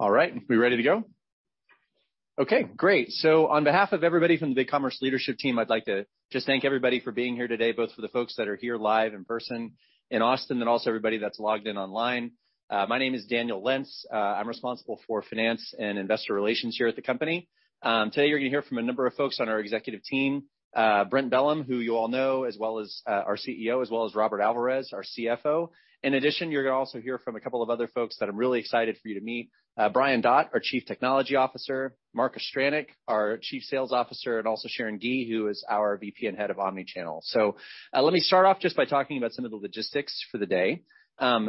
All right, we ready to go? Okay, great. On behalf of everybody from the BigCommerce leadership team, I'd like to just thank everybody for being here today, both for the folks that are here live in person in Austin, and also everybody that's logged in online. My name is Daniel Lentz. I'm responsible for finance and investor relations here at the company. Today you're gonna hear from a number of folks on our executive team, Brent Bellm, who you all know, as well as our CEO, as well as Robert Alvarez, our CFO. In addition, you're gonna also hear from a couple of other folks that I'm really excited for you to meet, Brian Dhatt, our Chief Technology Officer, Marc Ostryniec, our Chief Sales Officer, and also Sharon Gee, who is our VP and Head of Omnichannel. Let me start off just by talking about some of the logistics for the day.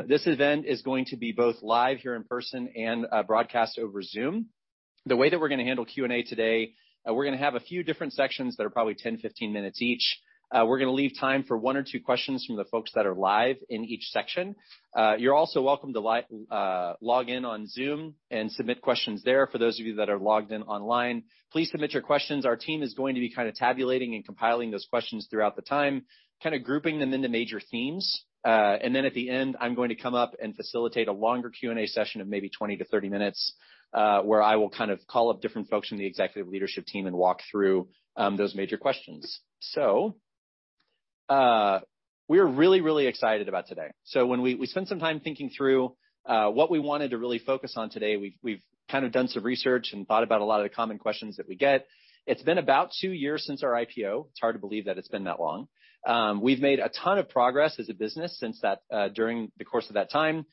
This event is going to be both live here in person and broadcast over Zoom. The way that we're gonna handle Q&A today, we're gonna have a few different sections that are probably 10-15 minutes each. We're gonna leave time for one or two questions from the folks that are live in each section. You're also welcome to log in on Zoom and submit questions there, for those of you that are logged in online. Please submit your questions. Our team is going to be kinda tabulating and compiling those questions throughout the time, kinda grouping them into major themes. At the end, I'm going to come up and facilitate a longer Q&A session of maybe 20-30 minutes, where I will kind of call up different folks from the executive leadership team and walk through those major questions. We're really, really excited about today. When we spent some time thinking through what we wanted to really focus on today, we've kinda done some research and thought about a lot of the common questions that we get. It's been about two years since our IPO. It's hard to believe that it's been that long. We've made a ton of progress as a business since that, during the course of that time.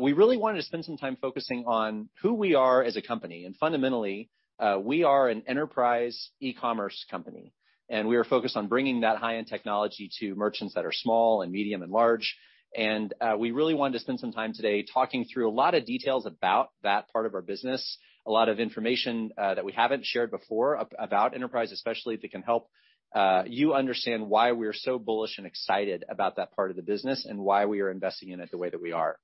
We really wanted to spend some time focusing on who we are as a company. Fundamentally, we are an enterprise e-commerce company, and we are focused on bringing that high-end technology to merchants that are small and medium and large. We really wanted to spend some time today talking through a lot of details about that part of our business, a lot of information that we haven't shared before about enterprise especially, that can help you understand why we are so bullish and excited about that part of the business and why we are investing in it the way that we are.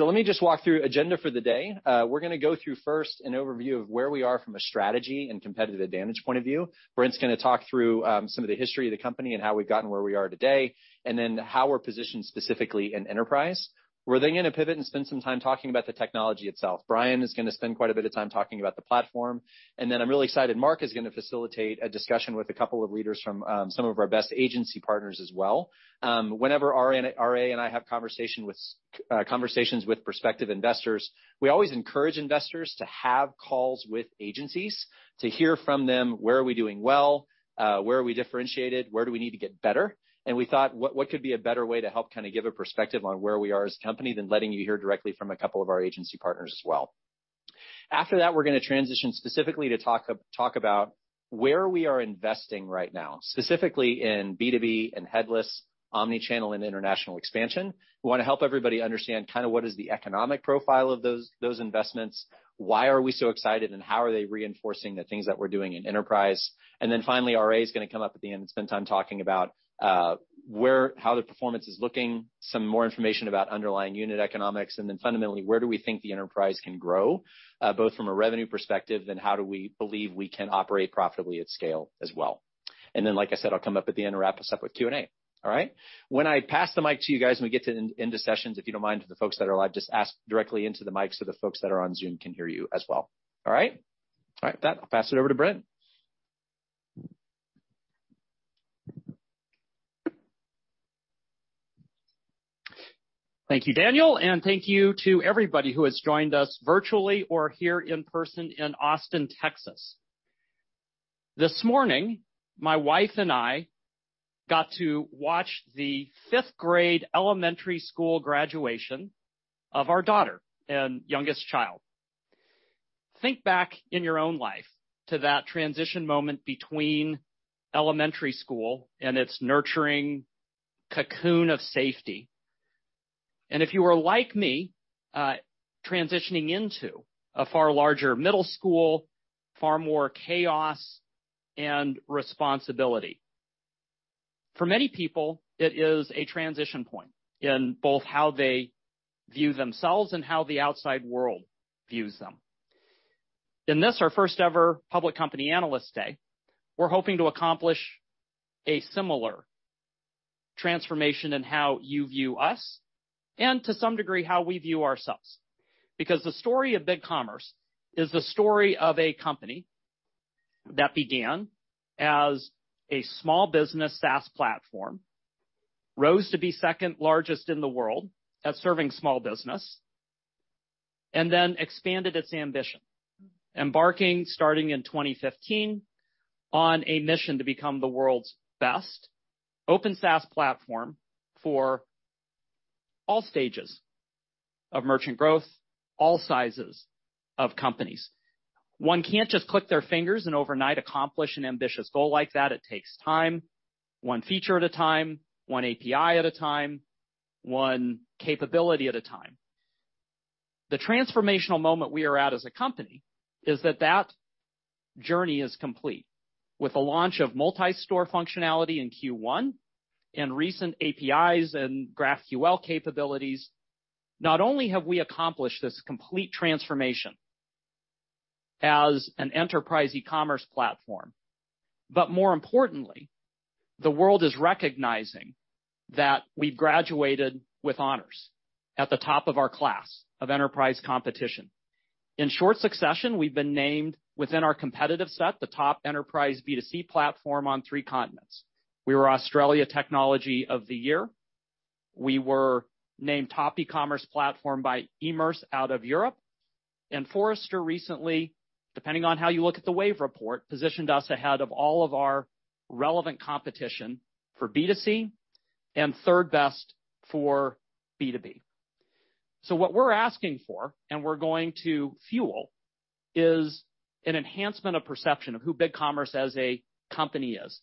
Let me just walk through agenda for the day. We're gonna go through first an overview of where we are from a strategy and competitive advantage point of view. Brent's gonna talk through some of the history of the company and how we've gotten where we are today, and then how we're positioned specifically in enterprise. We're then gonna pivot and spend some time talking about the technology itself. Brian is gonna spend quite a bit of time talking about the platform. I'm really excited, Marc is gonna facilitate a discussion with a couple of leaders from some of our best agency partners as well. Whenever RA and I have conversations with prospective investors, we always encourage investors to have calls with agencies to hear from them, where are we doing well, where are we differentiated, where do we need to get better. We thought, what could be a better way to help kinda give a perspective on where we are as a company than letting you hear directly from a couple of our agency partners as well. After that, we're gonna transition specifically to talk about where we are investing right now, specifically in B2B and headless, Omnichannel and international expansion. We wanna help everybody understand kinda what is the economic profile of those investments, why are we so excited, and how are they reinforcing the things that we're doing in enterprise. Finally, RA's gonna come up at the end and spend time talking about where. How the performance is looking, some more information about underlying unit economics, and then fundamentally, where do we think the enterprise can grow, both from a revenue perspective, and how do we believe we can operate profitably at scale as well. Then, like I said, I'll come up at the end to wrap us up with Q&A. All right? When I pass the mic to you guys when we get to end of sessions, if you don't mind, to the folks that are live, just ask directly into the mic so the folks that are on Zoom can hear you as well. All right? All right. With that, I'll pass it over to Brent. Thank you, Daniel, and thank you to everybody who has joined us virtually or here in person in Austin, Texas. This morning, my wife and I got to watch the fifth grade elementary school graduation of our daughter and youngest child. Think back in your own life to that transition moment between elementary school and its nurturing cocoon of safety, and if you were like me, transitioning into a far larger middle school, far more chaos and responsibility. For many people, it is a transition point in both how they view themselves and how the outside world views them. In this, our first ever public company analyst day, we're hoping to accomplish a similar transformation in how you view us and, to some degree, how we view ourselves, because the story of BigCommerce is the story of a company that began as a small business SaaS platform, rose to be second largest in the world at serving small business, and then expanded its ambition, embarking starting in 2015 on a mission to become the world's best open SaaS platform for all stages of merchant growth, all sizes of companies. One can't just click their fingers and overnight accomplish an ambitious goal like that. It takes time, one feature at a time, one API at a time, one capability at a time. The transformational moment we are at as a company is that journey is complete. With the launch of multi-store functionality in Q1 and recent APIs and GraphQL capabilities, not only have we accomplished this complete transformation as an enterprise e-commerce platform, but more importantly, the world is recognizing that we've graduated with honors at the top of our class of enterprise competition. In short succession, we've been named within our competitive set, the top enterprise B2C platform on three continents. We were Australian Technology of the Year. We were named top e-commerce platform by Emerce out of Europe. Forrester recently, depending on how you look at the Wave report, positioned us ahead of all of our relevant competition for B2C and third best for B2B. What we're asking for, and we're going to fuel, is an enhancement of perception of who BigCommerce as a company is,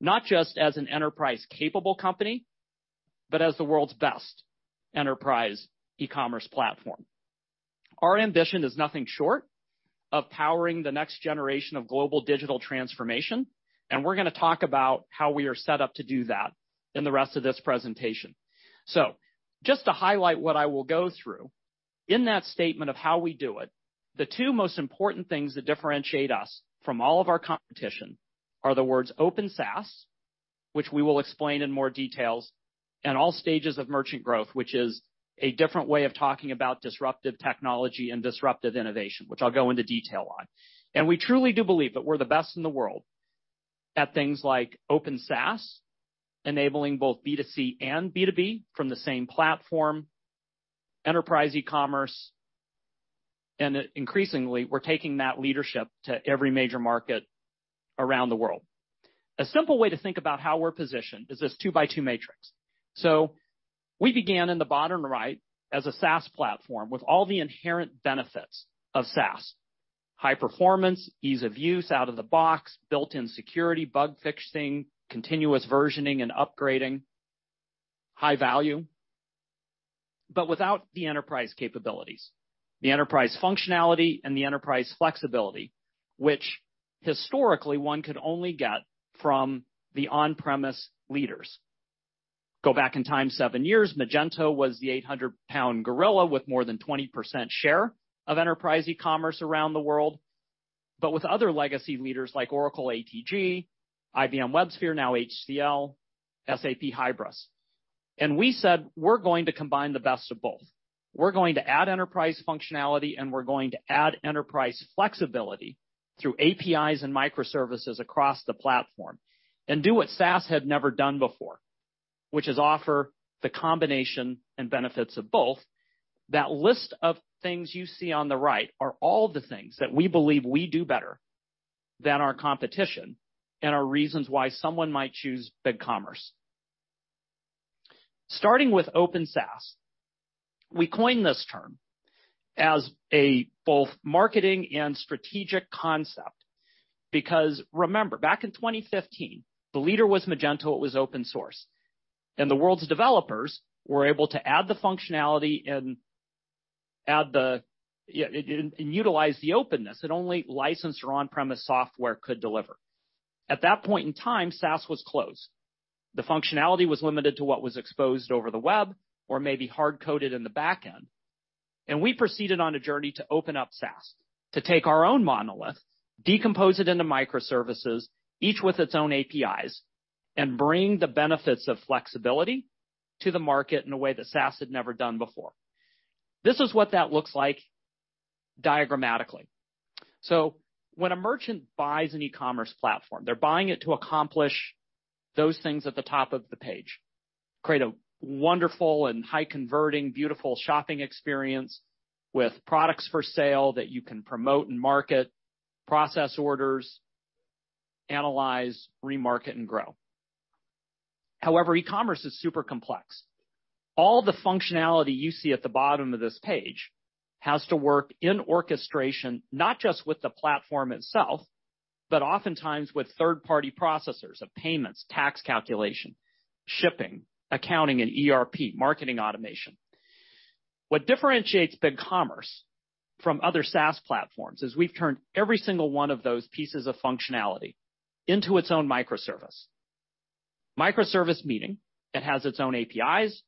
not just as an enterprise-capable company, but as the world's best enterprise e-commerce platform. Our ambition is nothing short of powering the next generation of global digital transformation, and we're gonna talk about how we are set up to do that in the rest of this presentation. Just to highlight what I will go through. In that statement of how we do it, the two most important things that differentiate us from all of our competition are the words Open SaaS, which we will explain in more details, and all stages of merchant growth, which is a different way of talking about disruptive technology and disruptive innovation, which I'll go into detail on. We truly do believe that we're the best in the world at things like Open SaaS, enabling both B2C and B2B from the same platform, enterprise e-commerce, and that increasingly we're taking that leadership to every major market around the world. A simple way to think about how we're positioned is this 2-by-2 matrix. We began in the bottom right as a SaaS platform with all the inherent benefits of SaaS, high performance, ease of use out of the box, built-in security, bug fixing, continuous versioning and upgrading, high value, but without the enterprise capabilities, the enterprise functionality and the enterprise flexibility, which historically one could only get from the on-premise leaders. Go back in time seven years, Magento was the 800-pound gorilla with more than 20% share of enterprise e-commerce around the world. With other legacy leaders like Oracle ATG, IBM WebSphere, now HCL, SAP Hybris. We said, we're going to combine the best of both. We're going to add enterprise functionality, and we're going to add enterprise flexibility through APIs and microservices across the platform and do what SaaS had never done before, which is offer the combination and benefits of both. That list of things you see on the right are all the things that we believe we do better than our competition and are reasons why someone might choose BigCommerce. Starting with open SaaS. We coined this term as both a marketing and strategic concept because remember, back in 2015, the leader was Magento. It was open source, and the world's developers were able to add the functionality and utilize the openness and only licensed or on-premise software could deliver. At that point in time, SaaS was closed. The functionality was limited to what was exposed over the web or maybe hard-coded in the back end. We proceeded on a journey to open up SaaS, to take our own monolith, decompose it into microservices, each with its own APIs, and bring the benefits of flexibility to the market in a way that SaaS had never done before. This is what that looks like diagrammatically. When a merchant buys an e-commerce platform, they're buying it to accomplish those things at the top of the page. Create a wonderful and high-converting beautiful shopping experience with products for sale that you can promote and market, process orders, analyze, remarket, and grow. However, e-commerce is super complex. All the functionality you see at the bottom of this page has to work in orchestration, not just with the platform itself, but oftentimes with third-party processors of payments, tax calculation, shipping, accounting and ERP, marketing automation. What differentiates BigCommerce from other SaaS platforms is we've turned every single one of those pieces of functionality into its own microservice. Microservice, meaning it has its own APIs,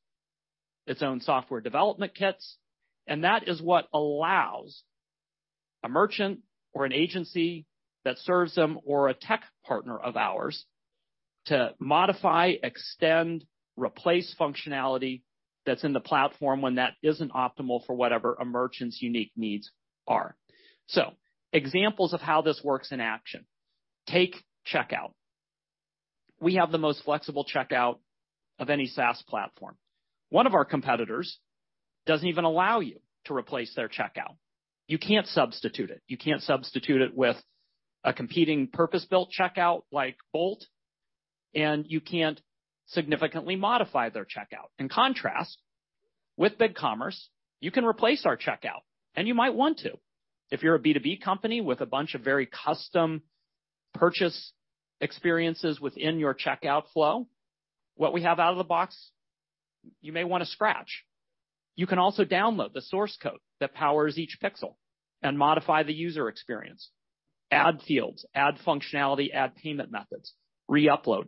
its own software development kits, and that is what allows a merchant or an agency that serves them or a tech partner of ours to modify, extend, replace functionality that's in the platform when that isn't optimal for whatever a merchant's unique needs are. Examples of how this works in action. Take Checkout. We have the most flexible checkout of any SaaS platform. One of our competitors doesn't even allow you to replace their checkout. You can't substitute it with a competing purpose-built checkout like Bolt, and you can't significantly modify their checkout. In contrast, with BigCommerce, you can replace our checkout, and you might want to. If you're a B2B company with a bunch of very custom purchase experiences within your checkout flow, what we have out of the box, you may wanna scratch. You can also download the source code that powers each pixel and modify the user experience, add fields, add functionality, add payment methods, re-upload,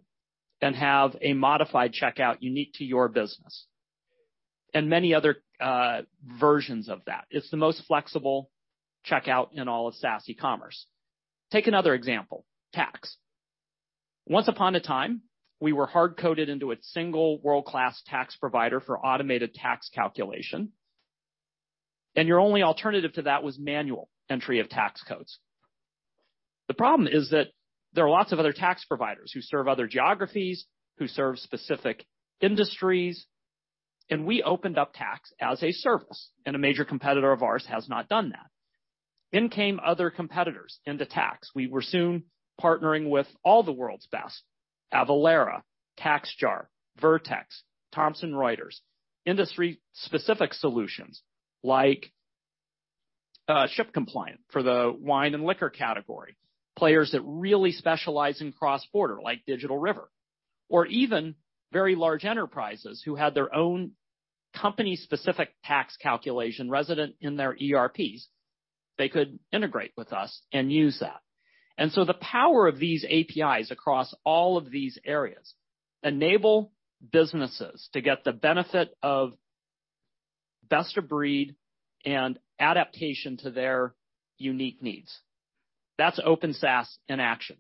and have a modified checkout unique to your business. Many other versions of that. It's the most flexible checkout in all of SaaS e-commerce. Take another example, tax. Once upon a time, we were hard-coded into a single world-class tax provider for automated tax calculation, and your only alternative to that was manual entry of tax codes. The problem is that there are lots of other tax providers who serve other geographies, who serve specific industries, and we opened up tax as a service, and a major competitor of ours has not done that. In came other competitors into tax. We were soon partnering with all the world's best, Avalara, TaxJar, Vertex, Thomson Reuters, industry-specific solutions like ShipCompliant for the wine and liquor category, players that really specialize in cross-border, like Digital River. Even very large enterprises who had their own company-specific tax calculation resident in their ERPs, they could integrate with us and use that. The power of these APIs across all of these areas enable businesses to get the benefit of best of breed and adaptation to their unique needs. That's open SaaS in action.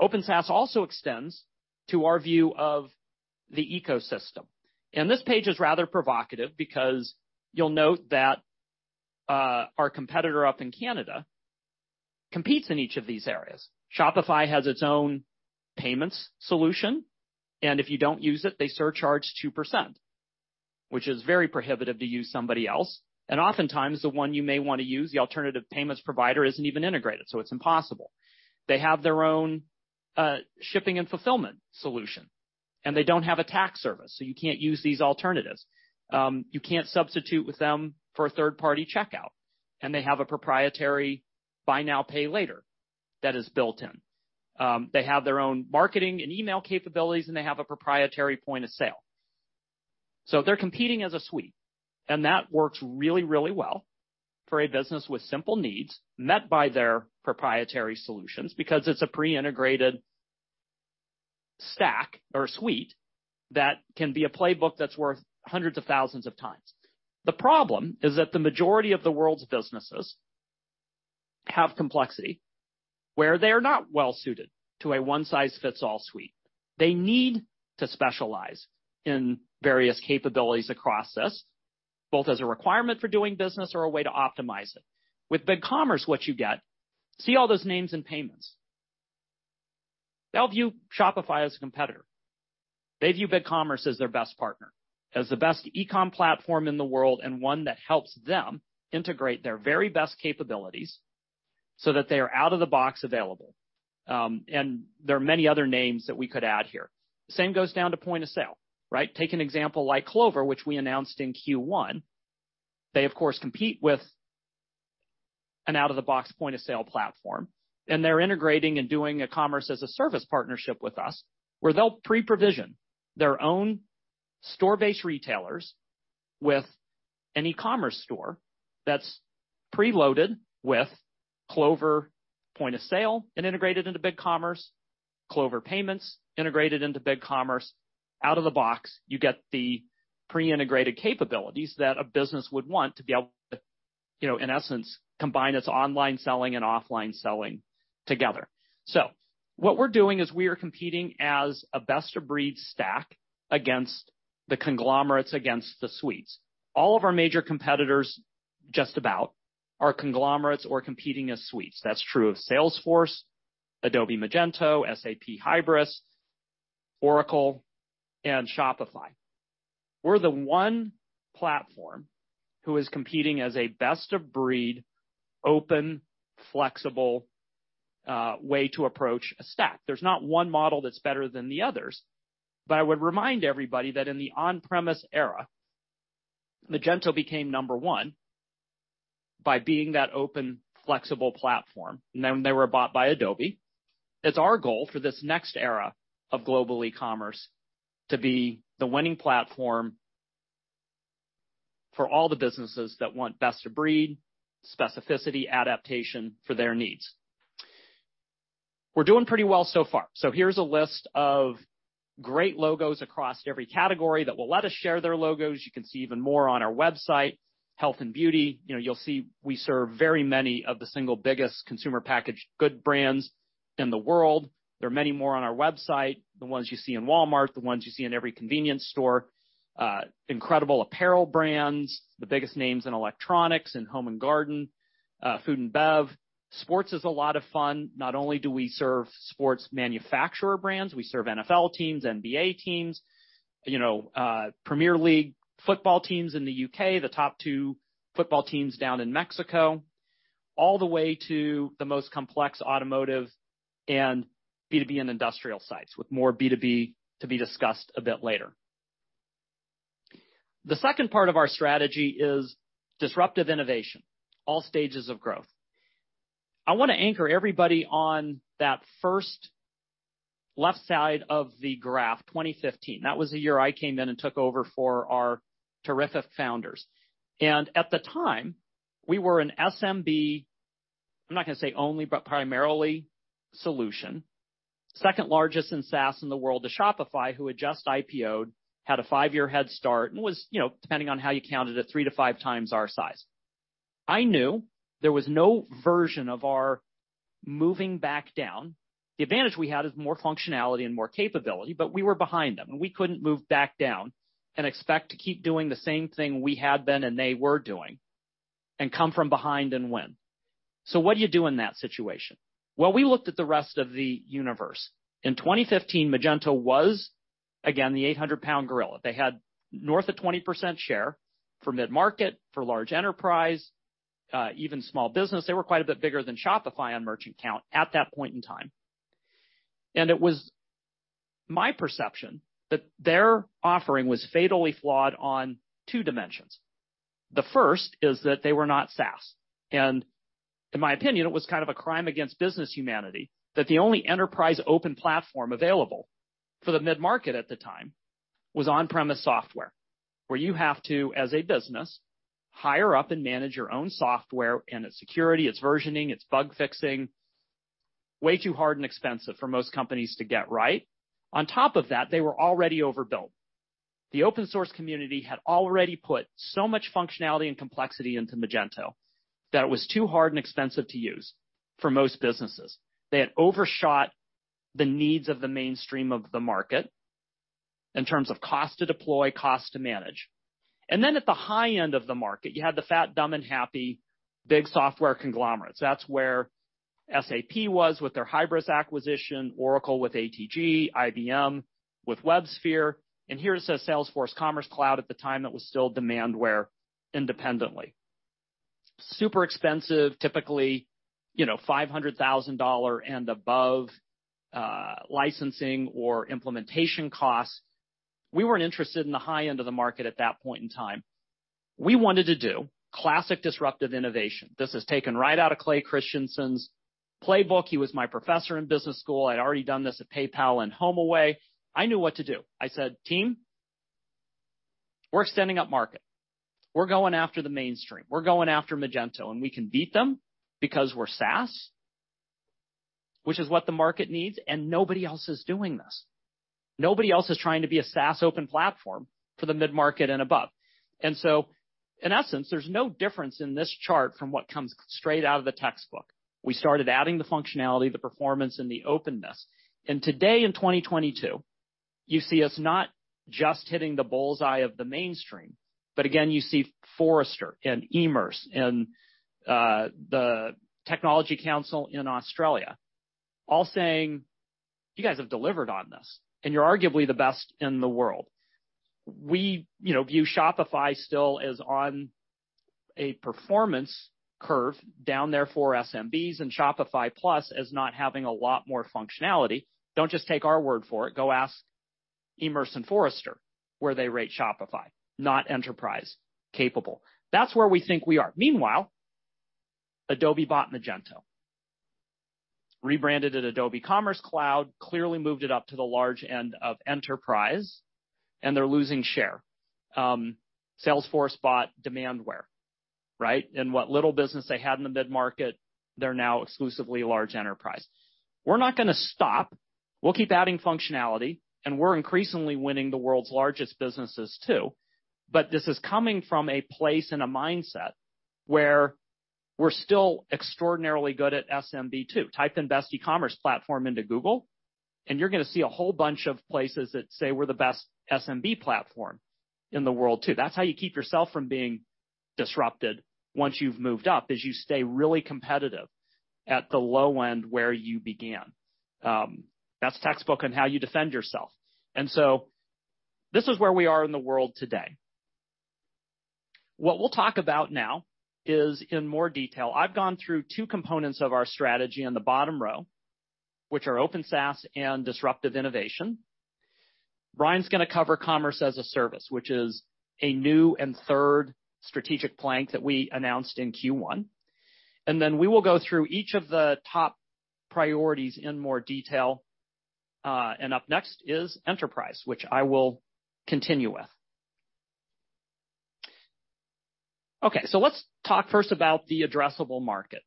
Open SaaS also extends to our view of the ecosystem. This page is rather provocative because you'll note that, our competitor up in Canada competes in each of these areas. Shopify has its own payments solution, and if you don't use it, they surcharge 2%, which is very prohibitive to use somebody else. Oftentimes, the one you may wanna use, the alternative payments provider, isn't even integrated, so it's impossible. They have their own shipping and fulfillment solution, and they don't have a tax service, so you can't use these alternatives. You can't substitute with them for a third-party checkout. They have a proprietary buy now, pay later that is built in. They have their own marketing and email capabilities, and they have a proprietary point of sale. They're competing as a suite, and that works really, really well for a business with simple needs met by their proprietary solutions because it's a pre-integrated stack or suite that can be a playbook that's worth hundreds of thousands of times. The problem is that the majority of the world's businesses have complexity, where they are not well suited to a one-size-fits-all suite. They need to specialize in various capabilities across this, both as a requirement for doing business or a way to optimize it. With BigCommerce, what you get. See all those names and payments. They all view Shopify as a competitor. They view BigCommerce as their best partner, as the best e-com platform in the world, and one that helps them integrate their very best capabilities so that they are out-of-the-box available. There are many other names that we could add here. Same goes down to point of sale, right? Take an example like Clover, which we announced in Q1. They of course compete with an out-of-the-box point of sale platform, and they're integrating and doing a Commerce as a Service partnership with us, where they'll pre-provision their own store-based retailers with an e-commerce store that's preloaded with Clover point of sale and integrated into BigCommerce, Clover payments integrated into BigCommerce. Out of the box, you get the pre-integrated capabilities that a business would want to be able to, you know, in essence, combine its online selling and offline selling together. What we're doing is we are competing as a best of breed stack against the conglomerates, against the suites. All of our major competitors, just about, are conglomerates or competing as suites. That's true of Salesforce, Adobe Magento, SAP Hybris, Oracle, and Shopify. We're the one platform who is competing as a best of breed, open, flexible, way to approach a stack. There's not one model that's better than the others. I would remind everybody that in the on-premise era, Magento became number one by being that open, flexible platform, and then they were bought by Adobe. It's our goal for this next era of global e-commerce to be the winning platform for all the businesses that want best of breed, specificity, adaptation for their needs. We're doing pretty well so far. Here's a list of great logos across every category that will let us share their logos. You can see even more on our website. Health and beauty, you know, you'll see we serve very many of the single biggest consumer packaged good brands in the world. There are many more on our website, the ones you see in Walmart, the ones you see in every convenience store, incredible apparel brands, the biggest names in electronics and home and garden, food and bev. Sports is a lot of fun. Not only do we serve sports manufacturer brands, we serve NFL teams, NBA teams, you know, Premier League football teams in the U.K., the top two football teams down in Mexico, all the way to the most complex automotive and B2B and industrial sites, with more B2B to be discussed a bit later. The second part of our strategy is disruptive innovation, all stages of growth. I wanna anchor everybody on that first left side of the graph, 2015. That was the year I came in and took over for our terrific founders. At the time, we were an SMB. I'm not gonna say only, but primarily solution. Second largest in SaaS in the world to Shopify, who had just IPO'd, had a five-year head start, and was, you know, depending on how you counted it, 3x-5x our size. I knew there was no version of our moving back down. The advantage we had is more functionality and more capability, but we were behind them, and we couldn't move back down and expect to keep doing the same thing we had been and they were doing and come from behind and win. What do you do in that situation? Well, we looked at the rest of the universe. In 2015, Magento was, again, the 800-pound gorilla. They had north of 20% share for mid-market, for large enterprise, even small business. They were quite a bit bigger than Shopify on merchant count at that point in time. It was my perception that their offering was fatally flawed on two dimensions. The first is that they were not SaaS, and in my opinion, it was kind of a crime against business humanity that the only enterprise open platform available for the mid-market at the time was on-premise software, where you have to, as a business, hire up and manage your own software and its security, its versioning, its bug fixing. Way too hard and expensive for most companies to get right. On top of that, they were already overbuilt. The open source community had already put so much functionality and complexity into Magento that it was too hard and expensive to use for most businesses. They had overshot the needs of the mainstream of the market in terms of cost to deploy, cost to manage. Then at the high end of the market, you had the fat, dumb, and happy big software conglomerates. That's where SAP was with their Hybris acquisition, Oracle with ATG, IBM with WebSphere. Here's a Salesforce Commerce Cloud. At the time, it was still Demandware independently. Super expensive, typically, you know, $500,000 and above, licensing or implementation costs. We weren't interested in the high end of the market at that point in time. We wanted to do classic disruptive innovation. This is taken right out of Clay Christensen's playbook. He was my professor in business school. I'd already done this at PayPal and HomeAway. I knew what to do. I said, "Team, we're extending up market. We're going after the mainstream. We're going after Magento, and we can beat them because we're SaaS, which is what the market needs, and nobody else is doing this. Nobody else is trying to be a SaaS open platform for the mid-market and above. In essence, there's no difference in this chart from what comes straight out of the textbook. We started adding the functionality, the performance, and the openness. Today, in 2022, you see us not just hitting the bull's eye of the mainstream, but again, you see Forrester and Emerce and the Technology Council in Australia all saying, "You guys have delivered on this, and you're arguably the best in the world." We, you know, view Shopify still as on a performance curve down there for SMBs and Shopify Plus as not having a lot more functionality. Don't just take our word for it. Go ask Gartner and Forrester where they rate Shopify, not enterprise capable. That's where we think we are. Meanwhile, Adobe bought Magento, rebranded it Adobe Commerce Cloud, clearly moved it up to the large end of enterprise, and they're losing share. Salesforce bought Demandware, right? What little business they had in the mid-market, they're now exclusively large enterprise. We're not gonna stop. We'll keep adding functionality, and we're increasingly winning the world's largest businesses too. This is coming from a place and a mindset where we're still extraordinarily good at SMB too. Type in best e-commerce platform into Google, and you're gonna see a whole bunch of places that say we're the best SMB platform in the world too. That's how you keep yourself from being disrupted once you've moved up, is you stay really competitive at the low end where you began. That's textbook on how you defend yourself. This is where we are in the world today. What we'll talk about now is in more detail. I've gone through two components of our strategy on the bottom row, which are open SaaS and disruptive innovation. Brian's gonna cover commerce as a service, which is a new and third strategic plank that we announced in Q1. Then we will go through each of the top priorities in more detail. Up next is enterprise, which I will continue with. Okay, so let's talk first about the addressable market.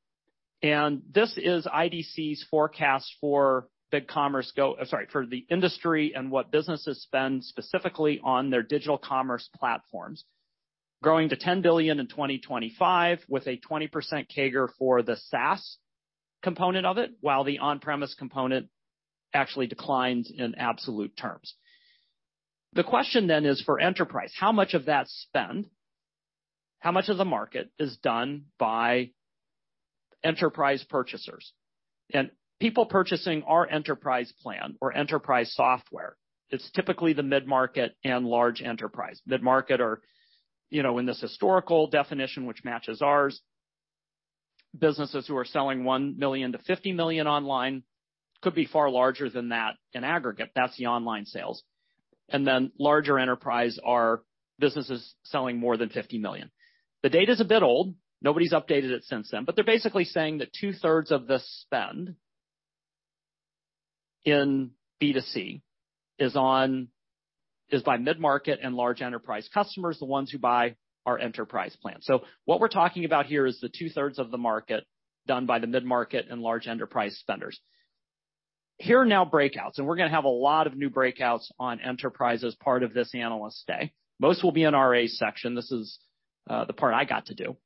This is IDC's forecast for the industry and what businesses spend specifically on their digital commerce platforms. Growing to $10 billion in 2025 with a 20% CAGR for the SaaS component of it, while the on-premise component actually declines in absolute terms. The question then is for enterprise, how much of that spend, how much of the market is done by enterprise purchasers? People purchasing our enterprise plan or enterprise software, it's typically the mid-market and large enterprise. Mid-market are, you know, in this historical definition, which matches ours, businesses who are selling $1 million-$50 million online. Could be far larger than that in aggregate. That's the online sales. Then larger enterprise are businesses selling more than $50 million. The data's a bit old. Nobody's updated it since then. They're basically saying that two-thirds of the spend in B2C is on, is by mid-market and large enterprise customers, the ones who buy our enterprise plan. What we're talking about here is the two-thirds of the market done by the mid-market and large enterprise spenders. Here are new breakouts, and we're gonna have a lot of new breakouts on enterprise as part of this analyst day. Most will be in our A section. This is the part I got to do.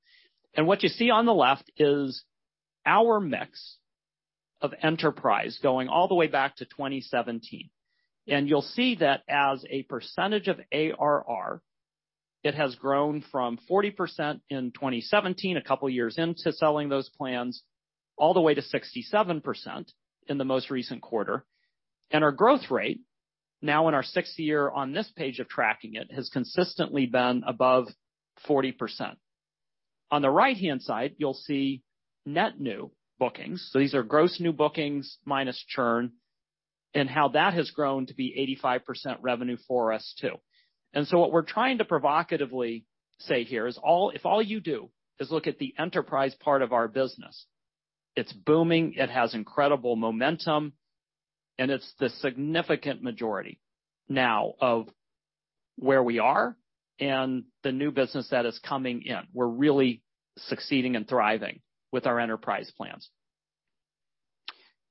What you see on the left is our mix of enterprise going all the way back to 2017. You'll see that as a percentage of ARR, it has grown from 40% in 2017, a couple years into selling those plans, all the way to 67% in the most recent quarter. Our growth rate now in our sixth year on this page of tracking it has consistently been above 40%. On the right-hand side, you'll see net new bookings. These are gross new bookings minus churn and how that has grown to be 85% revenue for us too. What we're trying to provocatively say here is, if all you do is look at the enterprise part of our business, it's booming, it has incredible momentum, and it's the significant majority now of where we are and the new business that is coming in. We're really succeeding and thriving with our enterprise plans.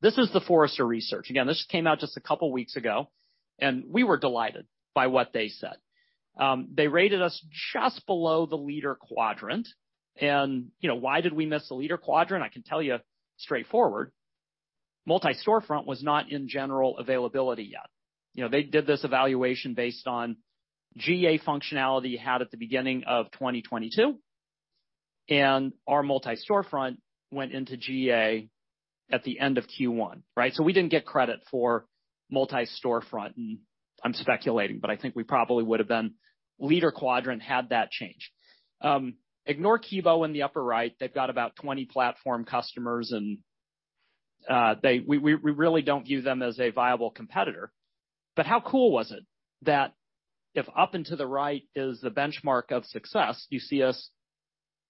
This is the Forrester Research. Again, this came out just a couple weeks ago, and we were delighted by what they said. They rated us just below the leader quadrant. You know, why did we miss the leader quadrant? I can tell you straightforward. Multi-storefront was not in general availability yet. You know, they did this evaluation based on GA functionality had at the beginning of 2022, and our multi-storefront went into GA at the end of Q1, right? We didn't get credit for multi-storefront, and I'm speculating, but I think we probably would have been leader quadrant had that change. Ignore Kibo in the upper right. They've got about 20 platform customers, and we really don't view them as a viable competitor. How cool was it that if up and to the right is the benchmark of success, you see us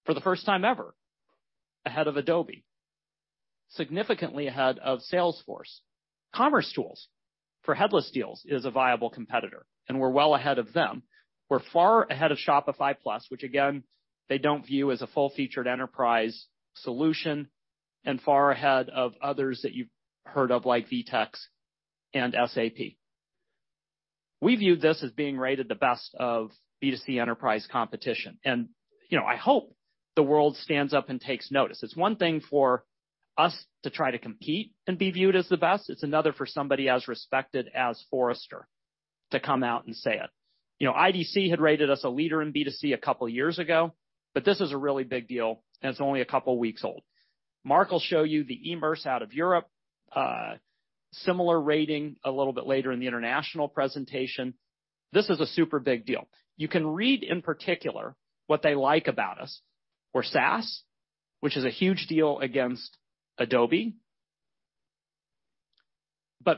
for the first time ever ahead of Adobe, significantly ahead of Salesforce, commercetools for headless deals is a viable competitor, and we're well ahead of them. We're far ahead of Shopify Plus, which again, they don't view as a full-featured enterprise solution, and far ahead of others that you've heard of, like VTEX and SAP. We view this as being rated the best of B2C enterprise competition, and, you know, I hope the world stands up and takes notice. It's one thing for us to try to compete and be viewed as the best. It's another for somebody as respected as Forrester to come out and say it. You know, IDC had rated us a leader in B2C a couple years ago, but this is a really big deal, and it's only a couple weeks old. Marc will show you the Emerce out of Europe, similar rating a little bit later in the international presentation. This is a super big deal. You can read in particular what they like about us. We're SaaS, which is a huge deal against Adobe.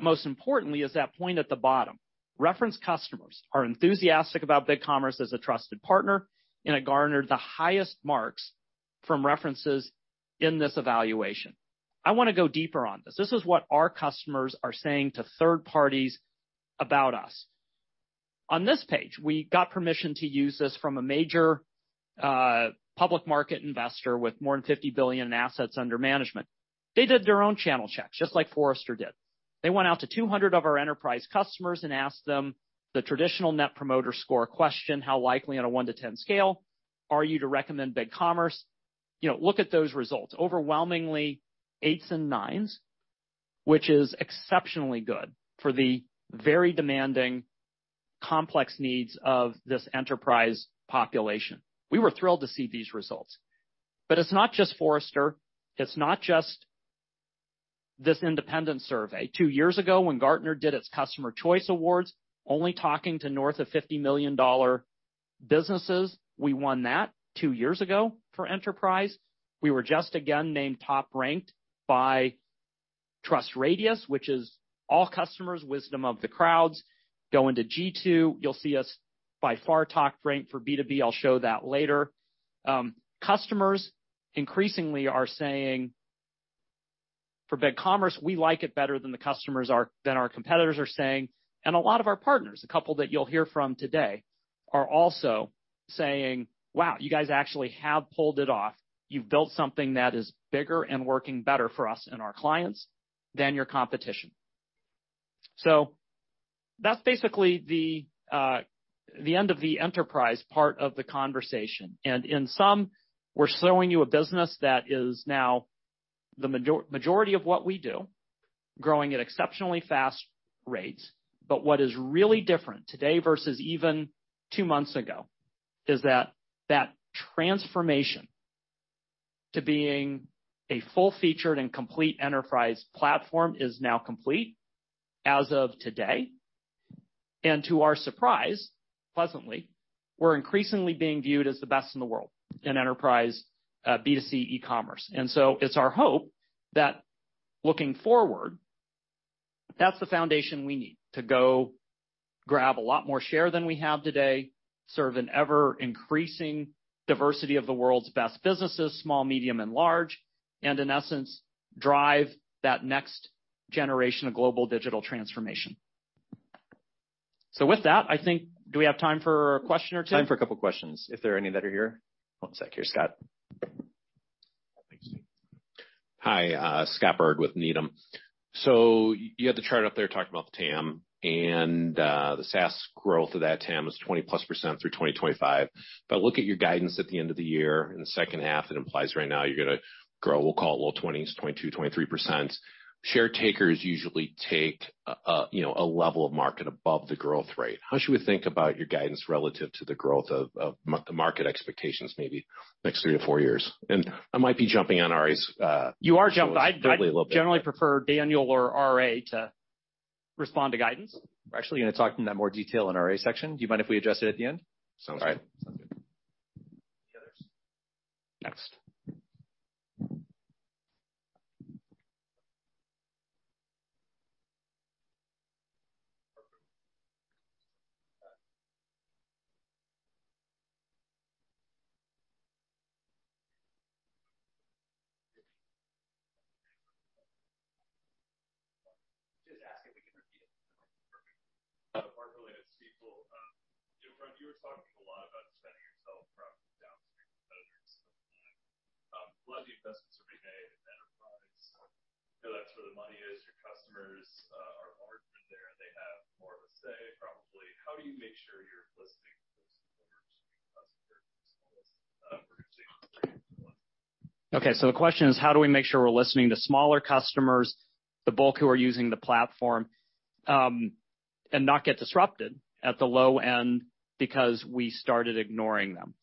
Most importantly is that point at the bottom. Reference customers are enthusiastic about BigCommerce as a trusted partner, and it garnered the highest marks from references in this evaluation. I wanna go deeper on this. This is what our customers are saying to third parties about us. On this page, we got permission to use this from a major public market investor with more than $50 billion in assets under management. They did their own channel checks, just like Forrester did. They went out to 200 of our enterprise customers and asked them the traditional net promoter score question, how likely on a 1-10 scale are you to recommend BigCommerce? You know, look at those results. Overwhelmingly 8s and 9s, which is exceptionally good for the very demanding, complex needs of this enterprise population. We were thrilled to see these results. It's not just Forrester, it's not just this independent survey. Two years ago, when Gartner did its Customer Choice Awards, only talking to north of $50 million businesses, we won that two years ago for enterprise. We were just again named top-ranked by TrustRadius, which is all customers' wisdom of the crowds. Go into G2, you'll see us by far top-ranked for B2B. I'll show that later. Customers increasingly are saying for BigCommerce, we like it better than our competitors are saying. A lot of our partners, a couple that you'll hear from today, are also saying, "Wow, you guys actually have pulled it off. You've built something that is bigger and working better for us and our clients than your competition." That's basically the end of the enterprise part of the conversation. In sum, we're showing you a business that is now the majority of what we do, growing at exceptionally fast rates. What is really different today versus even two months ago is that that transformation to being a full-featured and complete enterprise platform is now complete as of today. To our surprise, pleasantly, we're increasingly being viewed as the best in the world in enterprise B2C e-commerce. It's our hope that looking forward, that's the foundation we need to go grab a lot more share than we have today, serve an ever-increasing diversity of the world's best businesses, small, medium, and large. In essence, drive that next generation of global digital transformation. With that, I think, do we have time for a question or two? Time for a couple questions, if there are any that are here. One sec. Here's Scott. Thanks. Hi, Scott Berg with Needham. You had the chart up there talking about the TAM, and the SaaS growth of that TAM is 20%+ through 2025. Look at your guidance at the end of the year, in the second half, it implies right now you're gonna grow, we'll call it low 20s, 20.2, 20.3%. Market share takers usually take, you know, a level of market above the growth rate. How should we think about your guidance relative to the growth of the market expectations, maybe next three to four years? I might be jumping on RA's. You are jumping. I'd generally prefer Daniel or RA to respond to guidance. We're actually gonna talk in that more detail in RA's section. Do you mind if we address it at the end? Sounds good. All right. Sounds good. Any others? Next. Just ask if we can repeat it. Mark Williams, Citi. You know, Brent, you were talking a lot about defending yourself from downstream vendors. Plenty of businesses are in the enterprise. You know, that's where the money is. Your customers are larger there. They have more of a say, probably. How do you make sure y're listening to those customers? Okay. The question is, how do we make sure we're listening to smaller customers, the bulk who are using the platform, and not get disrupted at the low end because we started ignoring them?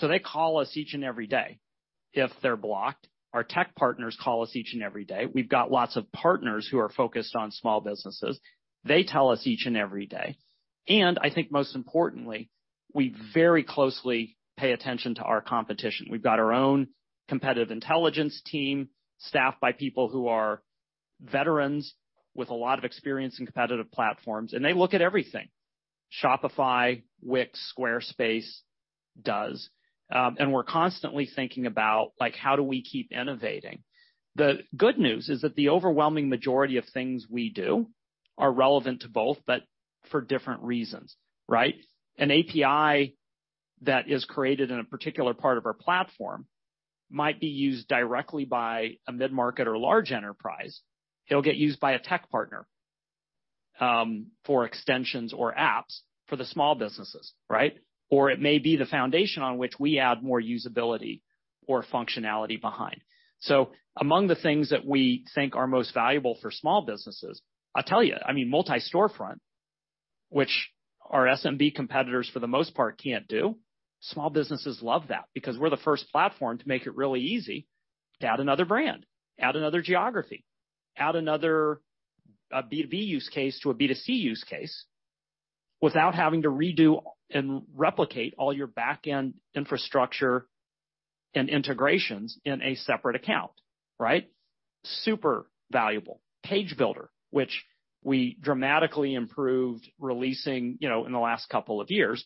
They call us each and every day if they're blocked. Our tech partners call us each and every day. We've got lots of partners who are focused on small businesses. They tell us each and every day. I think most importantly, we very closely pay attention to our competition. We've got our own competitive intelligence team staffed by people who are veterans with a lot of experience in competitive platforms, and they look at everything Shopify, Wix, Squarespace does. We're constantly thinking about, like, how do we keep innovating? The good news is that the overwhelming majority of things we do are relevant to both, but for different reasons, right? An API that is created in a particular part of our platform might be used directly by a mid-market or large enterprise. It'll get used by a tech partner for extensions or apps for the small businesses, right? Or it may be the foundation on which we add more usability or functionality behind. Among the things that we think are most valuable for small businesses, I'll tell you, I mean, multi-storefront, which our SMB competitors for the most part can't do. Small businesses love that because we're the first platform to make it really easy to add another brand, add another geography, add another B2B use case to a B2C use case without having to redo and replicate all your backend infrastructure and integrations in a separate account, right? Super valuable. Page builder, which we dramatically improved, releasing, you know, in the last couple of years,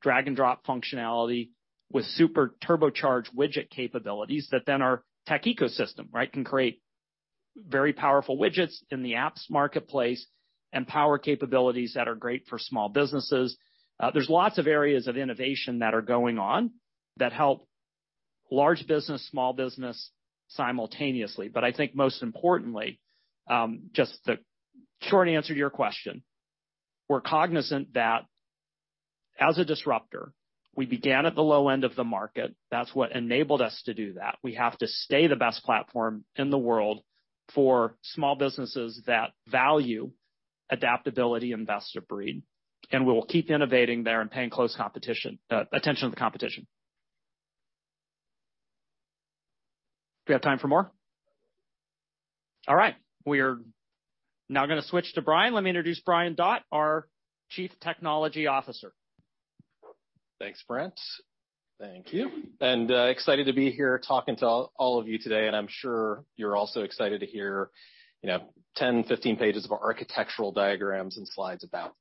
drag and drop functionality with super turbocharged widget capabilities that then our tech ecosystem, right, can create very powerful widgets in the apps marketplace and power capabilities that are great for small businesses. There's lots of areas of innovation that are going on that help large business, small business simultaneously. I think most importantly, just the short answer to your question, we're cognizant that as a disruptor, we began at the low end of the market. That's what enabled us to do that. We have to stay the best platform in the world for small businesses that value adaptability and best-of-breed, and we will keep innovating there and paying close attention to the competition. Do we have time for more? All right. We are now gonna switch to Brian. Let me introduce Brian Dhatt, our Chief Technology Officer. Thanks, Brent. Thank you. Excited to be here talking to all of you today, and I'm sure you're also excited to hear, you know, 10, 15 pages of architectural diagrams and slides about.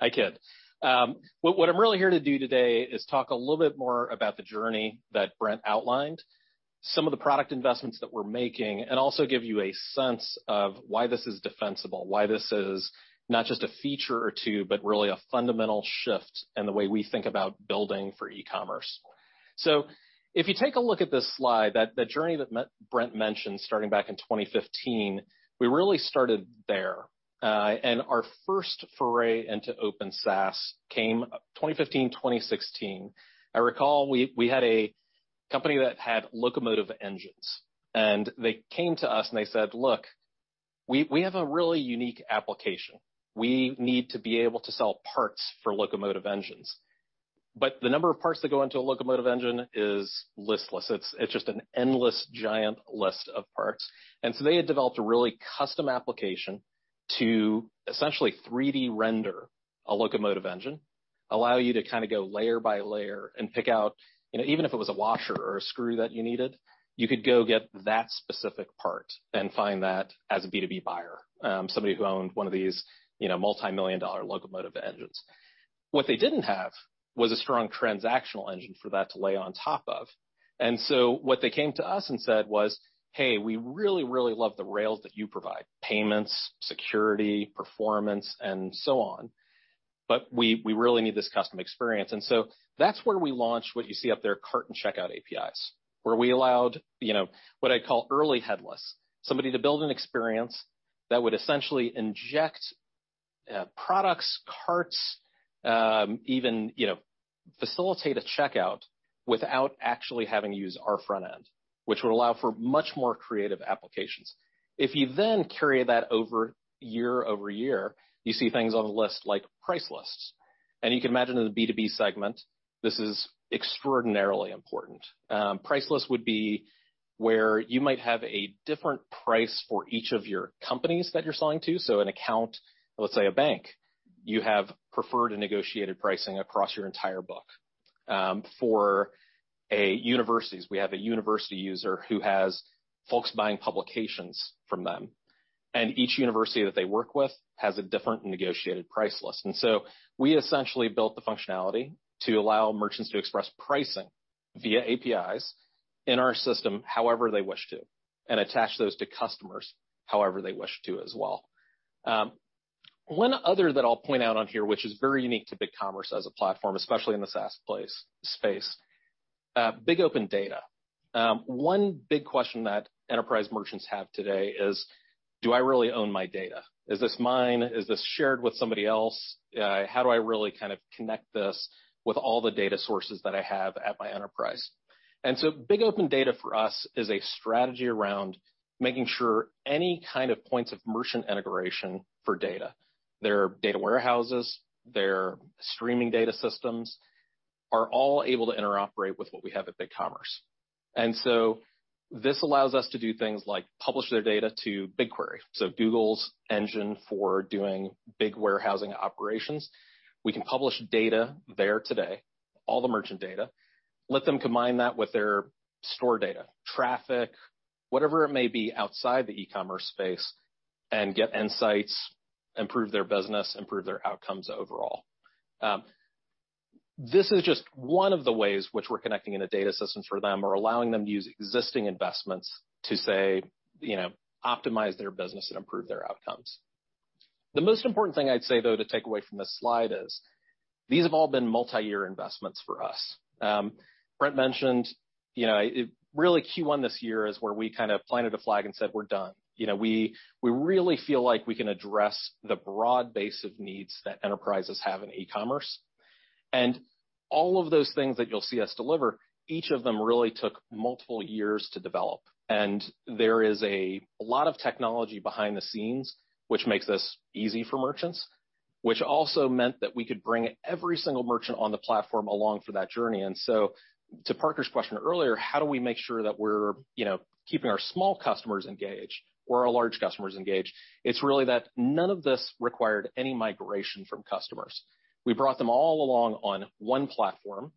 I kid. What I'm really here to do today is talk a little bit more about the journey that Brent outlined, some of the product investments that we're making, and also give you a sense of why this is defensible, why this is not just a feature or two, but really a fundamental shift in the way we think about building for e-commerce. If you take a look at this slide, that journey that our Brent mentioned, starting back in 2015, we really started there. Our first foray into open SaaS came 2015, 2016. I recall we had a company that had locomotive engines, and they came to us and they said, "Look, we have a really unique application. We need to be able to sell parts for locomotive engines." But the number of parts that go into a locomotive engine is limitless. It's just an endless giant list of parts. They had developed a really custom application to essentially 3D render a locomotive engine. Allow you to kind of go layer by layer and pick out, you know, even if it was a washer or a screw that you needed, you could go get that specific part and find that as a B2B buyer, somebody who owned one of these, you know, multimillion-dollar locomotive engines. What they didn't have was a strong transactional engine for that to lay on top of. What they came to us and said was, "Hey, we really, really love the rails that you provide, payments, security, performance and so on, but we really need this custom experience." That's where we launched what you see up there, cart and checkout APIs, where we allowed, you know, what I call early headless, somebody to build an experience that would essentially inject, products, carts, even, you know, facilitate a checkout without actually having to use our front end, which would allow for much more creative applications. If you then carry that over year-over- year, you see things on the list like price lists. You can imagine in the B2B segment, this is extraordinarily important. Price lists would be where you might have a different price for each of your companies that you're selling to. An account, let's say a bank, you have preferred a negotiated pricing across your entire book. For universities, we have a university user who has folks buying publications from them, and each university that they work with has a different negotiated price list. We essentially built the functionality to allow merchants to express pricing via APIs in our system however they wish to, and attach those to customers however they wish to as well. One other that I'll point out on here, which is very unique to BigCommerce as a platform, especially in the SaaS space, big open data. One big question that enterprise merchants have today is, do I really own my data? Is this mine? Is this shared with somebody else? How do I really kind of connect this with all the data sources that I have at my enterprise? Big Open Data for us is a strategy around making sure any kind of points of merchant integration for data, their data warehouses, their streaming data systems, are all able to interoperate with what we have at BigCommerce. This allows us to do things like publish their data to BigQuery, so Google's engine for doing big data warehousing operations. We can publish data there today, all the merchant data, let them combine that with their store data, traffic, whatever it may be outside the e-commerce space, and get insights, improve their business, improve their outcomes overall. This is just one of the ways which we're connecting in a data system for them or allowing them to use existing investments to say, you know, optimize their business and improve their outcomes. The most important thing I'd say, though, to take away from this slide is these have all been multi-year investments for us. Brent mentioned, you know, really Q1 this year is where we kind of planted a flag and said, "We're done." You know, we really feel like we can address the broad base of needs that enterprises have in e-commerce. All of those things that you'll see us deliver, each of them really took multiple years to develop. There is a lot of technology behind the scenes which makes this easy for merchants, which also meant that we could bring every single merchant on the platform along for that journey. To Parker's question earlier, how do we make sure that we're, you know, keeping our small customers engaged or our large customers engaged? It's really that none of this required any migration from customers. We brought them all along on one platform,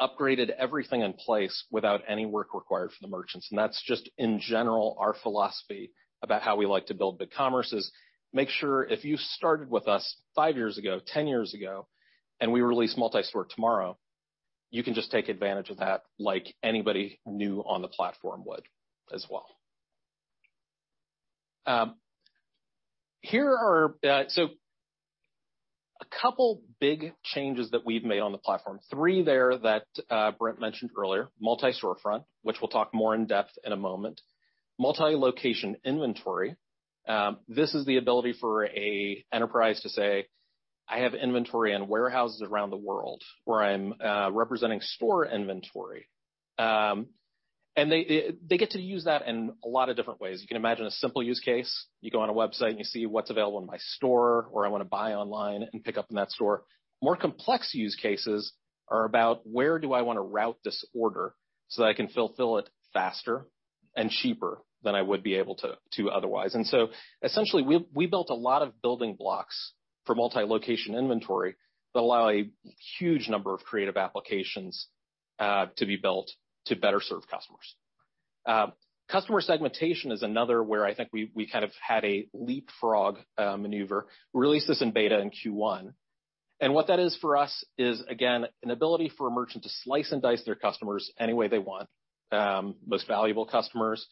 upgraded everything in place without any work required from the merchants. That's just in general our philosophy about how we like to build BigCommerce: make sure if you started with us five years ago, 10 years ago, and we release multi-store tomorrow, you can just take advantage of that like anybody new on the platform would as well. Here are a couple big changes that we've made on the platform. Three that Brent mentioned earlier, multi-storefront, which we'll talk more in depth in a moment. Multi-location inventory. This is the ability for an enterprise to say, "I have inventory in warehouses around the world where I'm representing store inventory." They get to use that in a lot of different ways. You can imagine a simple use case. You go on a website, and you see what's available in my store, or I wanna buy online and pick up in that store. More complex use cases are about where do I wanna route this order so that I can fulfill it faster and cheaper than I would be able to otherwise. Essentially, we built a lot of building blocks for multi-location inventory that allow a huge number of creative applications to be built to better serve customers. Customer segmentation is another where I think we kind of had a leapfrog maneuver. We released this in beta in Q1. What that is for us is again, an ability for a merchant to slice and dice their customers any way they want. Most valuable customers,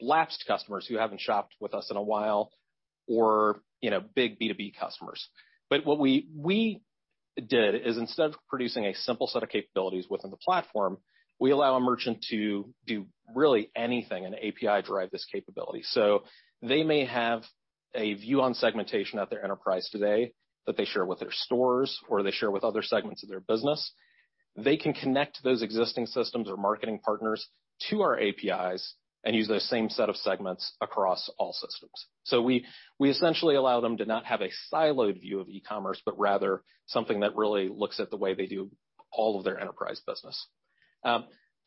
lapsed customers who haven't shopped with us in a while or, you know, big B2B customers. What we did is instead of producing a simple set of capabilities within the platform, we allow a merchant to do really anything and API drive this capability. They may have a view on segmentation at their enterprise today that they share with their stores or they share with other segments of their business. They can connect those existing systems or marketing partners to our APIs and use those same set of segments across all systems. We essentially allow them to not have a siloed view of e-commerce, but rather something that really looks at the way they do all of their enterprise business.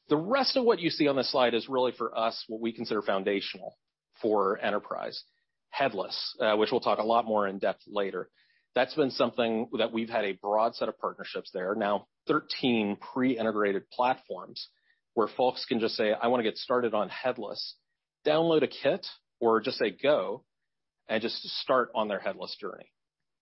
The rest of what you see on this slide is really for us, what we consider foundational for enterprise. Headless, which we'll talk a lot more in depth later. That's been something that we've had a broad set of partnerships there. Now 13 pre-integrated platforms where folks can just say, "I wanna get started on headless," download a kit or just say go, and just start on their headless journey.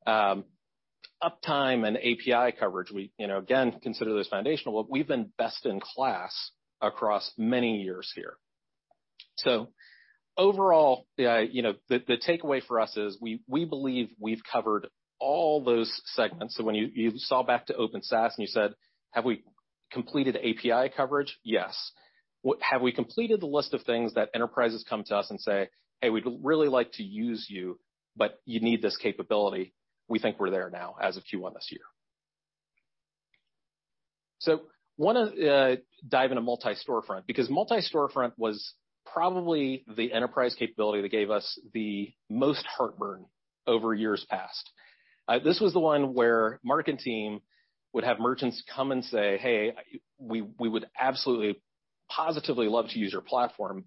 Uptime and API coverage, we, you know, again, consider this foundational. We've been best in class across many years here. Overall, the, you know, the takeaway for us is we believe we've covered all those segments. When you go back to Open SaaS and you said, have we completed API coverage? Yes. Have we completed the list of things that enterprises come to us and say, "Hey, we'd really like to use you, but you need this capability." We think we're there now as of Q1 this year. Wanna dive into multi-storefront, because multi-storefront was probably the enterprise capability that gave us the most heartburn over years past. This was the one where Marc and team would have merchants come and say, "Hey, we would absolutely, positively love to use your platform.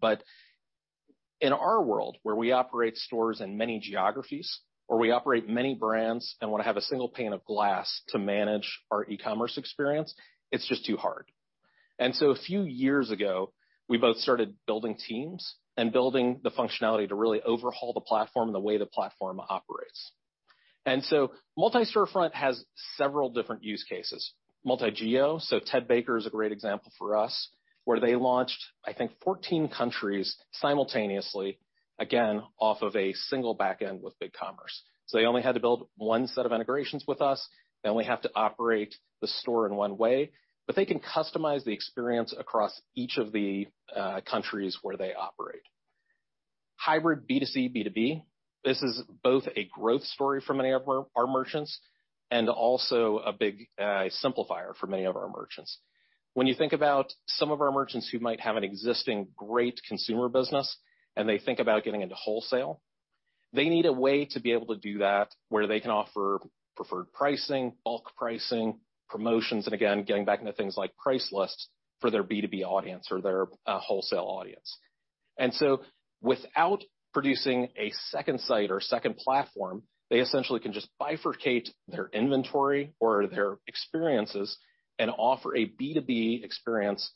In our world, where we operate stores in many geographies, or we operate many brands and wanna have a single pane of glass to manage our e-commerce experience, it's just too hard." A few years ago, we both started building teams and building the functionality to really overhaul the platform and the way the platform operates. Multi-storefront has several different use cases. Multi-geo, so Ted Baker is a great example for us, where they launched, I think, 14 countries simultaneously, again, off of a single backend with BigCommerce. They only had to build one set of integrations with us. They only have to operate the store in one way, but they can customize the experience across each of the countries where they operate. Hybrid B2C, B2B, this is both a growth story for many of our merchants and also a big simplifier for many of our merchants. When you think about some of our merchants who might have an existing great consumer business, and they think about getting into wholesale, they need a way to be able to do that, where they can offer preferred pricing, bulk pricing, promotions, and again, getting back into things like price lists for their B2B audience or their wholesale audience. Without producing a second site or second platform, they essentially can just bifurcate their inventory or their experiences and offer a B2B experience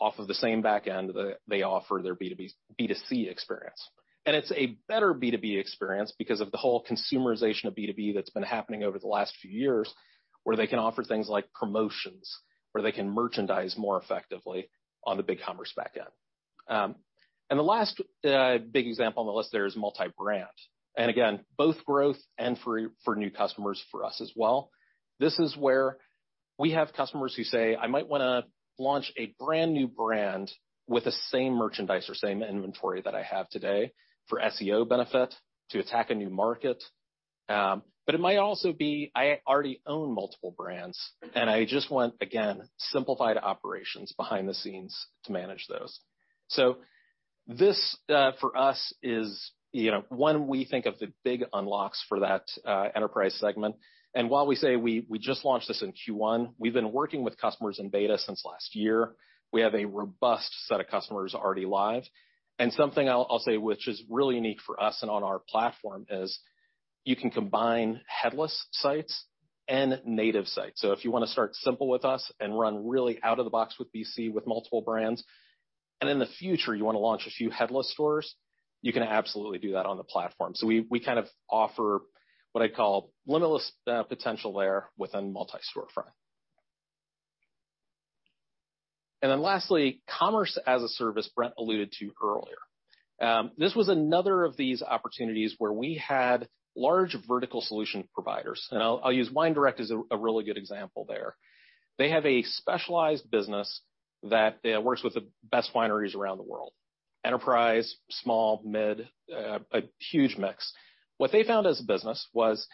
off of the same backend that they offer their B2C experience. It's a better B2B experience because of the whole consumerization of B2B that's been happening over the last few years, where they can offer things like promotions, where they can merchandise more effectively on the BigCommerce backend. The last big example on the list there is multi-brand. Again, both growth and for new customers for us as well. This is where we have customers who say, "I might wanna launch a brand-new brand with the same merchandise or same inventory that I have today for SEO benefit to attack a new market." But it might also be, I already own multiple brands, and I just want, again, simplified operations behind the scenes to manage those. This for us is, you know, one we think of the big unlocks for that enterprise segment. While we say we just launched this in Q1, we've been working with customers in beta since last year. We have a robust set of customers already live. Something I'll say, which is really unique for us and on our platform is you can combine headless sites and native sites. If you wanna start simple with us and run really out of the box with BC with multiple brands, and in the future, you wanna launch a few headless stores, you can absolutely do that on the platform. We kind of offer what I call limitless potential there within multi-storefront. Then lastly, Commerce as a Service Brent alluded to earlier. This was another of these opportunities where we had large vertical solution providers, and I'll use WineDirect as a really good example there. They have a specialized business that works with the best wineries around the world, enterprise, small, mid, a huge mix. What they found as a business was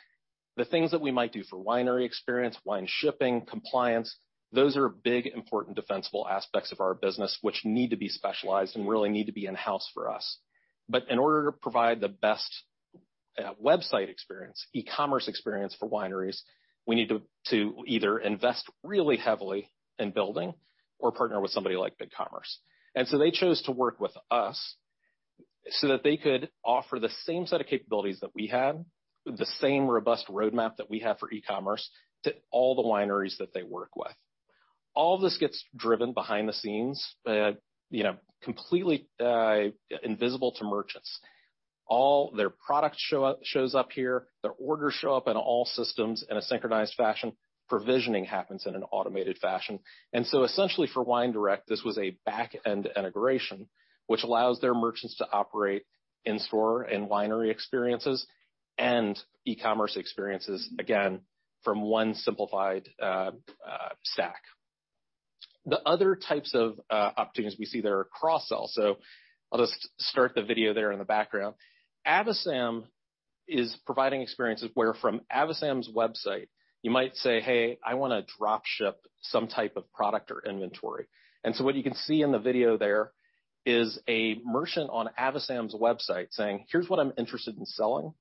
the things that we might do for winery experience, wine shipping, compliance, those are big, important, defensible aspects of our business which need to be specialized and really need to be in-house for us. In order to provide the best website experience, ecommerce experience for wineries, we need to either invest really heavily in building or partner with somebody like BigCommerce. They chose to work with us so that they could offer the same set of capabilities that we had, the same robust roadmap that we have for ecommerce to all the wineries that they work with. All this gets driven behind the scenes, you know, completely invisible to merchants. All their products show up here. Their orders show up in all systems in a synchronized fashion. Provisioning happens in an automated fashion. Essentially for WineDirect, this was a back-end integration which allows their merchants to operate in-store and winery experiences and e-commerce experiences, again, from one simplified stack. The other types of opportunities we see there are cross-sell. I'll just start the video there in the background. Avasam is providing experiences where from Avasam's website, you might say, "Hey, I wanna drop ship some type of product or inventory." What you can see in the video there is a merchant on Avasam's website saying, "Here's what I'm interested in selling."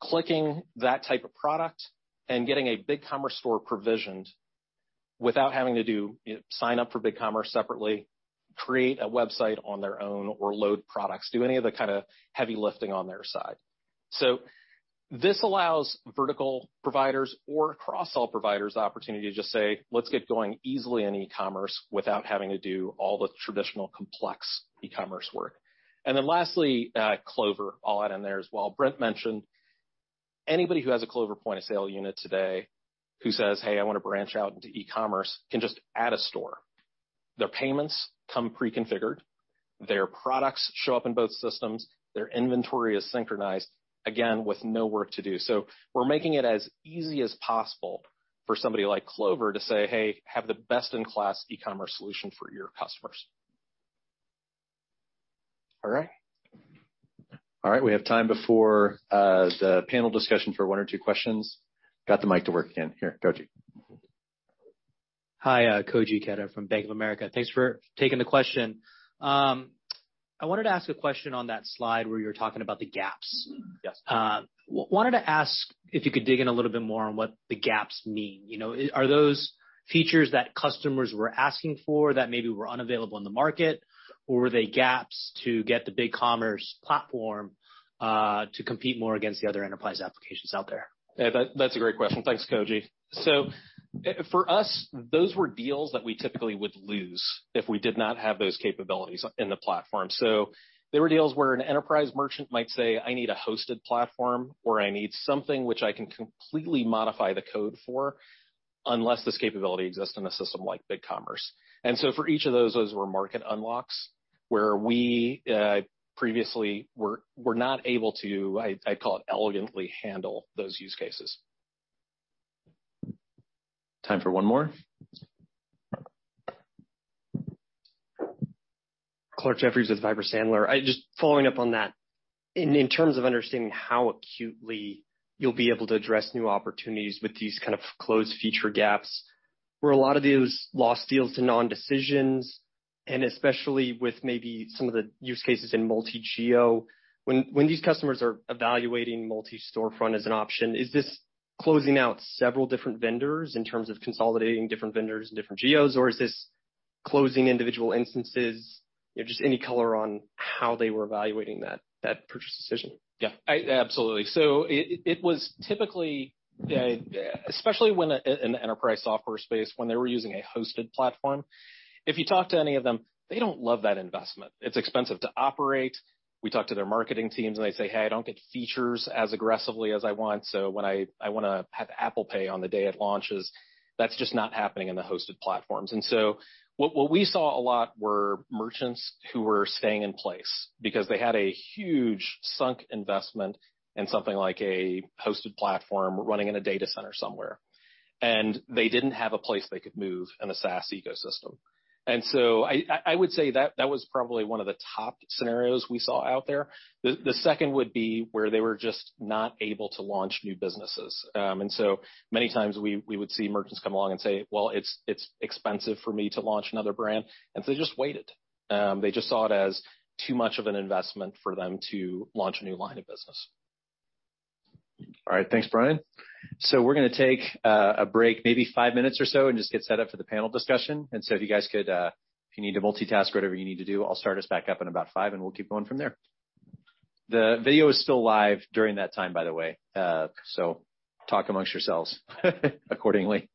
Clicking that type of product and getting a BigCommerce store provisioned without having to do sign up for BigCommerce separately, create a website on their own or load products, do any of the kinda heavy lifting on their side. This allows vertical providers or cross-sell providers the opportunity to just say, "Let's get going easily in e-commerce without having to do all the traditional complex e-commerce work." Lastly, Clover, I'll add in there as well. Brent mentioned anybody who has a Clover point-of-sale unit today who says, "Hey, I wanna branch out into e-commerce," can just add a store. Their payments come pre-configured, their products show up in both systems, their inventory is synchronized, again, with no work to do. We're making it as easy as possible for somebody like Clover to say, "Hey, have the best-in-class e-commerce solution for your customers. All right. All right, we have time before the panel discussion for one or two questions. Got the mic to work again. Here, Koji. Hi, Koji Ikeda from Bank of America. Thanks for taking the question. I wanted to ask a question on that slide where you were talking about the gaps. Yes. Wanted to ask if you could dig in a little bit more on what the gaps mean. You know, are those features that customers were asking for that maybe were unavailable in the market, or were they gaps to get the BigCommerce platform to compete more against the other enterprise applications out there? Yeah, that's a great question. Thanks, Koji. Those were deals that we typically would lose if we did not have those capabilities in the platform. They were deals where an enterprise merchant might say, "I need a hosted platform," or, "I need something which I can completely modify the code for unless this capability exists in a system like BigCommerce." For each of those were market unlocks, where we previously were not able to, I'd call it, elegantly handle those use cases. Time for one more. Clarke Jeffries with Piper Sandler. Just following up on that, in terms of understanding how acutely you'll be able to address new opportunities with these kind of closed feature gaps, were a lot of those lost deals to non-decisions, and especially with maybe some of the use cases in multi-geo? When these customers are evaluating multi-storefront as an option, is this closing out several different vendors in terms of consolidating different vendors in different geos, or is this closing individual instances? You know, just any color on how they were evaluating that purchase decision. Yeah. Absolutely. It was typically, especially in the enterprise software space, when they were using a hosted platform, if you talk to any of them, they don't love that investment. It's expensive to operate. We talk to their marketing teams, and they say, "Hey, I don't get features as aggressively as I want. When I wanna have Apple Pay on the day it launches, that's just not happening in the hosted platforms." What we saw a lot were merchants who were staying in place because they had a huge sunk investment in something like a hosted platform running in a data center somewhere, and they didn't have a place they could move in a SaaS ecosystem. I would say that was probably one of the top scenarios we saw out there. The second would be where they were just not able to launch new businesses. Many times we would see merchants come along and say, "Well, it's expensive for me to launch another brand," and so they just waited. They just saw it as too much of an investment for them to launch a new line of business. All right. Thanks, Brian. We're gonna take a break, maybe five minutes or so, and just get set up for the panel discussion. If you guys could, if you need to multitask, whatever you need to do, I'll start us back up in about five, and we'll keep going from there. The video is still live during that time, by the way. Talk amongst yourselves accordingly.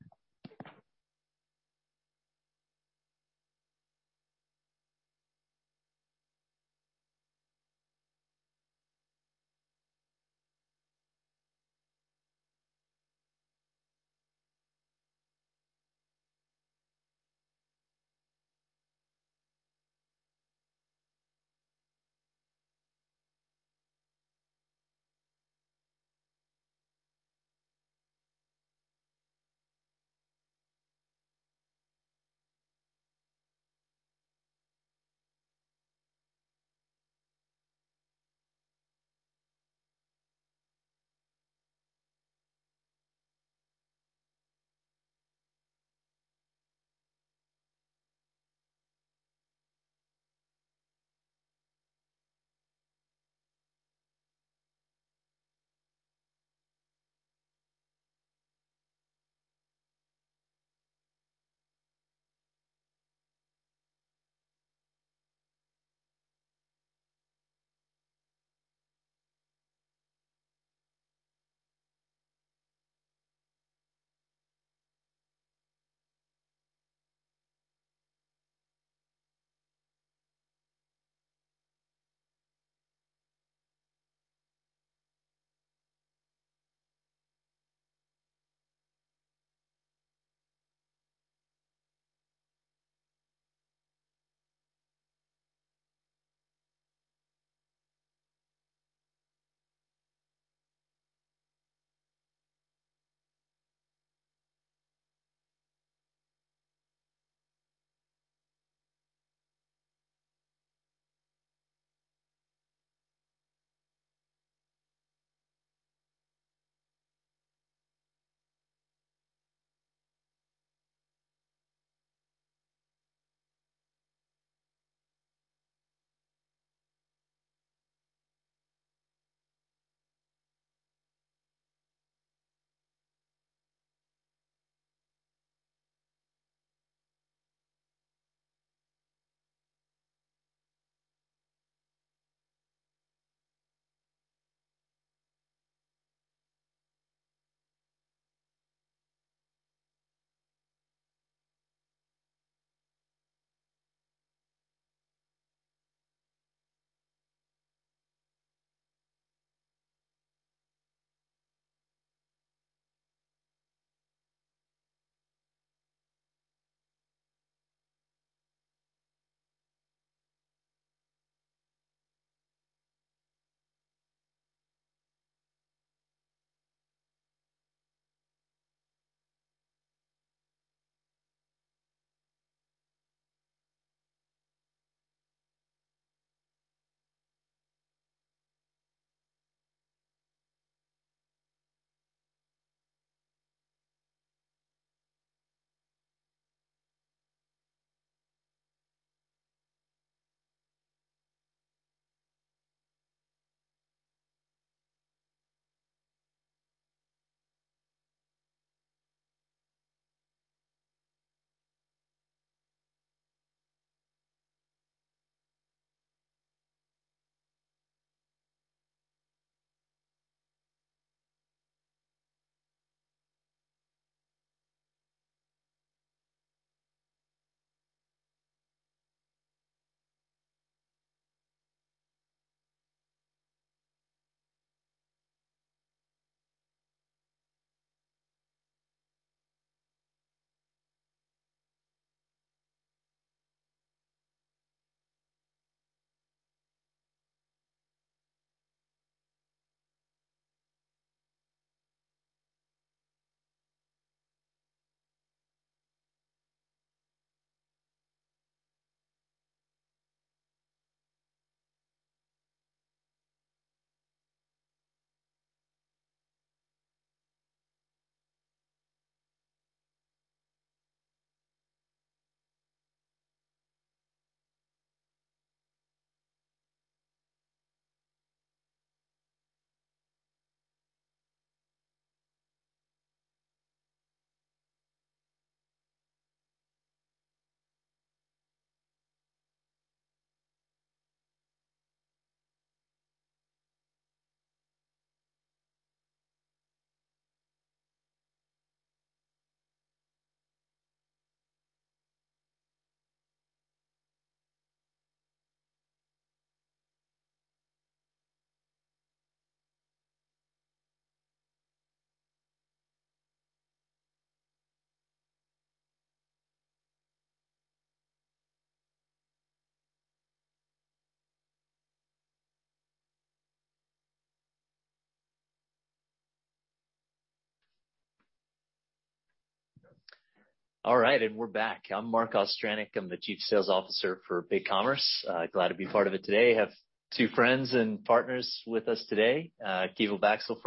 All right, we're back. I'm Marc Ostryniec, Chief Sales Officer for BigCommerce. Glad to be part of it today. Have two friends and partners with us today, Keval Baxi,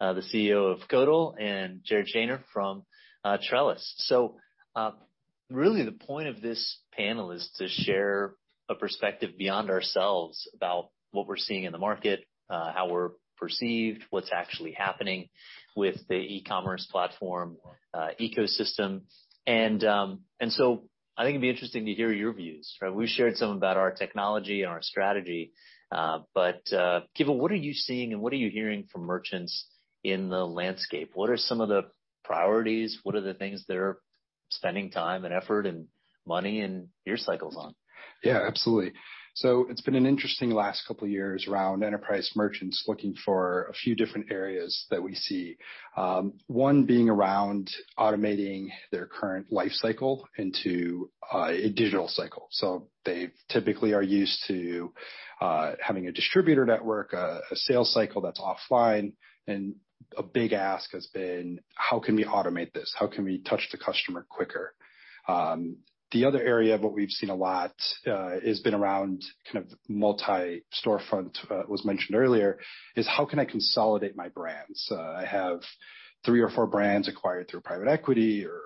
CEO of Codal, and Jared Shaner from Trellis. The point of this panel is to share a perspective beyond ourselves about what we're seeing in the market, how we're perceived, what's actually happening with the e-commerce platform ecosystem. I think it'd be interesting to hear your views, right? We've shared some about our technology and our strategy, but Keval, what are you seeing and what are you hearing from merchants in the landscape? What are some of the priorities? What are the things they're spending time and effort and money and year cycles on? Yeah, absolutely. It's been an interesting last couple of years around enterprise merchants looking for a few different areas that we see. One being around automating their current life cycle into a digital cycle. They typically are used to having a distributor network, a sales cycle that's offline, and a big ask has been, how can we automate this? How can we touch the customer quicker? The other area of what we've seen a lot has been around kind of multi-storefront was mentioned earlier, is how can I consolidate my brands? I have three or four brands acquired through private equity or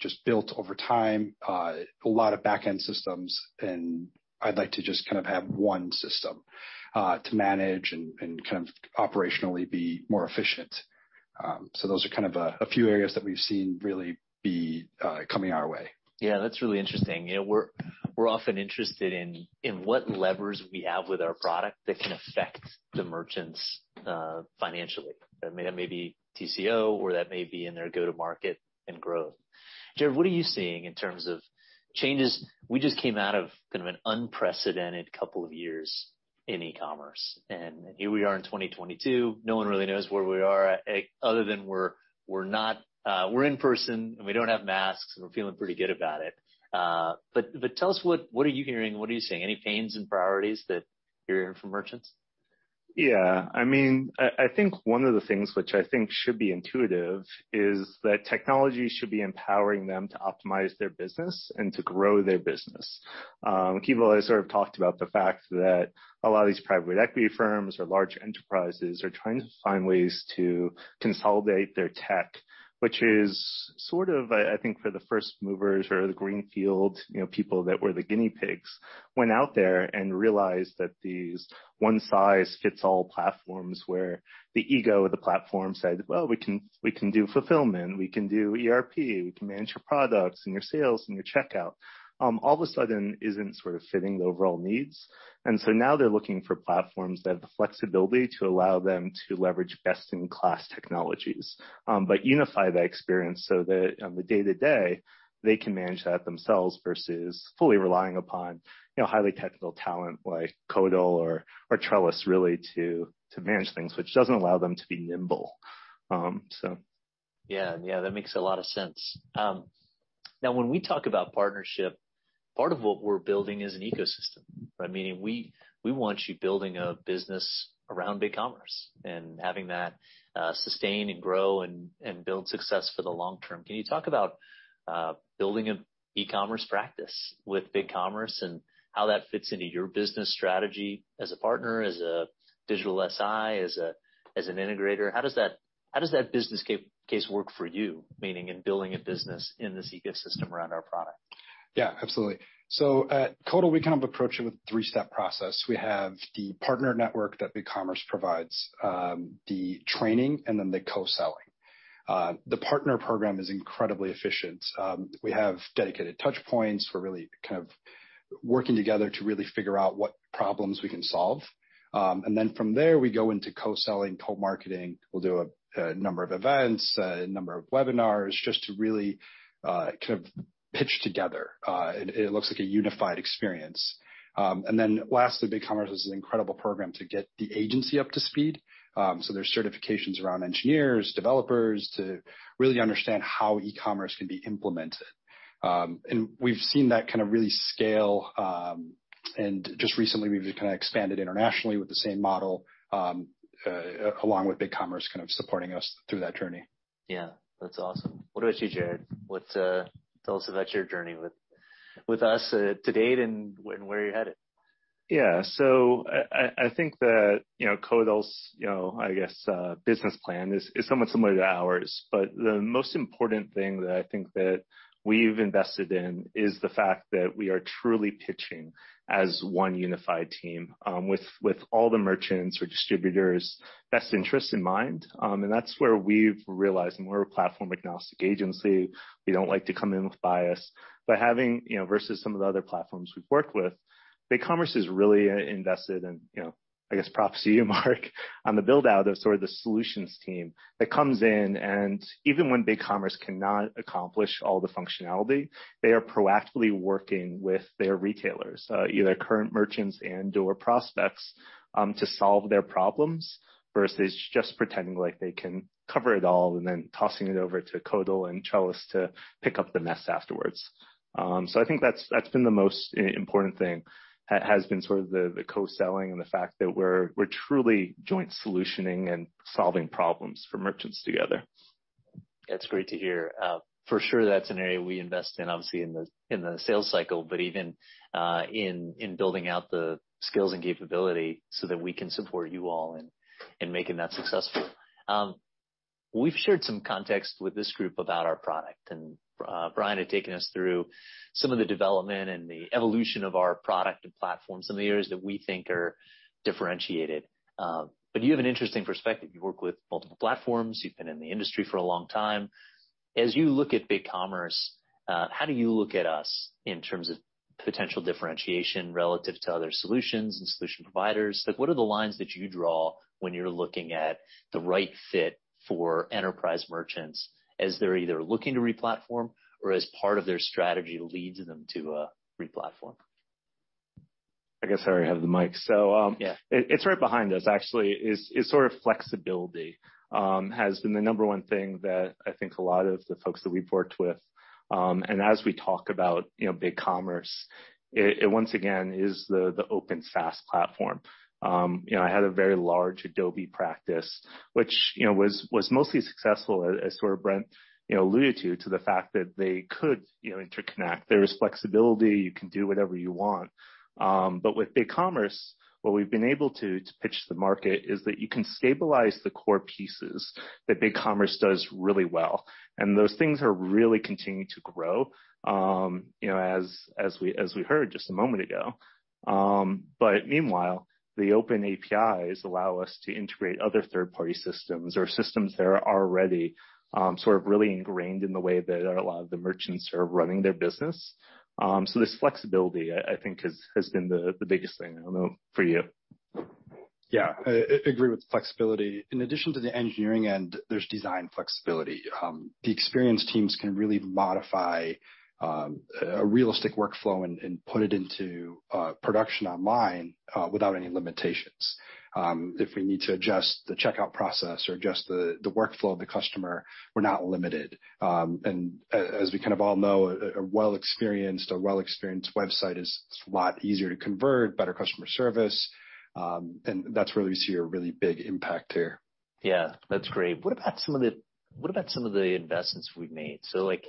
just built over time, a lot of back-end systems, and I'd like to just kind of have one system to manage and kind of operationally be more efficient. Those are kind of a few areas that we've seen really be coming our way. Yeah, that's really interesting. You know, we're often interested in what levers we have with our product that can affect the merchants financially. That may be TCO or that may be in their go-to-market and growth. Jared, what are you seeing in terms of changes? We just came out of kind of an unprecedented couple of years in e-commerce, and here we are in 2022. No one really knows where we are, other than we're not in person and we don't have masks, and we're feeling pretty good about it. But tell us what are you hearing? What are you seeing? Any pains and priorities that you're hearing from merchants? Yeah. I mean, I think one of the things which I think should be intuitive is that technology should be empowering them to optimize their business and to grow their business. Keval has sort of talked about the fact that a lot of these private equity firms or large enterprises are trying to find ways to consolidate their tech, which is sort of, I think, for the first movers or the greenfield, you know, people that were the guinea pigs went out there and realized that these one size fits all platforms where the ego of the platform said, "Well, we can do fulfillment, we can do ERP, we can manage your products and your sales and your checkout," all of a sudden isn't sort of fitting the overall needs. So, now they're looking for platforms that have the flexibility to allow them to leverage best in class technologies, but unify the experience so that on the day to day, they can manage that themselves versus fully relying upon, you know, highly technical talent like Codal or Trellis really to manage things, which doesn't allow them to be nimble. Yeah. Yeah, that makes a lot of sense. Now when we talk about partnership, part of what we're building is an ecosystem, right? Meaning we want you building a business around BigCommerce and having that sustain and grow and build success for the long term. Can you talk about building an e-commerce practice with BigCommerce and how that fits into your business strategy as a partner, as a digital SI, as an integrator? How does that business case work for you, meaning in building a business in this ecosystem around our product? Yeah, absolutely. At Codal, we kind of approach it with a three-step process. We have the partner network that BigCommerce provides, the training, and then the co-selling. The partner program is incredibly efficient. We have dedicated touch points. We're really kind of working together to really figure out what problems we can solve. From there, we go into co-selling, co-marketing. We'll do a number of events, a number of webinars just to really kind of pitch together. It looks like a unified experience. Lastly, BigCommerce has an incredible program to get the agency up to speed. There's certifications around engineers, developers to really understand how eCommerce can be implemented. We've seen that kind of really scale, and just recently, we've kind of expanded internationally with the same model, along with BigCommerce kind of supporting us through that journey. Yeah. That's awesome. What about you, Jared? Tell us about your journey with us to date and where you're headed. Yeah. I think that, you know, Codal's, you know, I guess, business plan is somewhat similar to ours. The most important thing that I think that we've invested in is the fact that we are truly pitching as one unified team, with all the merchants or distributors' best interests in mind. That's where we've realized, and we're a platform-agnostic agency. We don't like to come in with bias. Having, you know, versus some of the other platforms we've worked with, BigCommerce is really invested and, you know, I guess props to you, Marc, on the build-out of sort of the solutions team that comes in, and even when BigCommerce cannot accomplish all the functionality, they are proactively working with their retailers, either current merchants and/or prospects, to solve their problems versus just pretending like they can cover it all and then tossing it over to Codal and Trellis to pick up the mess afterwards. So I think that's been the most important thing. Has been sort of the co-selling and the fact that we're truly joint solutioning and solving problems for merchants together. That's great to hear. For sure that's an area we invest in, obviously in the sales cycle, but even in building out the skills and capability so that we can support you all in making that successful. We've shared some context with this group about our product, and Brian had taken us through some of the development and the evolution of our product and platform, some of the areas that we think are differentiated. But you have an interesting perspective. You work with multiple platforms. You've been in the industry for a long time. As you look at BigCommerce, how do you look at us in terms of potential differentiation relative to other solutions and solution providers? Like, what are the lines that you draw when you're looking at the right fit for enterprise merchants as they're either looking to re-platform or as part of their strategy leads them to, re-platform? I guess I already have the mic. Yeah. It's right behind us, actually. Flexibility has been the number one thing that I think a lot of the folks that we've worked with. As we talk about, you know, BigCommerce, it once again is the Open SaaS platform. You know, I had a very large Adobe practice, which, you know, was mostly successful, as Brent alluded to the fact that they could, you know, interconnect. There is flexibility. You can do whatever you want. With BigCommerce, what we've been able to pitch to the market is that you can stabilize the core pieces that BigCommerce does really well, and those things are really continuing to grow, you know, as we heard just a moment ago. Meanwhile, the open APIs allow us to integrate other third-party systems or systems that are already sort of really ingrained in the way that a lot of the merchants are running their business. This flexibility, I think has been the biggest thing. I don't know for you. Yeah. I agree with flexibility. In addition to the engineering end, there's design flexibility. The experience teams can really modify a realistic workflow and put it into production online without any limitations. If we need to adjust the checkout process or adjust the workflow of the customer, we're not limited. As we kind of all know, a well-experienced website is a lot easier to convert, better customer service, and that's where we see a really big impact there. Yeah, that's great. What about some of the investments we've made? Like,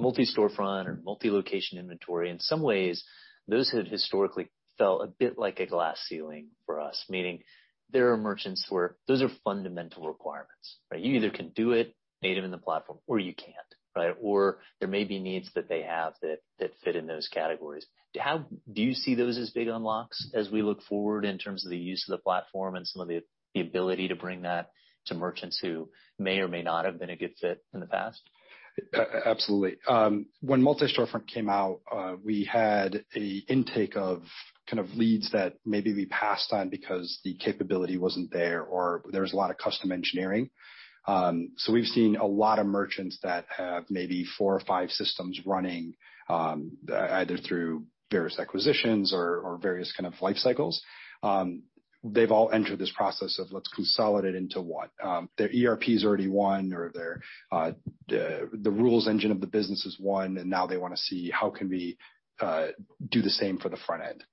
multi-storefront or multi-location inventory, in some ways, those have historically felt a bit like a glass ceiling for us, meaning there are merchants where those are fundamental requirements, right? You either can do it native in the platform or you can't, right? Or there may be needs that they have that fit in those categories. How do you see those as big unlocks as we look forward in terms of the use of the platform and some of the ability to bring that to merchants who may or may not have been a good fit in the past? Absolutely. When multi-storefront came out, we had an intake of kind of leads that maybe we passed on because the capability wasn't there or there was a lot of custom engineering. We've seen a lot of merchants that have maybe four or five systems running, either through various acquisitions or various kind of life cycles. They've all entered this process of let's consolidate into one. Their ERP is already one or their, the rules engine of the business is one, and now they wanna see how can we do the same for the front end.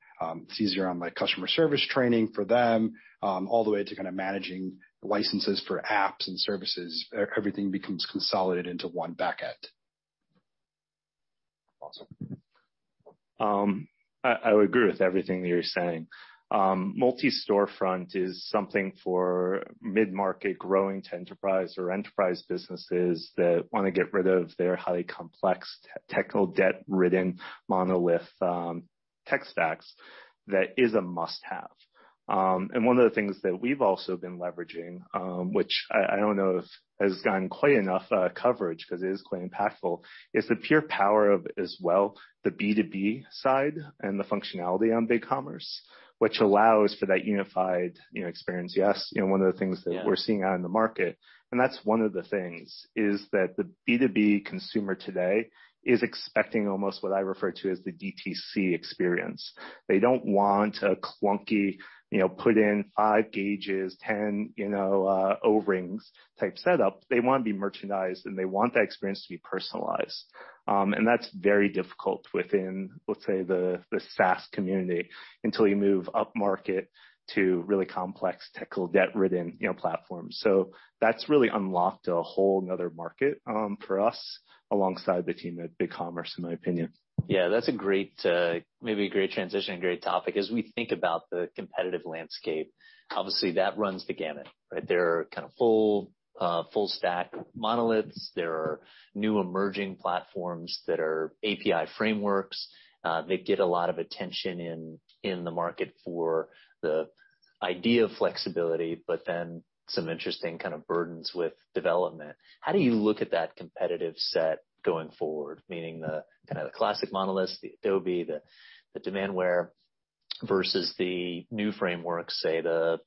It's easier on my customer service training for them, all the way to kind of managing licenses for apps and services. Everything becomes consolidated into one backend. Awesome. I would agree with everything that you're saying. Multi-storefront is something for mid-market growing to enterprise or enterprise businesses that wanna get rid of their highly complex technical debt ridden monolith tech stacks that is a must-have. One of the things that we've also been leveraging, which I don't know if has gotten quite enough coverage 'cause it is quite impactful, is the pure power of as well the B2B side and the functionality on BigCommerce, which allows for that unified, you know, experience. Yeah. We're seeing out in the market, and that's one of the things, is that the B2B consumer today is expecting almost what I refer to as the DTC experience. They don't want a clunky, you know, put in five gauges, 10, you know, O-rings type setup. They wanna be merchandised, and they want that experience to be personalized. And that's very difficult within, let's say, the SaaS community until you move up market to really complex technical debt-ridden, you know, platforms. So that's really unlocked a whole nother market, for us alongside the team at BigCommerce, in my opinion. Yeah, that's a great maybe a great transition, a great topic. As we think about the competitive landscape, obviously that runs the gamut, right? There are kind of full stack monoliths. There are new emerging platforms that are API frameworks. They get a lot of attention in the market for the idea of flexibility, but then some interesting kind of burdens with development. How do you look at that competitive set going forward? Meaning the kind of the classic monoliths, the Adobe, the Demandware versus the new frameworks, say the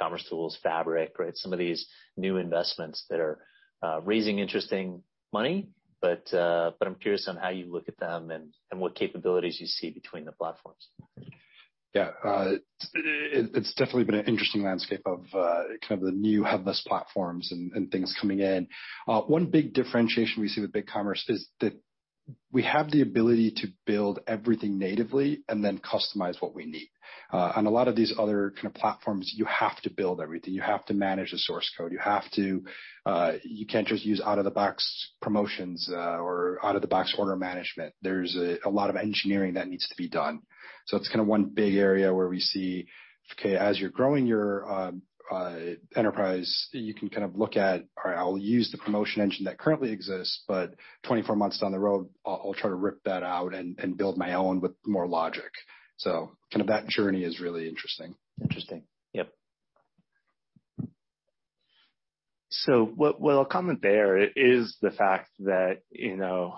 commercetools, Fabric, right? Some of these new investments that are raising interesting money. But I'm curious on how you look at them and what capabilities you see between the platforms. Yeah. It's definitely been an interesting landscape of kind of the new headless platforms and things coming in. One big differentiation we see with BigCommerce is that we have the ability to build everything natively and then customize what we need. On a lot of these other kind of platforms, you have to build everything. You have to manage the source code. You have to. You can't just use out-of-the-box promotions or out-of-the-box order management. There's a lot of engineering that needs to be done. It's kinda one big area where we see, okay, as you're growing your enterprise, you can kind of look at, all right, I'll use the promotion engine that currently exists, but 24 months down the road, I'll try to rip that out and build my own with more logic. Kind of that journey is really interesting. Interesting. Yep. What I'll comment there is the fact that, you know,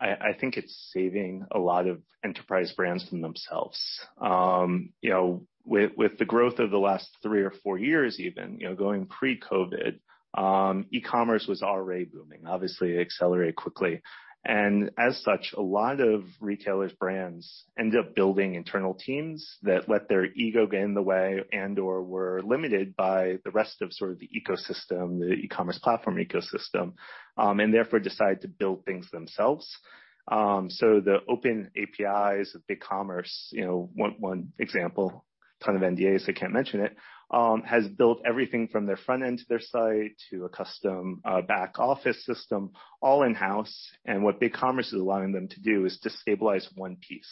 I think it's saving a lot of enterprise brands from themselves. You know, with the growth over the last three or four years even, you know, going pre-COVID, e-commerce was already booming, obviously accelerated quickly. As such, a lot of retailers, brands ended up building internal teams that let their ego get in the way and/or were limited by the rest of sort of the ecosystem, the e-commerce platform ecosystem, and therefore decided to build things themselves. The open APIs of BigCommerce, you know, one example, ton of NDAs, I can't mention it, has built everything from their front end to their site to a custom back office system all in-house. What BigCommerce is allowing them to do is decouple one piece,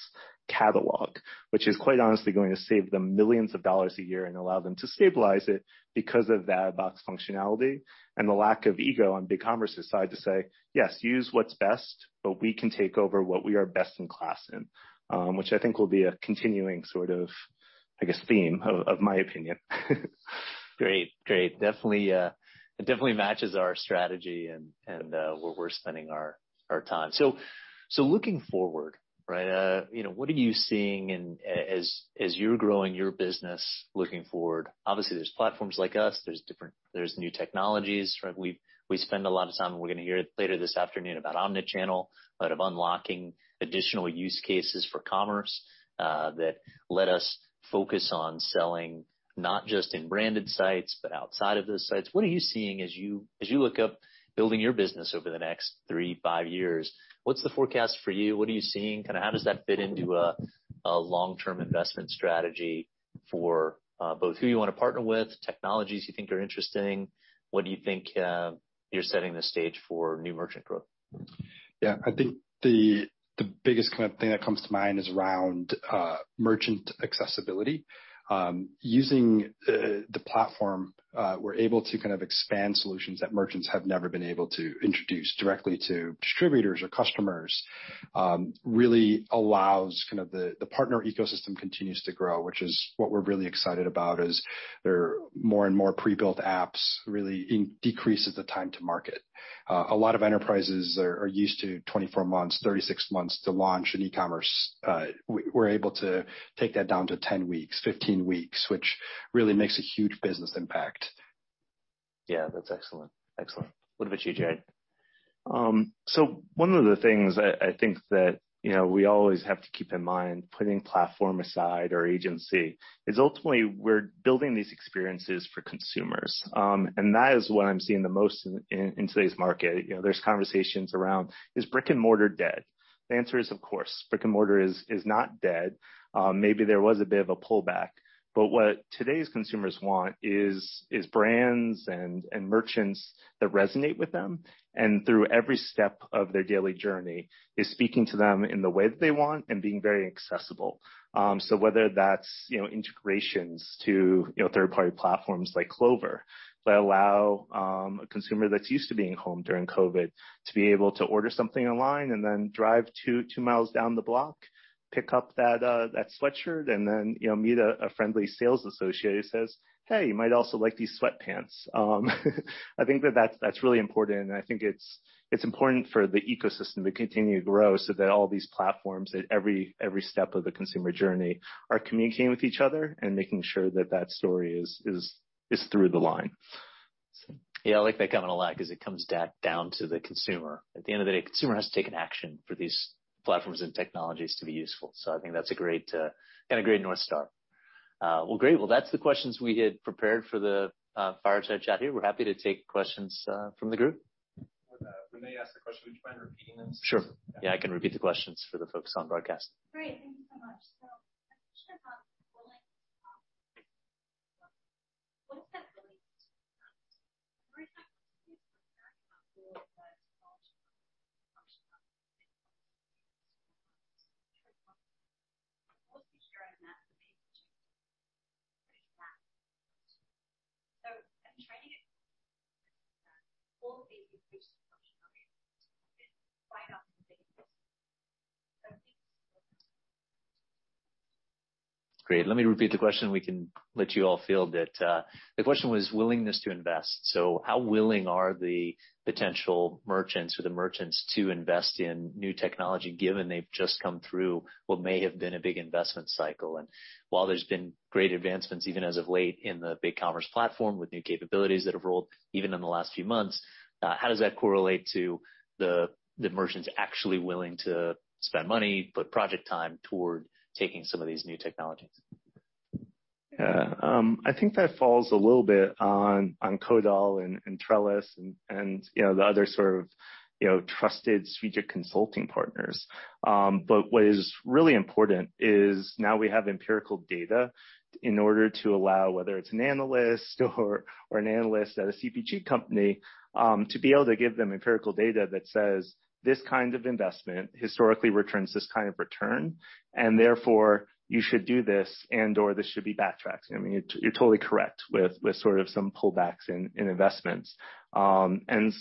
catalog, which is quite honestly going to save them millions of dollars a year and allow them to stabilize it because of out-of-the-box functionality and the lack of ego on BigCommerce's side to say, "Yes, use what's best, but we can take over what we are best in class in," which I think will be a continuing sort of, I guess, theme of my opinion. Great. Definitely, it definitely matches our strategy and where we're spending our time. Looking forward, right, you know, what are you seeing as you're growing your business looking forward? Obviously, there's platforms like us. There's new technologies, right? We spend a lot of time, and we're gonna hear it later this afternoon about Omnichannel, about unlocking additional use cases for commerce that let us focus on selling not just in branded sites, but outside of those sites. What are you seeing as you're building your business over the next three to five years? What's the forecast for you? What are you seeing? Kind of how does that fit into a long-term investment strategy? For both who you wanna partner with, technologies you think are interesting, what do you think you're setting the stage for new merchant growth? I think the biggest kind of thing that comes to mind is around merchant accessibility. Using the platform, we're able to kind of expand solutions that merchants have never been able to introduce directly to distributors or customers, really allows kind of the partner ecosystem continues to grow, which is what we're really excited about is there are more and more pre-built apps really decreases the time to market. A lot of enterprises are used to 24 months, 36 months to launch an e-commerce. We're able to take that down to 10 weeks, 15 weeks, which really makes a huge business impact. Yeah, that's excellent. Excellent. What about you, Jared? One of the things I think that, you know, we always have to keep in mind, putting platform aside or agency, is ultimately we're building these experiences for consumers. That is what I'm seeing the most in today's market. You know, there's conversations around, is brick-and-mortar dead? The answer is, of course, brick-and-mortar is not dead. Maybe there was a bit of a pullback, but what today's consumers want is brands and merchants that resonate with them, and through every step of their daily journey is speaking to them in the way that they want and being very accessible. Whether that's, you know, integrations to, you know, third-party platforms like Clover that allow a consumer that's used to being home during COVID to be able to order something online and then drive two miles down the block, pick up that sweatshirt, and then, you know, meet a friendly sales associate who says, "Hey, you might also like these sweatpants." I think that's really important, and I think it's important for the ecosystem to continue to grow so that all these platforms at every step of the consumer journey are communicating with each other and making sure that that story is through the line. Yeah, I like that comment a lot 'cause it comes down to the consumer. At the end of the day, consumer has to take an action for these platforms and technologies to be useful. I think that's a great North Star. Well, great. Well, that's the questions we had prepared for the fireside chat here. We're happy to take questions from the group. When they ask the question, would you mind repeating them? Sure. Yeah, I can repeat the questions for the folks on broadcast. Great. Thank you so much. taking some of these new technologies? Yeah. I think that falls a little bit on Codal and Trellis and, you know, the other sort of, you know, trusted suite of consulting partners. What is really important is now we have empirical data in order to allow, whether it's an analyst or an analyst at a CPG company, to be able to give them empirical data that says, "This kind of investment historically returns this kind of return, and therefore you should do this and/or this should be backtracked." I mean, you're totally correct with sort of some pullbacks in investments.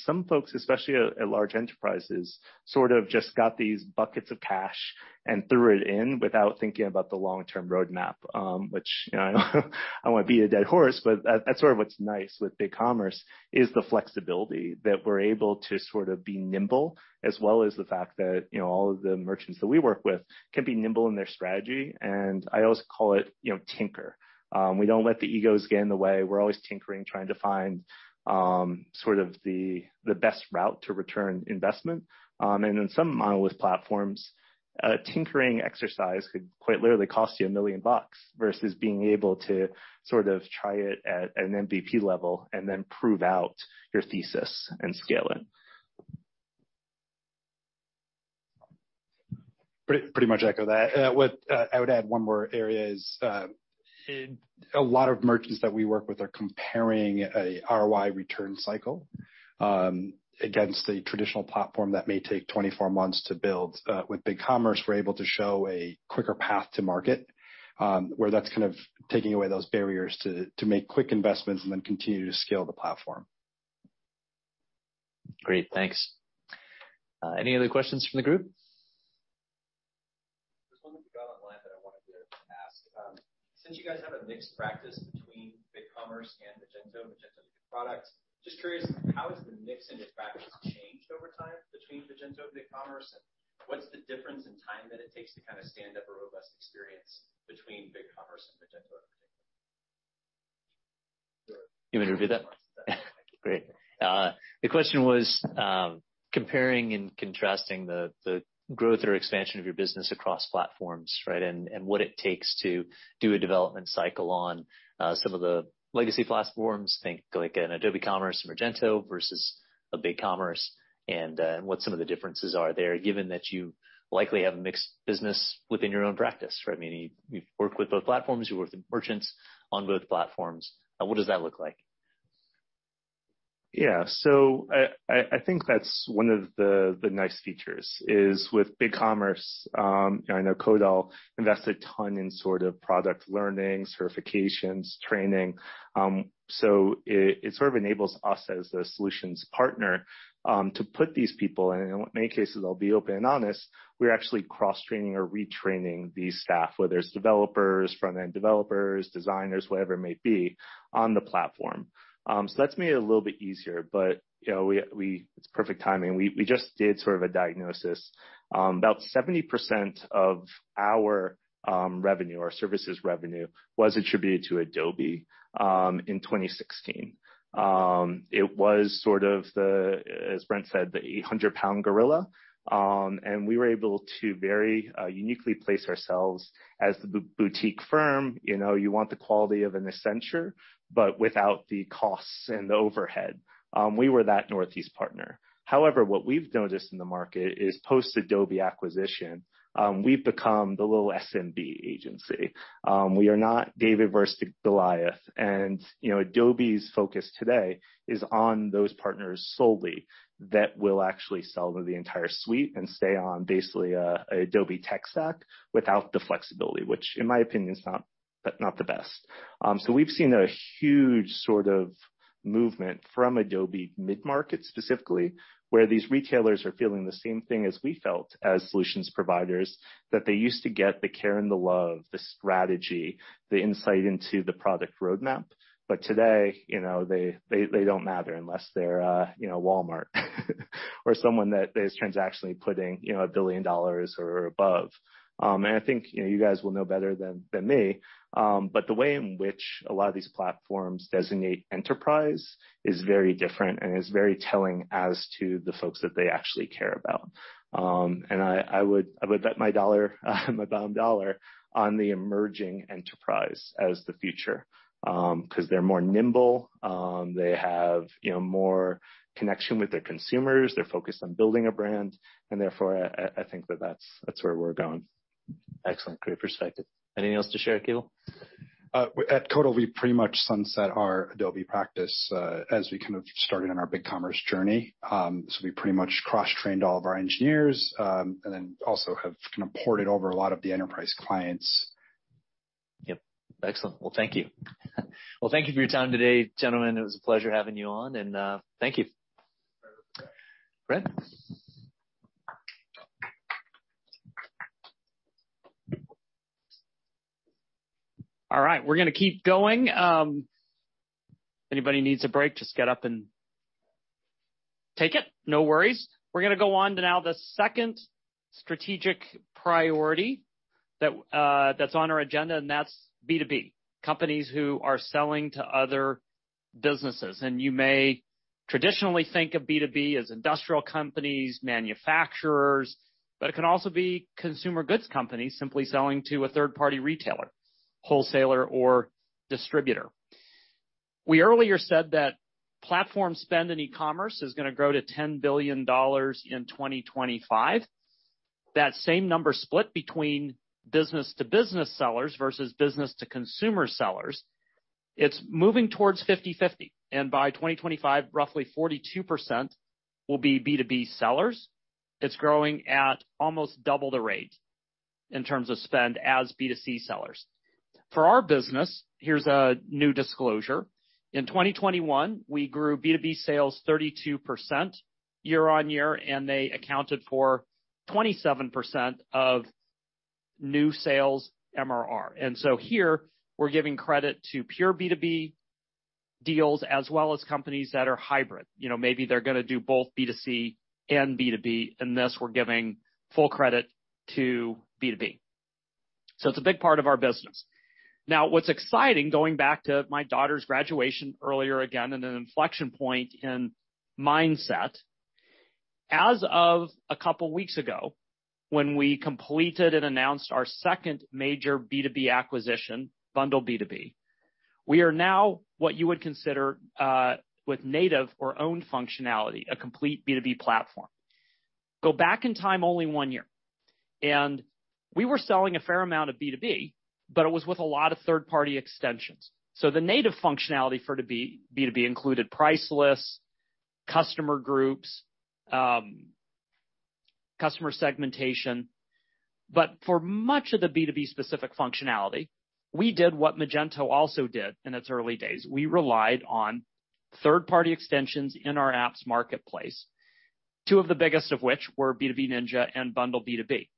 Some folks, especially at large enterprises, sort of just got these buckets of cash and threw it in without thinking about the long-term roadmap. Which, you know, I won't beat a dead horse, but that's sort of what's nice with BigCommerce, is the flexibility that we're able to sort of be nimble, as well as the fact that, you know, all of the merchants that we work with can be nimble in their strategy. I always call it, you know, tinker. We don't let the egos get in the way. We're always tinkering, trying to find sort of the best route to return on investment. In some monolithic platforms, a tinkering exercise could quite literally cost you $1 million versus being able to sort of try it at an MVP level and then prove out your thesis and scale it. Pretty much echo that. I would add one more area is a lot of merchants that we work with are comparing a ROI return cycle against a traditional platform that may take 24 months to build. With BigCommerce, we're able to show a quicker path to market, where that's kind of taking away those barriers to make quick investments and then continue to scale the platform. Great. Thanks. Any other questions from the group? There's one that we got online that I wanted to ask. Since you guys have a mixed practice between BigCommerce and Magento's a good product. Just curious, how has the mix in your practice changed over time between Magento and BigCommerce? What's the difference in time that it takes to kind of stand up a robust experience between BigCommerce and Magento in particular? You want me to repeat that? Great. The question was, comparing and contrasting the growth or expansion of your business across platforms, right? What it takes to do a development cycle on some of the legacy platforms, think like an Adobe Commerce, Magento versus a BigCommerce, and what some of the differences are there, given that you likely have a mixed business within your own practice, right? I mean, you've worked with both platforms, you've worked with merchants on both platforms. What does that look like? Yeah. I think that's one of the nice features is with BigCommerce. I know Codal invested ton in sort of product learning, certifications, training. It sort of enables us as a solutions partner to put these people in. In many cases, I'll be open and honest, we're actually cross-training or retraining these staff, whether it's developers, front-end developers, designers, whatever it may be, on the platform. That's made it a little bit easier. You know, it's perfect timing. We just did sort of a diagnosis. About 70% of our revenue, our services revenue was attributed to Adobe in 2016. It was sort of the, as Brent said, the 800-pound gorilla. We were able to very uniquely place ourselves as the boutique firm. You know, you want the quality of an Accenture, but without the costs and the overhead. We were that Northeast partner. However, what we've noticed in the market is post-Adobe acquisition, we've become the little SMB agency. We are not David versus Goliath. You know, Adobe's focus today is on those partners solely that will actually sell the entire suite and stay on basically a Adobe tech stack without the flexibility, which in my opinion is not the best. We've seen a huge sort of movement from Adobe mid-market specifically, where these retailers are feeling the same thing as we felt as solutions providers, that they used to get the care and the love, the strategy, the insight into the product roadmap. Today, you know, they don't matter unless they're, you know, Walmart or someone that is transactionally putting, you know, $1 billion or above. I think, you know, you guys will know better than me, but the way in which a lot of these platforms designate enterprise is very different and is very telling as to the folks that they actually care about. I would bet my bottom dollar on the emerging enterprise as the future, 'cause they're more nimble, they have, you know, more connection with their consumers. They're focused on building a brand, and therefore I think that's where we're going. Excellent. Great perspective. Anything else to share, Keval Baxi? At Codal, we pretty much sunset our Adobe practice, as we kind of started on our BigCommerce journey. We pretty much cross-trained all of our engineers, and then also have kind of ported over a lot of the enterprise clients. Yep. Excellent. Well, thank you. Well, thank you for your time today, gentlemen. It was a pleasure having you on, and thank you. Brent? All right, we're gonna keep going. Anybody needs a break, just get up and take it. No worries. We're gonna go on to now the second strategic priority that's on our agenda, and that's B2B, companies who are selling to other businesses. You may traditionally think of B2B as industrial companies, manufacturers, but it can also be consumer goods companies simply selling to a third-party retailer, wholesaler or distributor. We earlier said that platform spend in e-commerce is gonna grow to $10 billion in 2025. That same number split between business-to-business sellers versus business-to-consumer sellers, it's moving towards 50/50, and by 2025, roughly 42% will be B2B sellers. It's growing at almost double the rate in terms of spend as B2C sellers. For our business, here's a new disclosure. In 2021, we grew B2B sales 32% year-over-year, and they accounted for 27% of new sales MRR. Here we're giving credit to pure B2B deals as well as companies that are hybrid. You know, maybe they're gonna do both B2C and B2B, in this we're giving full credit to B2B. It's a big part of our business. Now, what's exciting, going back to my daughter's graduation earlier, again, in an inflection point in mindset. As of a couple weeks ago, when we completed and announced our second major B2B acquisition, BundleB2B, we are now what you would consider, with native or own functionality, a complete B2B platform. Go back in time only one year, and we were selling a fair amount of B2B, but it was with a lot of third-party extensions. The native functionality for B2B included price lists, customer groups, customer segmentation. For much of the B2B specific functionality, we did what Magento also did in its early days. We relied on third-party extensions in our apps marketplace, two of the biggest of which were B2B Ninja and BundleB2B.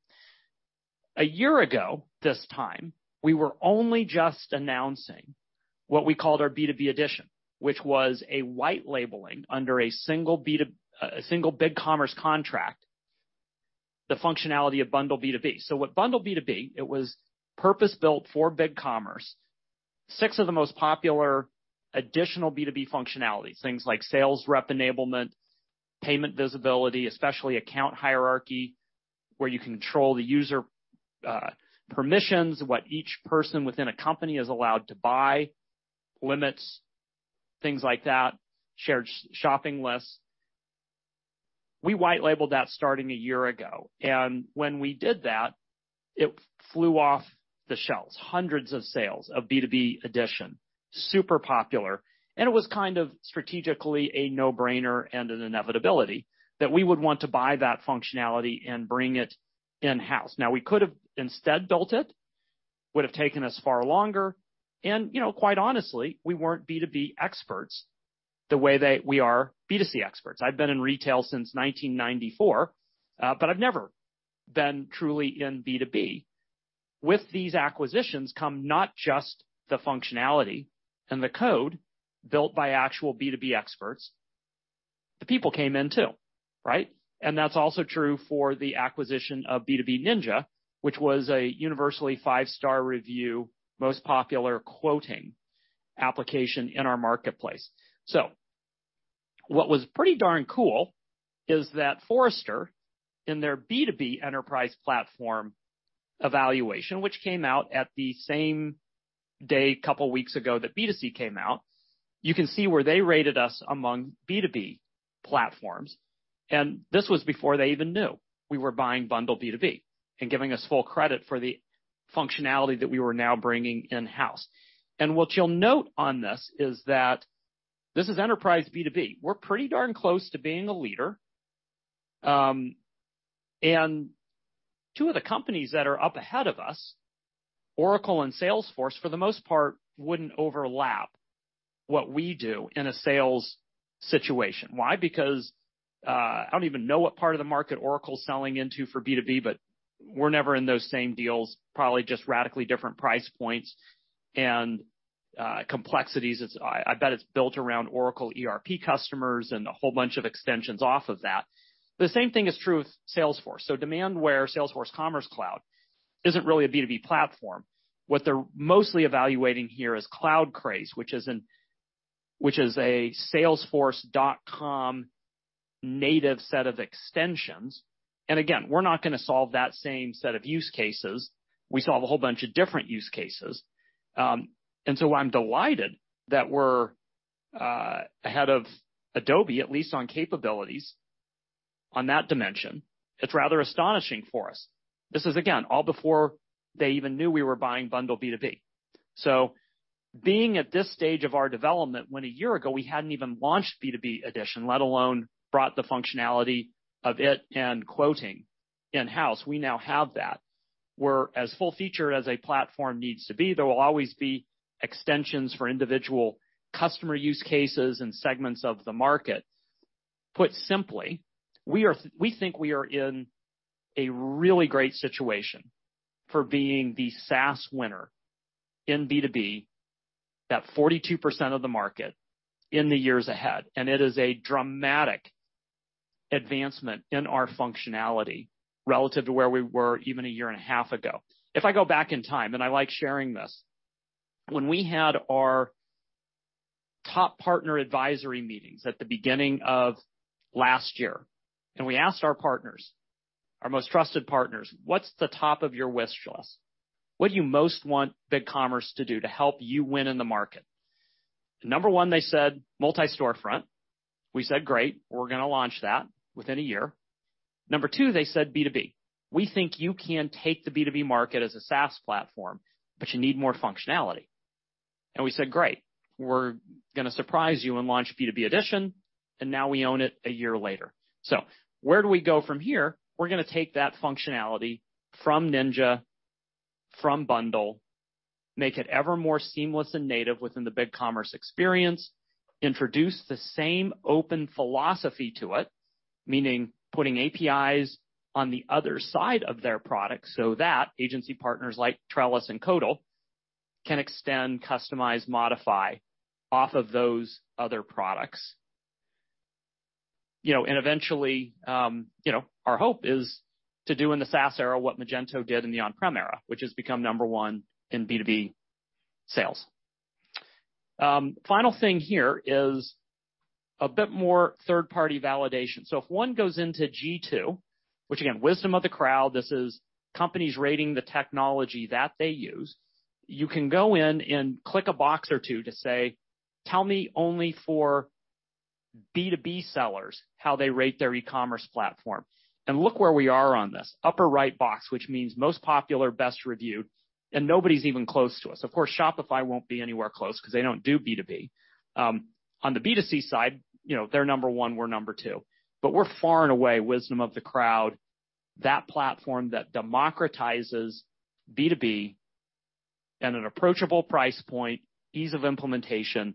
A year ago this time, we were only just announcing what we called our B2B edition, which was a white labeling under a single BigCommerce contract, the functionality of BundleB2B. With BundleB2B, it was purpose-built for BigCommerce, six of the most popular additional B2B functionalities, things like sales rep enablement, payment visibility, especially account hierarchy, where you control the user, permissions, what each person within a company is allowed to buy, limits, things like that, shared shopping lists. We white-labeled that starting a year ago, and when we did that, it flew off the shelves. Hundreds of sales of B2B Edition, super popular, and it was kind of strategically a no-brainer and an inevitability that we would want to buy that functionality and bring it in-house. Now, we could have instead built it, would have taken us far longer and, you know, quite honestly, we weren't B2B experts the way that we are B2C experts. I've been in retail since 1994, but I've never been truly in B2B. With these acquisitions come not just the functionality and the code built by actual B2B experts, the people came in too, right? That's also true for the acquisition of B2B Ninja, which was a universally five-star review, most popular quoting application in our marketplace. What was pretty darn cool is that Forrester, in their B2B Enterprise Platform Evaluation, which came out at the same day a couple weeks ago that B2C came out, you can see where they rated us among B2B platforms. This was before they even knew we were buying BundleB2B and giving us full credit for the functionality that we were now bringing in-house. What you'll note on this is that this is enterprise B2B. We're pretty darn close to being a leader, and two of the companies that are up ahead of us, Oracle and Salesforce, for the most part, wouldn't overlap what we do in a sales situation. Why? Because I don't even know what part of the market Oracle's selling into for B2B, but we're never in those same deals. Probably just radically different price points and complexities. I bet it's built around Oracle ERP customers and a whole bunch of extensions off of that. The same thing is true with Salesforce. Demandware, Salesforce Commerce Cloud, isn't really a B2B platform. What they're mostly evaluating here is CloudCraze, which is a Salesforce.com native set of extensions. Again, we're not gonna solve that same set of use cases. We solve a whole bunch of different use cases. I'm delighted that we're ahead of Adobe, at least on capabilities on that dimension. It's rather astonishing for us. This is, again, all before they even knew we were buying BundleB2B. Being at this stage of our development, when a year ago we hadn't even launched B2B Edition, let alone brought the functionality of it and quoting in-house, we now have that. We're as full-featured as a platform needs to be. There will always be extensions for individual customer use cases and segments of the market. Put simply, we think we are in a really great situation for being the SaaS winner in B2B, that 42% of the market in the years ahead, and it is a dramatic advancement in our functionality relative to where we were even a 1.5 year ago. If I go back in time, and I like sharing this, when we had our top partner advisory meetings at the beginning of last year, and we asked our partners, our most trusted partners, "What's the top of your wish list? What do you most want BigCommerce to do to help you win in the market?" Number one, they said multi-storefront. We said, "Great, we're gonna launch that within a year." Number two, they said B2B. We think you can take the B2B market as a SaaS platform, but you need more functionality. And we said, "Great, we're gonna surprise you and launch B2B Edition," and now we own it a year later. Where do we go from here? We're gonna take that functionality from Ninja, from Bundle, make it ever more seamless and native within the BigCommerce experience, introduce the same open philosophy to it, meaning putting APIs on the other side of their product so that agency partners like Trellis and Codal can extend, customize, modify off of those other products. You know, and eventually, our hope is to do in the SaaS era what Magento did in the on-prem era, which has become number one in B2B sales. Final thing here is a bit more third-party validation. If one goes into G2, which again, wisdom of the crowd, this is companies rating the technology that they use, you can go in and click a box or two to say, tell me only for B2B sellers, how they rate their e-commerce platform. Look where we are on this, upper right box, which means most popular, best reviewed, and nobody's even close to us. Of course, Shopify won't be anywhere close 'cause they don't do B2B. On the B2C side, you know, they're number one, we're number two. We're far and away wisdom of the crowd, that platform that democratizes B2B at an approachable price point, ease of implementation,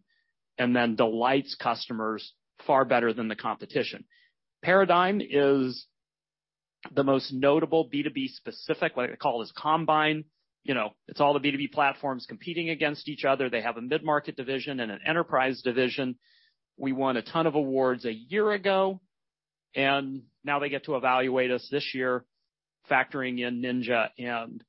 and then delights customers far better than the competition. Paradigm is the most notable B2B-specific, what I call this combine. You know, it's all the B2B platforms competing against each other. They have a mid-market division and an enterprise division. We won a ton of awards a year ago, and now they get to evaluate us this year, factoring in Ninja and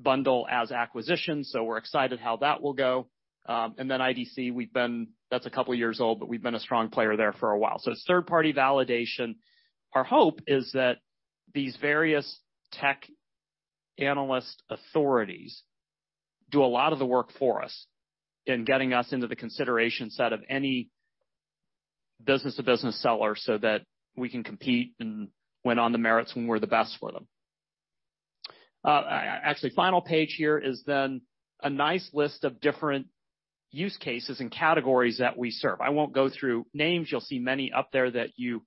Bundle as acquisitions, so we're excited how that will go. IDC, that's a couple years old, but we've been a strong player there for a while. Third-party validation, our hope is that these various tech analyst authorities do a lot of the work for us in getting us into the consideration set of any business-to-business seller so that we can compete and win on the merits when we're the best for them. Actually, final page here is then a nice list of different use cases and categories that we serve. I won't go through names. You'll see many up there that you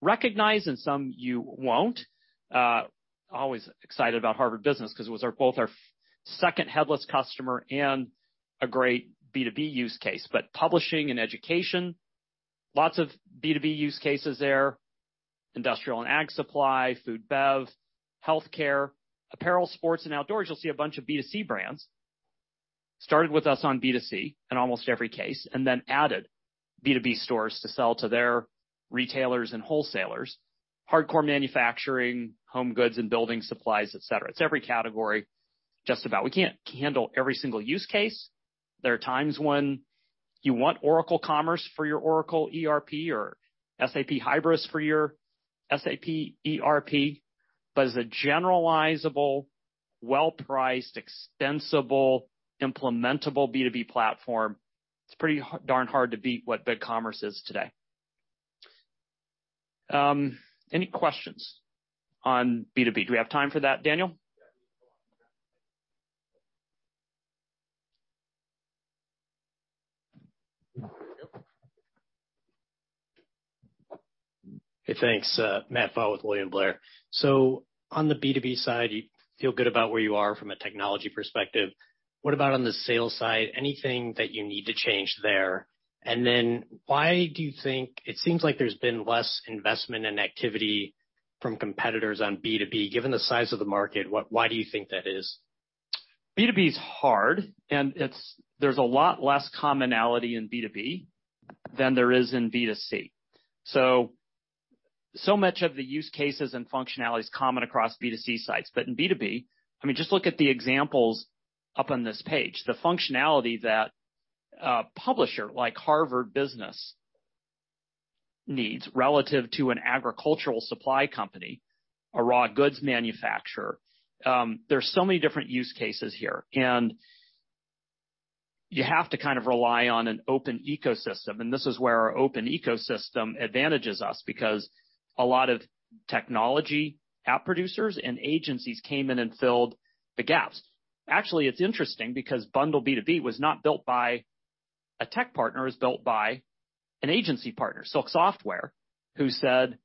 recognize and some you won't. Always excited about Harvard Business 'cause it was our second headless customer and a great B2B use case. Publishing and education, lots of B2B use cases there. Industrial and ag supply, food, bev, healthcare, apparel, sports, and outdoors. You'll see a bunch of B2C brands. Started with us on B2C in almost every case and then added B2B stores to sell to their retailers and wholesalers. Hardcore manufacturing, home goods and building supplies, et cetera. It's every category, just about. We can't handle every single use case. There are times when you want Oracle Commerce for your Oracle ERP or SAP Hybris for your SAP ERP. But as a generalizable, well-priced, extensible, implementable B2B platform, it's pretty darn hard to beat what BigCommerce is today. Any questions on B2B? Do we have time for that, Daniel? Yeah. Hey, thanks. Matthew Pfau with William Blair. On the B2B side, you feel good about where you are from a technology perspective. What about on the sales side? Anything that you need to change there? Then why do you think it seems like there's been less investment and activity from competitors on B2B. Given the size of the market, why do you think that is? B2B is hard, and there's a lot less commonality in B2B than there is in B2C. Much of the use cases and functionality is common across B2C sites. In B2B, I mean, just look at the examples up on this page. The functionality that a publisher like Harvard Business needs relative to an agricultural supply company, a raw goods manufacturer, there are so many different use cases here, and you have to kind of rely on an open ecosystem. This is where our open ecosystem advantages us because a lot of technology app producers and agencies came in and filled the gaps. Actually, it's interesting because BundleB2B was not built by a tech partner. It was built by an agency partner, Silk Software, who said,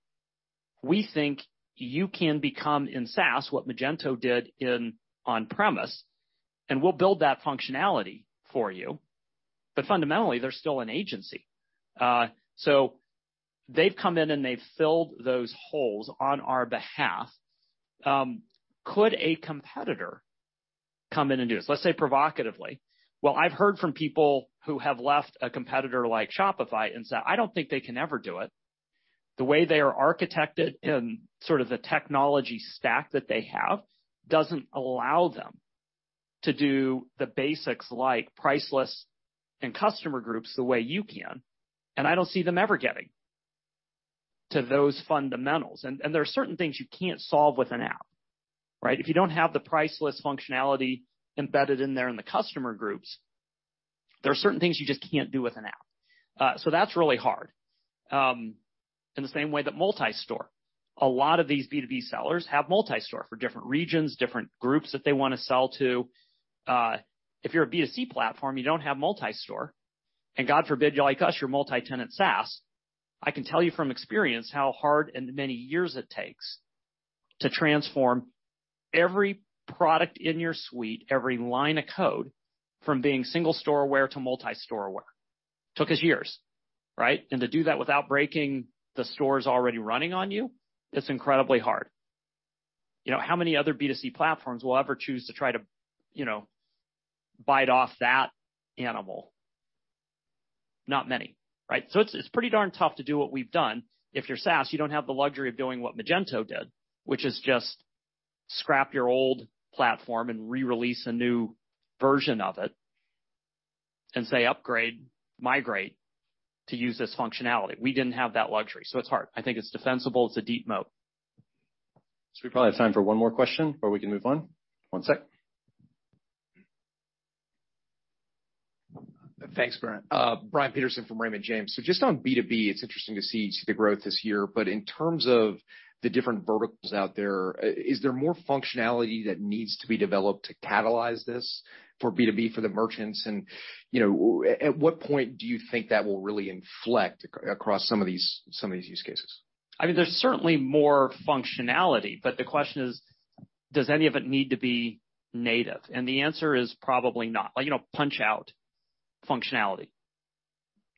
"We think you can become in SaaS what Magento did in on-premise, and we'll build that functionality for you." Fundamentally, they're still an agency. So they've come in, and they've filled those holes on our behalf. Could a competitor come in and do this? Let's say provocatively. Well, I've heard from people who have left a competitor like Shopify and said, "I don't think they can ever do it. The way they are architected and sort of the technology stack that they have doesn't allow them to do the basics like price lists and customer groups the way you can, and I don't see them ever getting to those fundamentals." And there are certain things you can't solve with an app, right? If you don't have the price list functionality embedded in there in the customer groups, there are certain things you just can't do with an app. That's really hard. In the same way that multi-store, a lot of these B2B sellers have multi-store for different regions, different groups that they wanna sell to. If you're a B2C platform, you don't have multi-store. God forbid, you're like us, you're multi-tenant SaaS. I can tell you from experience how hard and the many years it takes to transform every product in your suite, every line of code, from being single-store aware to multi-store aware. Took us years, right? To do that without breaking the stores already running on you, it's incredibly hard. You know, how many other B2C platforms will ever choose to try to, you know, bite off that animal? Not many, right? It's pretty darn tough to do what we've done. If you're SaaS, you don't have the luxury of doing what Magento did, which is just scrap your old platform and re-release a new version of it and say, "Upgrade, migrate to use this functionality." We didn't have that luxury. It's hard. I think it's defensible. It's a deep moat. We probably have time for one more question before we can move on. One sec. Thanks, Brian. Brian Peterson from Raymond James. Just on B2B, it's interesting to see the growth this year. In terms of the different verticals out there, is there more functionality that needs to be developed to catalyze this for B2B, for the merchants? You know, at what point do you think that will really inflect across some of these use cases? I mean, there's certainly more functionality, but the question is, does any of it need to be native? The answer is probably not. Like, you know, punch out functionality.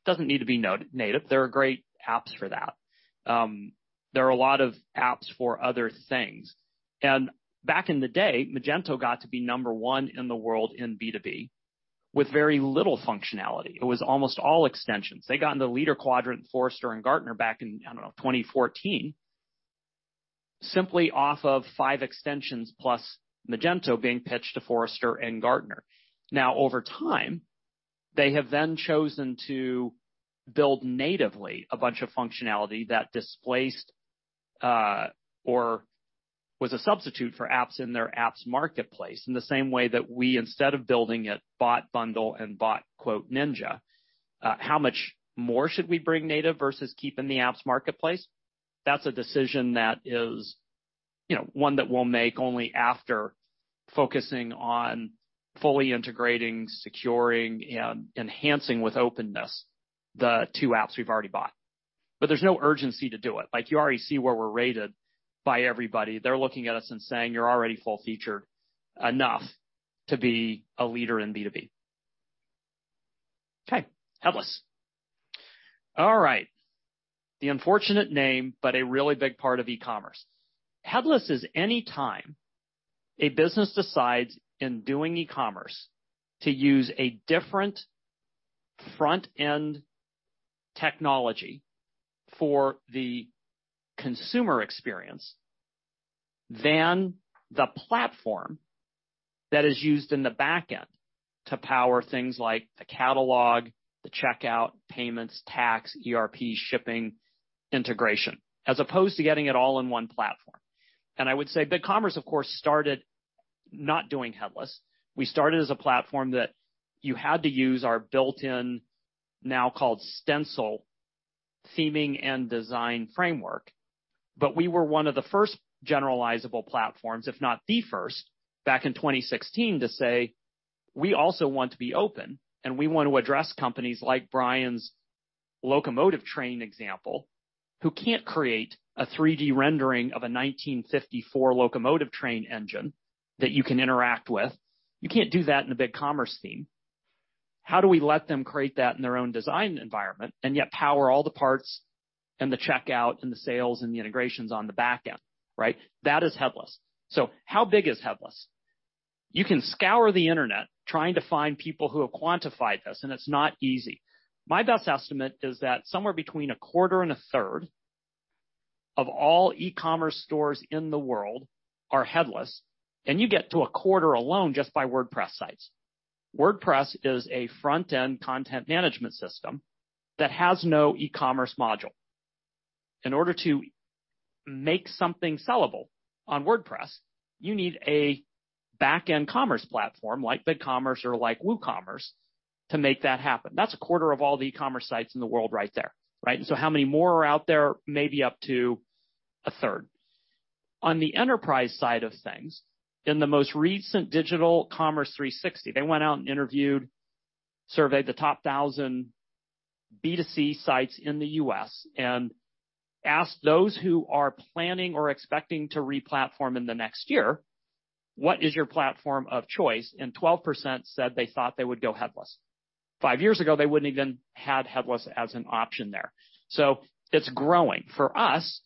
Doesn't need to be native. There are great apps for that. There are a lot of apps for other things. Back in the day, Magento got to be number one in the world in B2B with very little functionality. It was almost all extensions. They got into the leader quadrant, Forrester and Gartner back in, I don't know, 2014, simply off of five extensions plus Magento being pitched to Forrester and Gartner. Now, over time, they have then chosen to build natively a bunch of functionality that displaced, or was a substitute for apps in their apps marketplace, in the same way that we, instead of building it, bought BundleB2B and bought B2B Ninja. How much more should we bring native versus keep in the apps marketplace? That's a decision that is, you know, one that we'll make only after focusing on fully integrating, securing, and enhancing with openness the two apps we've already bought. There's no urgency to do it. Like, you already see where we're rated by everybody. They're looking at us and saying, "You're already full-featured enough to be a leader in B2B." Okay, headless. All right. The unfortunate name, a really big part of e-commerce. Headless is any time a business decides, in doing e-commerce, to use a different front-end technology for the consumer experience than the platform that is used in the back end to power things like the catalog, the checkout, payments, tax, ERP, shipping, integration, as opposed to getting it all in one platform. I would say BigCommerce, of course, started not doing headless. We started as a platform that you had to use our built-in, now called Stencil, theming and design framework. We were one of the first generalizable platforms, if not the first, back in 2016 to say, "We also want to be open, and we want to address companies like Brian's locomotive train example, who can't create a 3D rendering of a 1954 locomotive train engine that you can interact with. You can't do that in the BigCommerce theme. How do we let them create that in their own design environment and yet power all the parts and the checkout and the sales and the integrations on the back end, right? That is headless. How big is headless? You can scour the internet trying to find people who have quantified this, and it's not easy. My best estimate is that somewhere between a quarter and a third of all e-commerce stores in the world are headless, and you get to a quarter alone just by WordPress sites. WordPress is a front-end content management system that has no e-commerce module. In order to make something sellable on WordPress, you need a back-end commerce platform like BigCommerce or like WooCommerce to make that happen. That's a quarter of all the e-commerce sites in the world right there, right? How many more are out there? Maybe up to a third. On the enterprise side of things, in the most recent Digital Commerce 360, they went out and surveyed the top 1,000 B2C sites in the U.S. and asked those who are planning or expecting to re-platform in the next year, what is your platform of choice? 12% said they thought they would go headless. Five years ago, they wouldn't even had headless as an option there. It's growing. For us,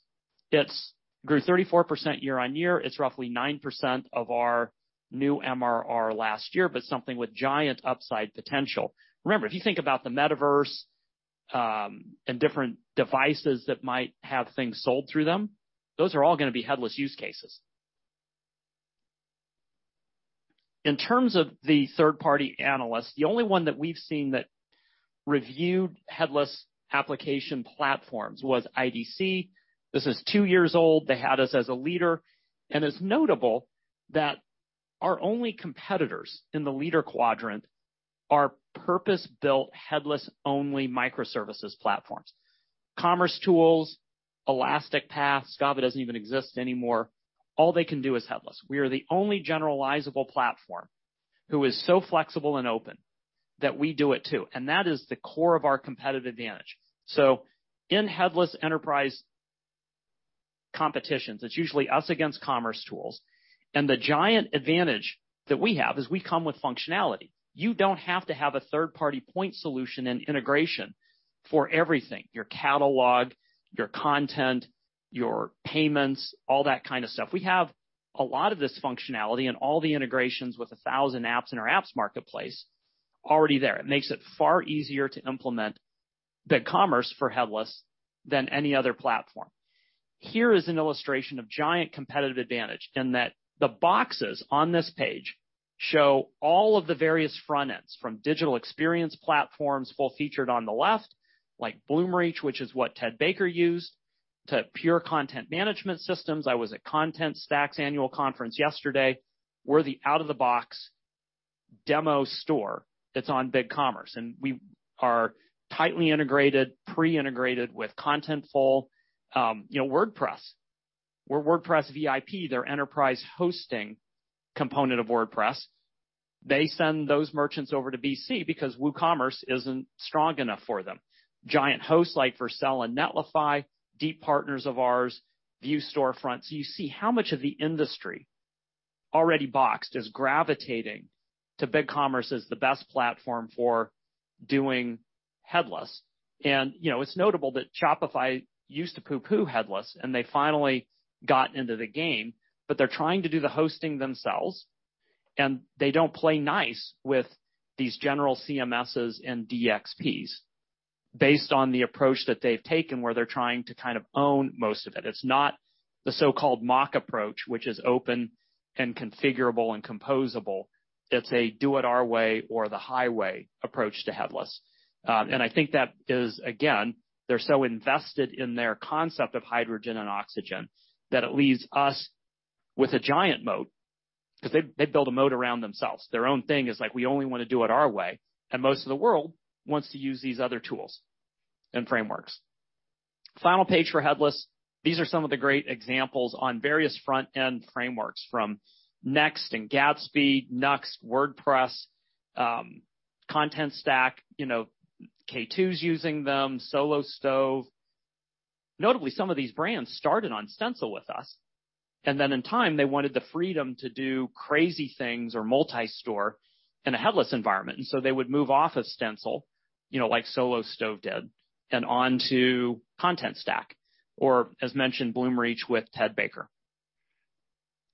it's grew 34% year-over-year. It's roughly 9% of our new MRR last year, but something with giant upside potential. Remember, if you think about the metaverse, and different devices that might have things sold through them, those are all gonna be headless use cases. In terms of the third-party analysts, the only one that we've seen that reviewed headless application platforms was IDC. This is two years old. They had us as a leader. It's notable that our only competitors in the leader quadrant are purpose-built, headless-only microservices platforms, commercetools, Elastic Path, Skava doesn't even exist anymore. All they can do is headless. We are the only generalizable platform who is so flexible and open that we do it too, and that is the core of our competitive advantage. In headless enterprise competitions, it's usually us against commercetools. The giant advantage that we have is we come with functionality. You don't have to have a third-party point solution and integration for everything, your catalog, your content, your payments, all that kind of stuff. We have a lot of this functionality and all the integrations with 1,000 apps in our apps marketplace already there. It makes it far easier to implement BigCommerce for headless than any other platform. Here is an illustration of giant competitive advantage in that the boxes on this page show all of the various front ends, from digital experience platforms, full-featured on the left, like Bloomreach, which is what Ted Baker used, to pure content management systems. I was at Contentstack's annual conference yesterday. We're the out-of-the-box demo store that's on BigCommerce, and we are tightly integrated, pre-integrated with Contentful. You know, WordPress. We're WordPress VIP, their enterprise hosting component of WordPress. They send those merchants over to BC because WooCommerce isn't strong enough for them. Giant hosts like Vercel and Netlify, deep partners of ours, Vue Storefront. You see how much of the industry already, Box, is gravitating to BigCommerce as the best platform for doing headless. You know, it's notable that Shopify used to pooh-pooh headless, and they finally got into the game, but they're trying to do the hosting themselves, and they don't play nice with these general CMSs and DXPs based on the approach that they've taken, where they're trying to kind of own most of it. It's not the so-called MACH approach, which is open and configurable and composable. It's a do it our way or the highway approach to headless. I think that is again, they're so invested in their concept of hydrogen and oxygen that it leaves us with a giant moat, 'cause they built a moat around themselves. Their own thing is like, we only wanna do it our way, and most of the world wants to use these other tools and frameworks. Final page for headless. These are some of the great examples on various front-end frameworks from Next and Gatsby, Nuxt, WordPress, Contentstack, you know, K2's using them, Solo Stove. Notably, some of these brands started on Stencil with us, and then in time they wanted the freedom to do crazy things or multi-store in a headless environment. They would move off of Stencil, you know, like Solo Stove did, and onto Contentstack or as mentioned, Bloomreach with Ted Baker.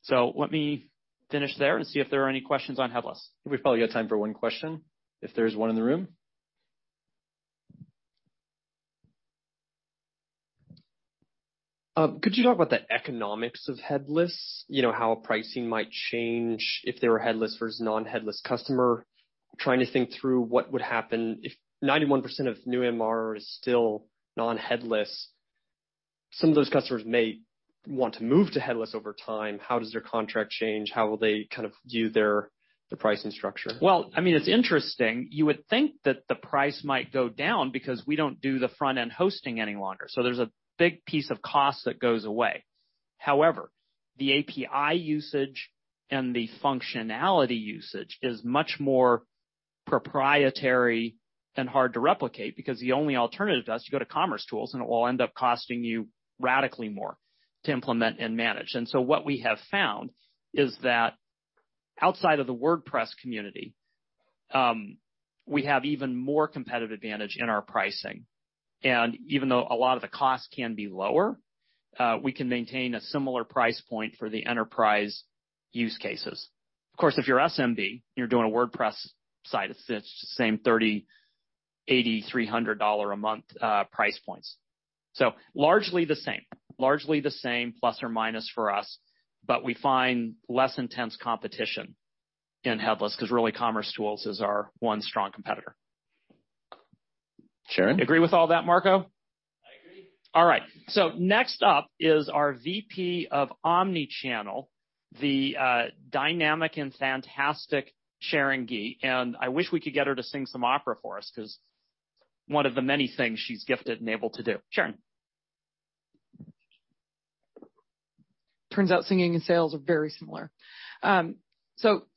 Let me finish there and see if there are any questions on headless. We've probably got time for one question if there's one in the room. Could you talk about the economics of headless? You know, how pricing might change if they were headless versus non-headless customer. Trying to think through what would happen if 91% of new MR is still non-headless. Some of those customers may want to move to headless over time. How does their contract change? How will they kind of view their, the pricing structure? Well, I mean, it's interesting. You would think that the price might go down because we don't do the front-end hosting any longer, so there's a big piece of cost that goes away. However, the API usage and the functionality usage is much more proprietary and hard to replicate because the only alternative to us, you go to commercetools, and it will end up costing you radically more to implement and manage. And so what we have found is that outside of the WordPress community, we have even more competitive advantage in our pricing. And even though a lot of the costs can be lower, we can maintain a similar price point for the enterprise use cases. Of course, if you're SMB, you're doing a WordPress site, it's the same $30, $80, $300 a month price points. Largely the same. Largely the same plus or minus for us, but we find less intense competition in headless 'cause really commercetools is our one strong competitor. Sharon? Agree with all that, Marco? I agree. All right. Next up is our VP of Omnichannel, the dynamic and fantastic Sharon Gee. I wish we could get her to sing some opera for us 'cause one of the many things she's gifted and able to do. Sharon. Turns out singing and sales are very similar.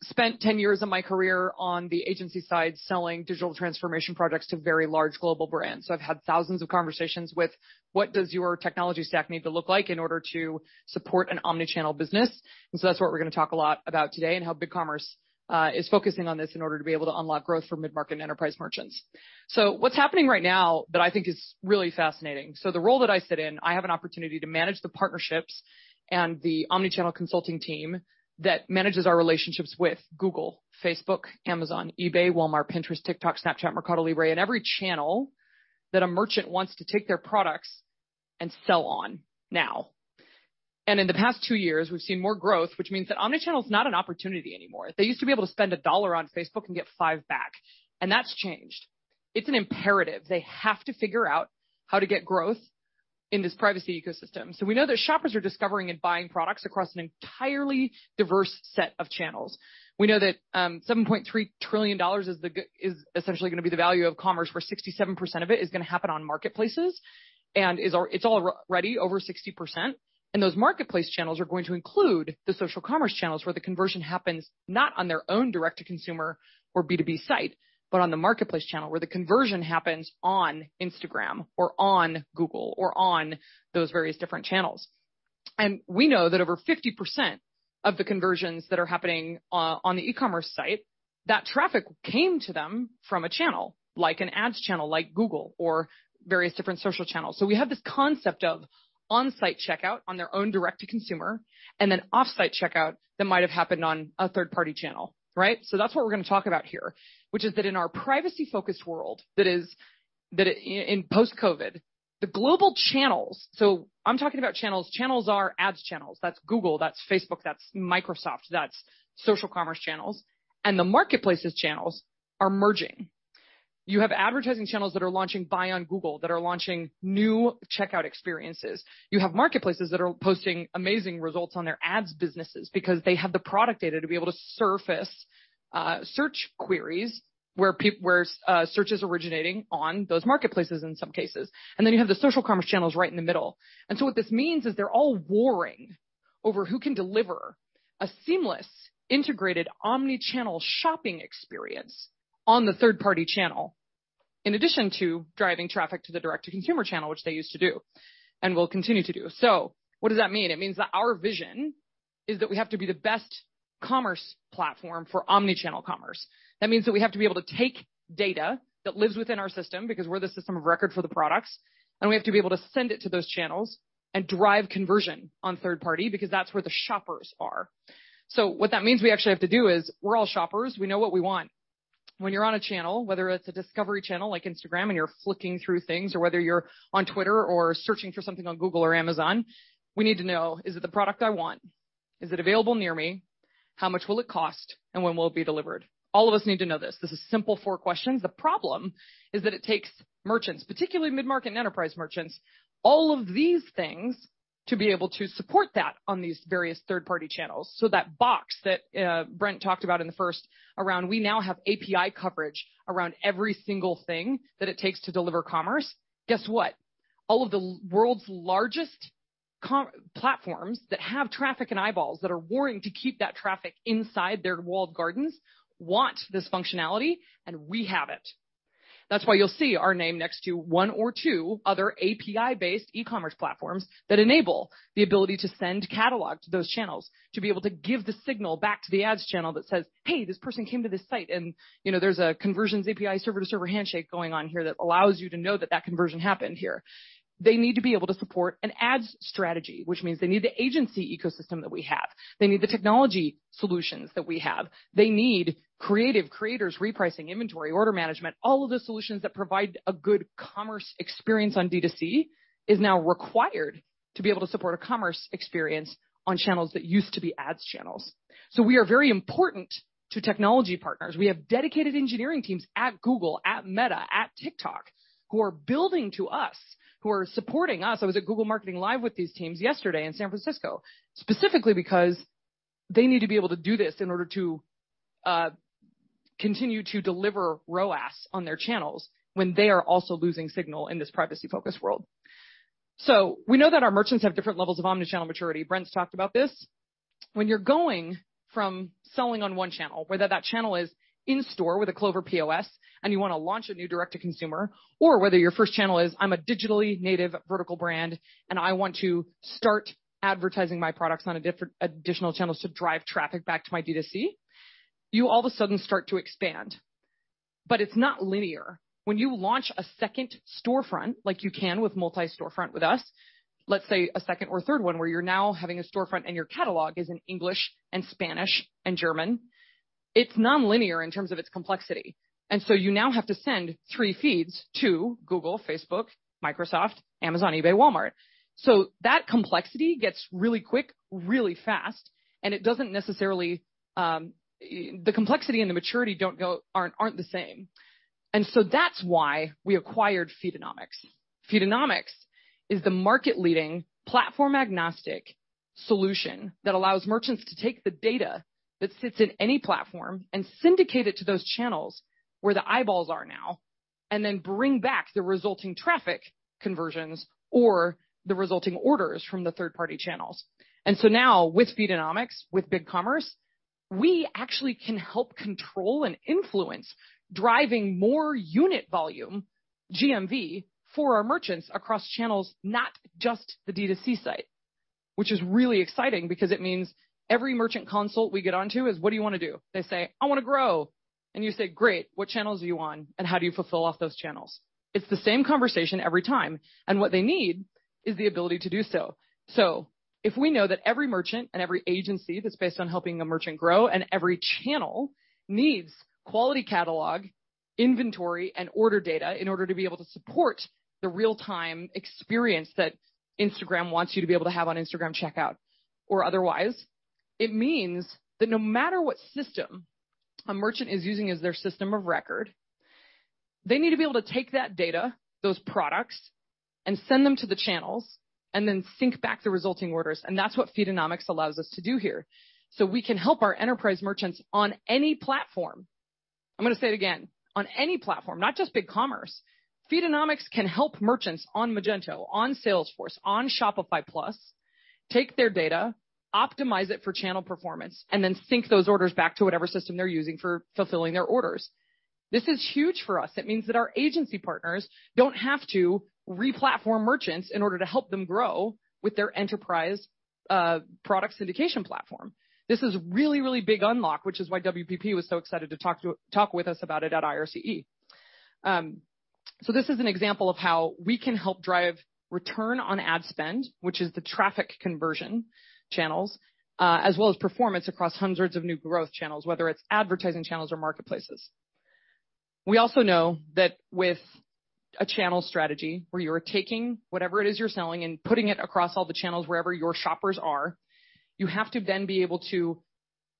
Spent 10 years of my career on the agency side, selling digital transformation projects to very large global brands. I've had thousands of conversations with what does your technology stack need to look like in order to support an omni-channel business. That's what we're gonna talk a lot about today and how BigCommerce is focusing on this in order to be able to unlock growth for mid-market and enterprise merchants. What's happening right now that I think is really fascinating. The role that I sit in, I have an opportunity to manage the partnerships and the omni-channel consulting team that manages our relationships with Google, Facebook, Amazon, eBay, Walmart, Pinterest, TikTok, Snapchat, Mercado Libre, and every channel that a merchant wants to take their products and sell on now. In the past two years, we've seen more growth, which means that Omnichannel is not an opportunity anymore. They used to be able to spend $1 on Facebook and get $5 back, and that's changed. It's an imperative. They have to figure out how to get growth in this privacy ecosystem. We know that shoppers are discovering and buying products across an entirely diverse set of channels. We know that $7.3 trillion Is essentially gonna be the value of commerce, where 67% of it is gonna happen on marketplaces, it's already over 60%, and those marketplace channels are going to include the social commerce channels, where the conversion happens not on their own direct to consumer or B2B site, but on the marketplace channel, where the conversion happens on Instagram or on Google or on those various different channels. We know that over 50% of the conversions that are happening on the e-commerce site, that traffic came to them from a channel, like an ads channel, like Google or various different social channels. We have this concept of on-site checkout on their own direct to consumer, and then off-site checkout that might have happened on a third-party channel, right? That's what we're gonna talk about here, which is that in our privacy-focused world, that is, that in post-COVID, the global channels. I'm talking about channels. Channels are ads channels. That's Google, that's Facebook, that's Microsoft, that's social commerce channels, and the marketplace's channels are merging. You have advertising channels that are launching buy on Google, that are launching new checkout experiences. You have marketplaces that are posting amazing results on their ads businesses because they have the product data to be able to surface search queries where search is originating on those marketplaces in some cases. And then you have the social commerce channels right in the middle. What this means is they're all warring over who can deliver a seamless, integrated, omni-channel shopping experience on the third party channel, in addition to driving traffic to the direct to consumer channel, which they used to do and will continue to do. What does that mean? It means that our vision is that we have to be the best commerce platform for omni-channel commerce. That means that we have to be able to take data that lives within our system, because we're the system of record for the products, and we have to be able to send it to those channels and drive conversion on third party because that's where the shoppers are. What that means we actually have to do is we're all shoppers. We know what we want. When you're on a channel, whether it's a discovery channel like Instagram and you're flicking through things, or whether you're on Twitter or searching for something on Google or Amazon, we need to know, is it the product I want? Is it available near me? How much will it cost, and when will it be delivered? All of us need to know this. This is simply four questions. The problem is that it takes merchants, particularly mid-market and enterprise merchants, all of these things to be able to support that on these various third-party channels. That box that Brent talked about in the first round, we now have API coverage around every single thing that it takes to deliver commerce. Guess what? All of the world's largest commerce platforms that have traffic and eyeballs that are warring to keep that traffic inside their walled gardens want this functionality, and we have it. That's why you'll see our name next to one or two other API-based e-commerce platforms that enable the ability to send catalog to those channels, to be able to give the signal back to the ads channel that says, "Hey, this person came to this site," and, you know, there's a Conversions API server-to-server handshake going on here that allows you to know that that conversion happened here. They need to be able to support an ads strategy, which means they need the agency ecosystem that we have. They need the technology solutions that we have. They need creative creators, repricing inventory, order management. All of the solutions that provide a good commerce experience on D2C is now required to be able to support a commerce experience on channels that used to be ads channels. We are very important to technology partners. We have dedicated engineering teams at Google, at Meta, at TikTok who are building to us, who are supporting us. I was at Google Marketing Live with these teams yesterday in San Francisco, specifically because they need to be able to do this in order to continue to deliver ROAS on their channels when they are also losing signal in this privacy focused world. We know that our merchants have different levels of Omnichannel maturity. Brent's talked about this. When you're going from selling on one channel, whether that channel is in store with a Clover POS and you wanna launch a new direct-to-consumer, or whether your first channel is, "I'm a digitally native vertical brand, and I want to start advertising my products on a different additional channels to drive traffic back to my D2C," you all of a sudden start to expand. It's not linear. When you launch a second storefront like you can with multi-storefront with us, let's say a second or third one, where you're now having a storefront and your catalog is in English and Spanish and German, it's nonlinear in terms of its complexity. You now have to send three feeds to Google, Facebook, Microsoft, Amazon, eBay, Walmart. That complexity gets really quick, really fast, and it doesn't necessarily, the complexity and the maturity aren't the same. That's why we acquired Feedonomics. Feedonomics is the market-leading platform-agnostic solution that allows merchants to take the data that sits in any platform and syndicate it to those channels where the eyeballs are now and then bring back the resulting traffic conversions or the resulting orders from the third-party channels. Now with Feedonomics, with BigCommerce, we actually can help control and influence driving more unit volume GMV for our merchants across channels, not just the D2C site, which is really exciting because it means every merchant consult we get onto is, "What do you wanna do?" They say, "I wanna grow." And you say, "Great. What channels are you on, and how do you fulfill off those channels?" It's the same conversation every time, and what they need is the ability to do so. If we know that every merchant and every agency that's based on helping a merchant grow and every channel needs quality catalog, inventory, and order data in order to be able to support the real-time experience that Instagram wants you to be able to have on Instagram checkout or otherwise, it means that no matter what system a merchant is using as their system of record, they need to be able to take that data, those products, and send them to the channels and then sync back the resulting orders, and that's what Feedonomics allows us to do here. We can help our enterprise merchants on any platform. I'm gonna say it again, on any platform, not just BigCommerce. Feedonomics can help merchants on Magento, on Salesforce, on Shopify Plus, take their data, optimize it for channel performance, and then sync those orders back to whatever system they're using for fulfilling their orders. This is huge for us. It means that our agency partners don't have to re-platform merchants in order to help them grow with their enterprise product syndication platform. This is really, really big unlock, which is why WPP was so excited to talk with us about it at IRCE. This is an example of how we can help drive return on ad spend, which is the traffic conversion channels, as well as performance across hundreds of new growth channels, whether it's advertising channels or marketplaces. We also know that with a channel strategy where you're taking whatever it is you're selling and putting it across all the channels wherever your shoppers are, you have to then be able to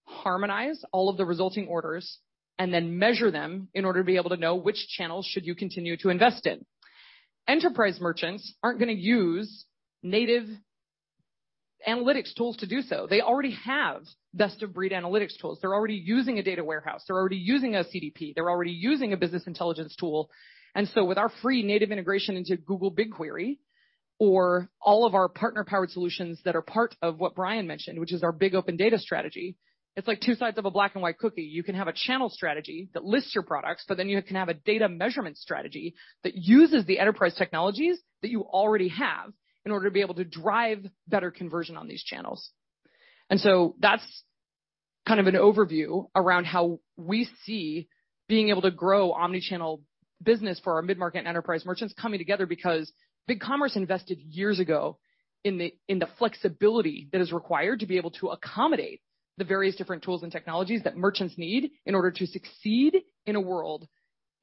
harmonize all of the resulting orders and then measure them in order to be able to know which channels should you continue to invest in. Enterprise merchants aren't gonna use native analytics tools to do so. They already have best-of-breed analytics tools. They're already using a data warehouse. They're already using a CDP. They're already using a business intelligence tool. With our free native integration into Google BigQuery or all of our partner-powered solutions that are part of what Brian mentioned, which is our big open data strategy, it's like two sides of a black and white cookie. You can have a channel strategy that lists your products, but then you can have a data measurement strategy that uses the enterprise technologies that you already have in order to be able to drive better conversion on these channels. That's kind of an overview around how we see being able to grow Omnichannel business for our mid-market and enterprise merchants coming together because BigCommerce invested years ago in the, in the flexibility that is required to be able to accommodate the various different tools and technologies that merchants need in order to succeed in a world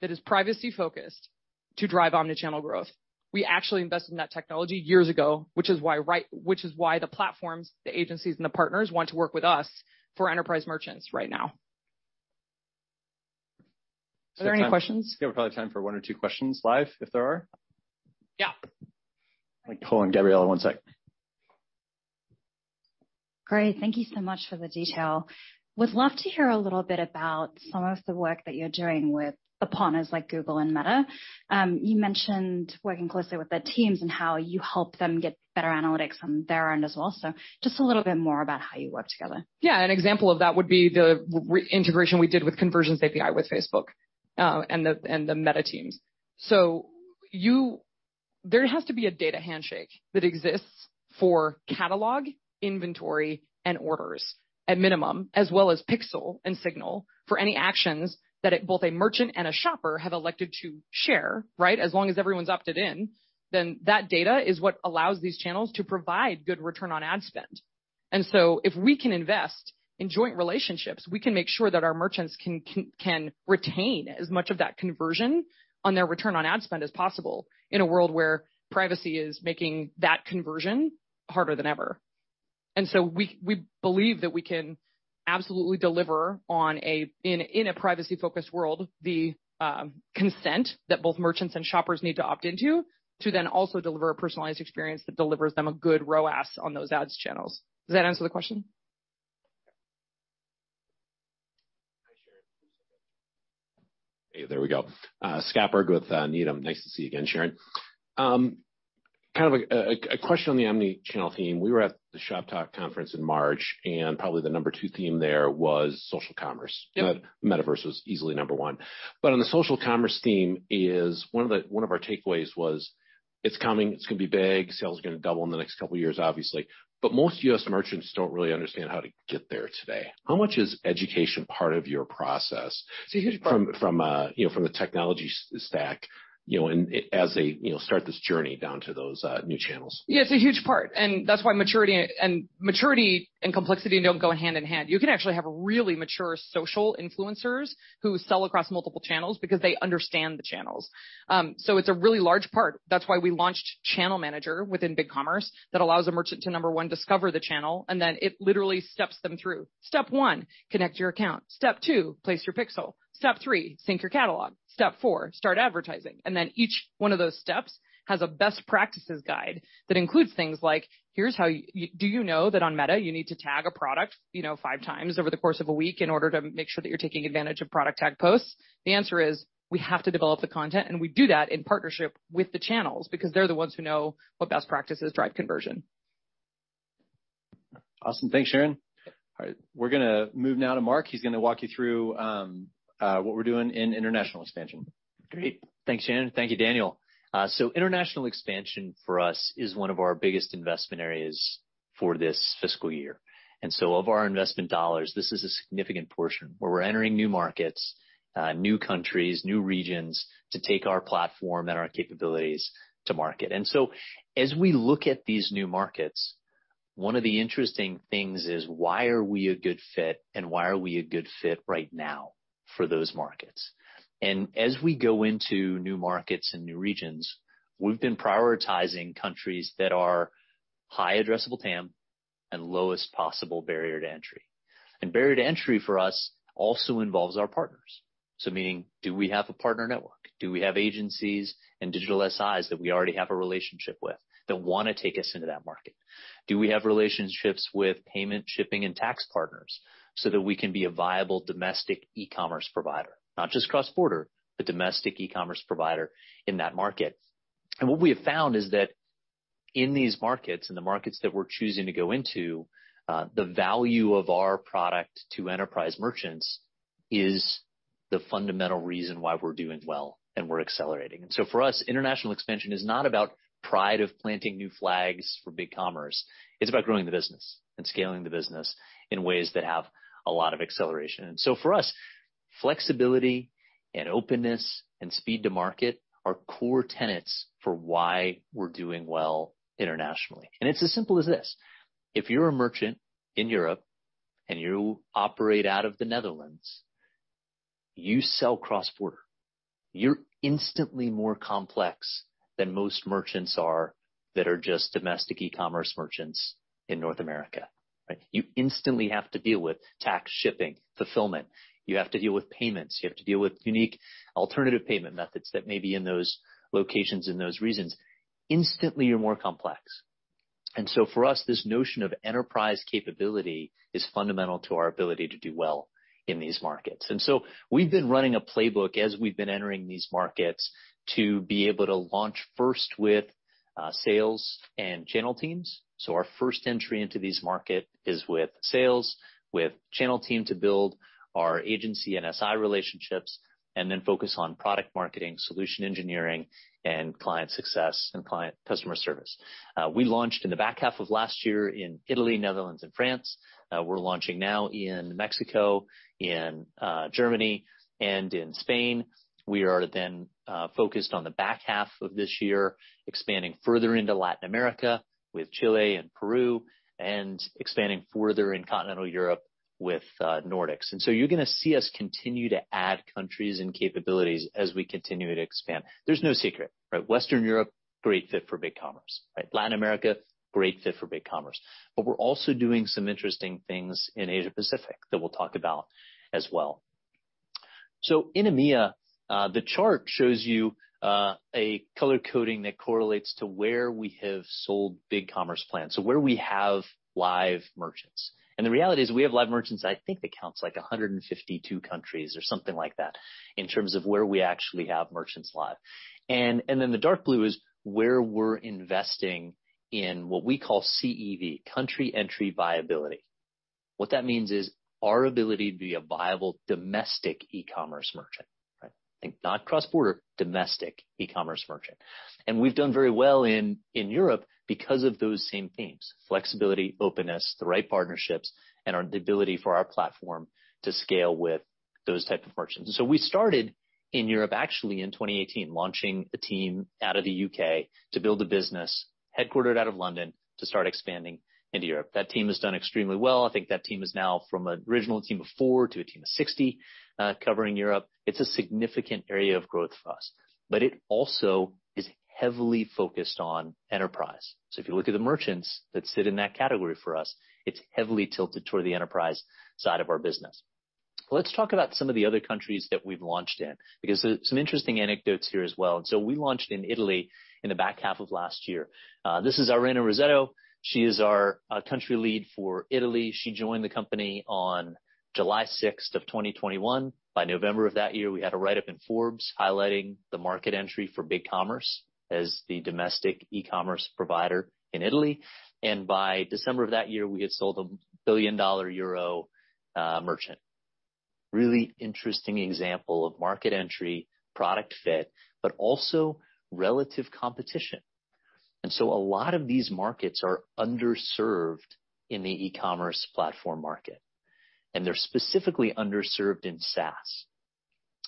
that is privacy-focused to drive omni-channel growth. We actually invested in that technology years ago, which is why the platforms, the agencies, and the partners want to work with us for enterprise merchants right now. Are there any questions? Yeah, we probably have time for one or two questions live, if there are. Yeah. Let me call on Gabriela, one sec. Great. Thank you so much for the detail. Would love to hear a little bit about some of the work that you're doing with the partners like Google and Meta. You mentioned working closely with the teams and how you help them get better analytics on their end as well. Just a little bit more about how you work together. Yeah. An example of that would be the re-integration we did with Conversions API with Facebook and the Meta teams. There has to be a data handshake that exists for catalog, inventory, and orders at minimum, as well as pixel and signal for any actions that both a merchant and a shopper have elected to share, right? As long as everyone's opted in, then that data is what allows these channels to provide good return on ad spend. If we can invest in joint relationships, we can make sure that our merchants can retain as much of that conversion on their return on ad spend as possible in a world where privacy is making that conversion harder than ever. We believe that we can absolutely deliver on, in a privacy-focused world, the consent that both merchants and shoppers need to opt into to then also deliver a personalized experience that delivers them a good ROAS on those ads channels. Does that answer the question? Hey, there we go. Scott Berg with Needham. Nice to see you again, Sharon. Kind of a question on the Omnichannel theme. We were at the Shoptalk conference in March, and probably the number two theme there was social commerce. Yep. Metaverse was easily number one. On the social commerce theme, one of our takeaways was it's coming, it's gonna be big, sales are gonna double in the next couple of years, obviously. Most U.S. merchants don't really understand how to get there today. How much is education part of your process from, you know, from the technology stack, you know, and as they, you know, start this journey down to those new channels? Yeah, it's a huge part. That's why maturity and complexity don't go hand in hand. You can actually have really mature social influencers who sell across multiple channels because they understand the channels. It's a really large part. That's why we launched Channel Manager within BigCommerce that allows a merchant to, number one, discover the channel, and then it literally steps them through. Step one, connect your account. Step two, place your pixel. Step three, sync your catalog. Step four, start advertising. Then each one of those steps has a best practices guide that includes things like, here's how you do you know that on Meta, you need to tag a product, you know, five times over the course of a week in order to make sure that you're taking advantage of product tag posts. The answer is, we have to develop the content, and we do that in partnership with the channels because they're the ones who know what best practices drive conversion. Awesome. Thanks, Sharon. All right, we're gonna move now to Marc. He's gonna walk you through what we're doing in international expansion. Great. Thanks, Sharon. Thank you, Daniel. International expansion for us is one of our biggest investment areas for this fiscal year. Of our investment dollars, this is a significant portion where we're entering new markets, new countries, new regions to take our platform and our capabilities to market. As we look at these new markets, one of the interesting things is why are we a good fit and why are we a good fit right now for those markets? As we go into new markets and new regions, we've been prioritizing countries that are high addressable TAM and lowest possible barrier to entry. Barrier to entry for us also involves our partners. Meaning, do we have a partner network? Do we have agencies and digital SIs that we already have a relationship with that wanna take us into that market? Do we have relationships with payment, shipping, and tax partners so that we can be a viable domestic e-commerce provider, not just cross-border, but domestic e-commerce provider in that market? What we have found is that in these markets, in the markets that we're choosing to go into, the value of our product to enterprise merchants is the fundamental reason why we're doing well and we're accelerating. For us, international expansion is not about pride of planting new flags for BigCommerce. It's about growing the business and scaling the business in ways that have a lot of acceleration. For us, flexibility and openness and speed to market are core tenets for why we're doing well internationally. It's as simple as this. If you're a merchant in Europe and you operate out of the Netherlands, you sell cross-border. You're instantly more complex than most merchants are that are just domestic e-commerce merchants in North America, right? You instantly have to deal with tax shipping, fulfillment. You have to deal with payments. You have to deal with unique alternative payment methods that may be in those locations in those regions. Instantly, you're more complex. For us, this notion of enterprise capability is fundamental to our ability to do well in these markets. We've been running a playbook as we've been entering these markets to be able to launch first with sales and channel teams. Our first entry into these markets is with sales, with channel team to build our agency and SI relationships and then focus on product marketing, solution engineering and client success and client customer service. We launched in the back half of last year in Italy, Netherlands and France. We're launching now in Mexico, in Germany and in Spain. We are then focused on the back half of this year, expanding further into Latin America with Chile and Peru, and expanding further in Continental Europe with Nordics. You're gonna see us continue to add countries and capabilities as we continue to expand. There's no secret, right? Western Europe, great fit for BigCommerce, right? Latin America, great fit for BigCommerce. We're also doing some interesting things in Asia-Pacific that we'll talk about as well. In EMEA, the chart shows you a color coding that correlates to where we have sold BigCommerce plans, so where we have live merchants. The reality is we have live merchants, I think the count's like 152 countries or something like that, in terms of where we actually have merchants live. The dark blue is where we're investing in what we call CEV, country entry viability. What that means is our ability to be a viable domestic e-commerce merchant. Right? Think not cross-border, domestic e-commerce merchant. We've done very well in Europe because of those same themes, flexibility, openness, the right partnerships, and our, the ability for our platform to scale with those type of merchants. We started in Europe, actually in 2018, launching a team out of the U.K. to build a business headquartered out of London to start expanding into Europe. That team has done extremely well. I think that team is now from an original team of four to a team of 60, covering Europe. It's a significant area of growth for us. It also is heavily focused on enterprise. If you look at the merchants that sit in that category for us, it's heavily tilted toward the enterprise side of our business. Let's talk about some of the other countries that we've launched in, because there's some interesting anecdotes here as well. We launched in Italy in the back half of last year. This is Irene Rossetto. She is our country lead for Italy. She joined the company on July 6, of 2021. By November of that year, we had a write-up in Forbes highlighting the market entry for BigCommerce as the domestic e-commerce provider in Italy. By December of that year, we had sold a 1 billion euro merchant. Really interesting example of market entry, product fit, but also relative competition. A lot of these markets are underserved in the e-commerce platform market, and they're specifically underserved in SaaS.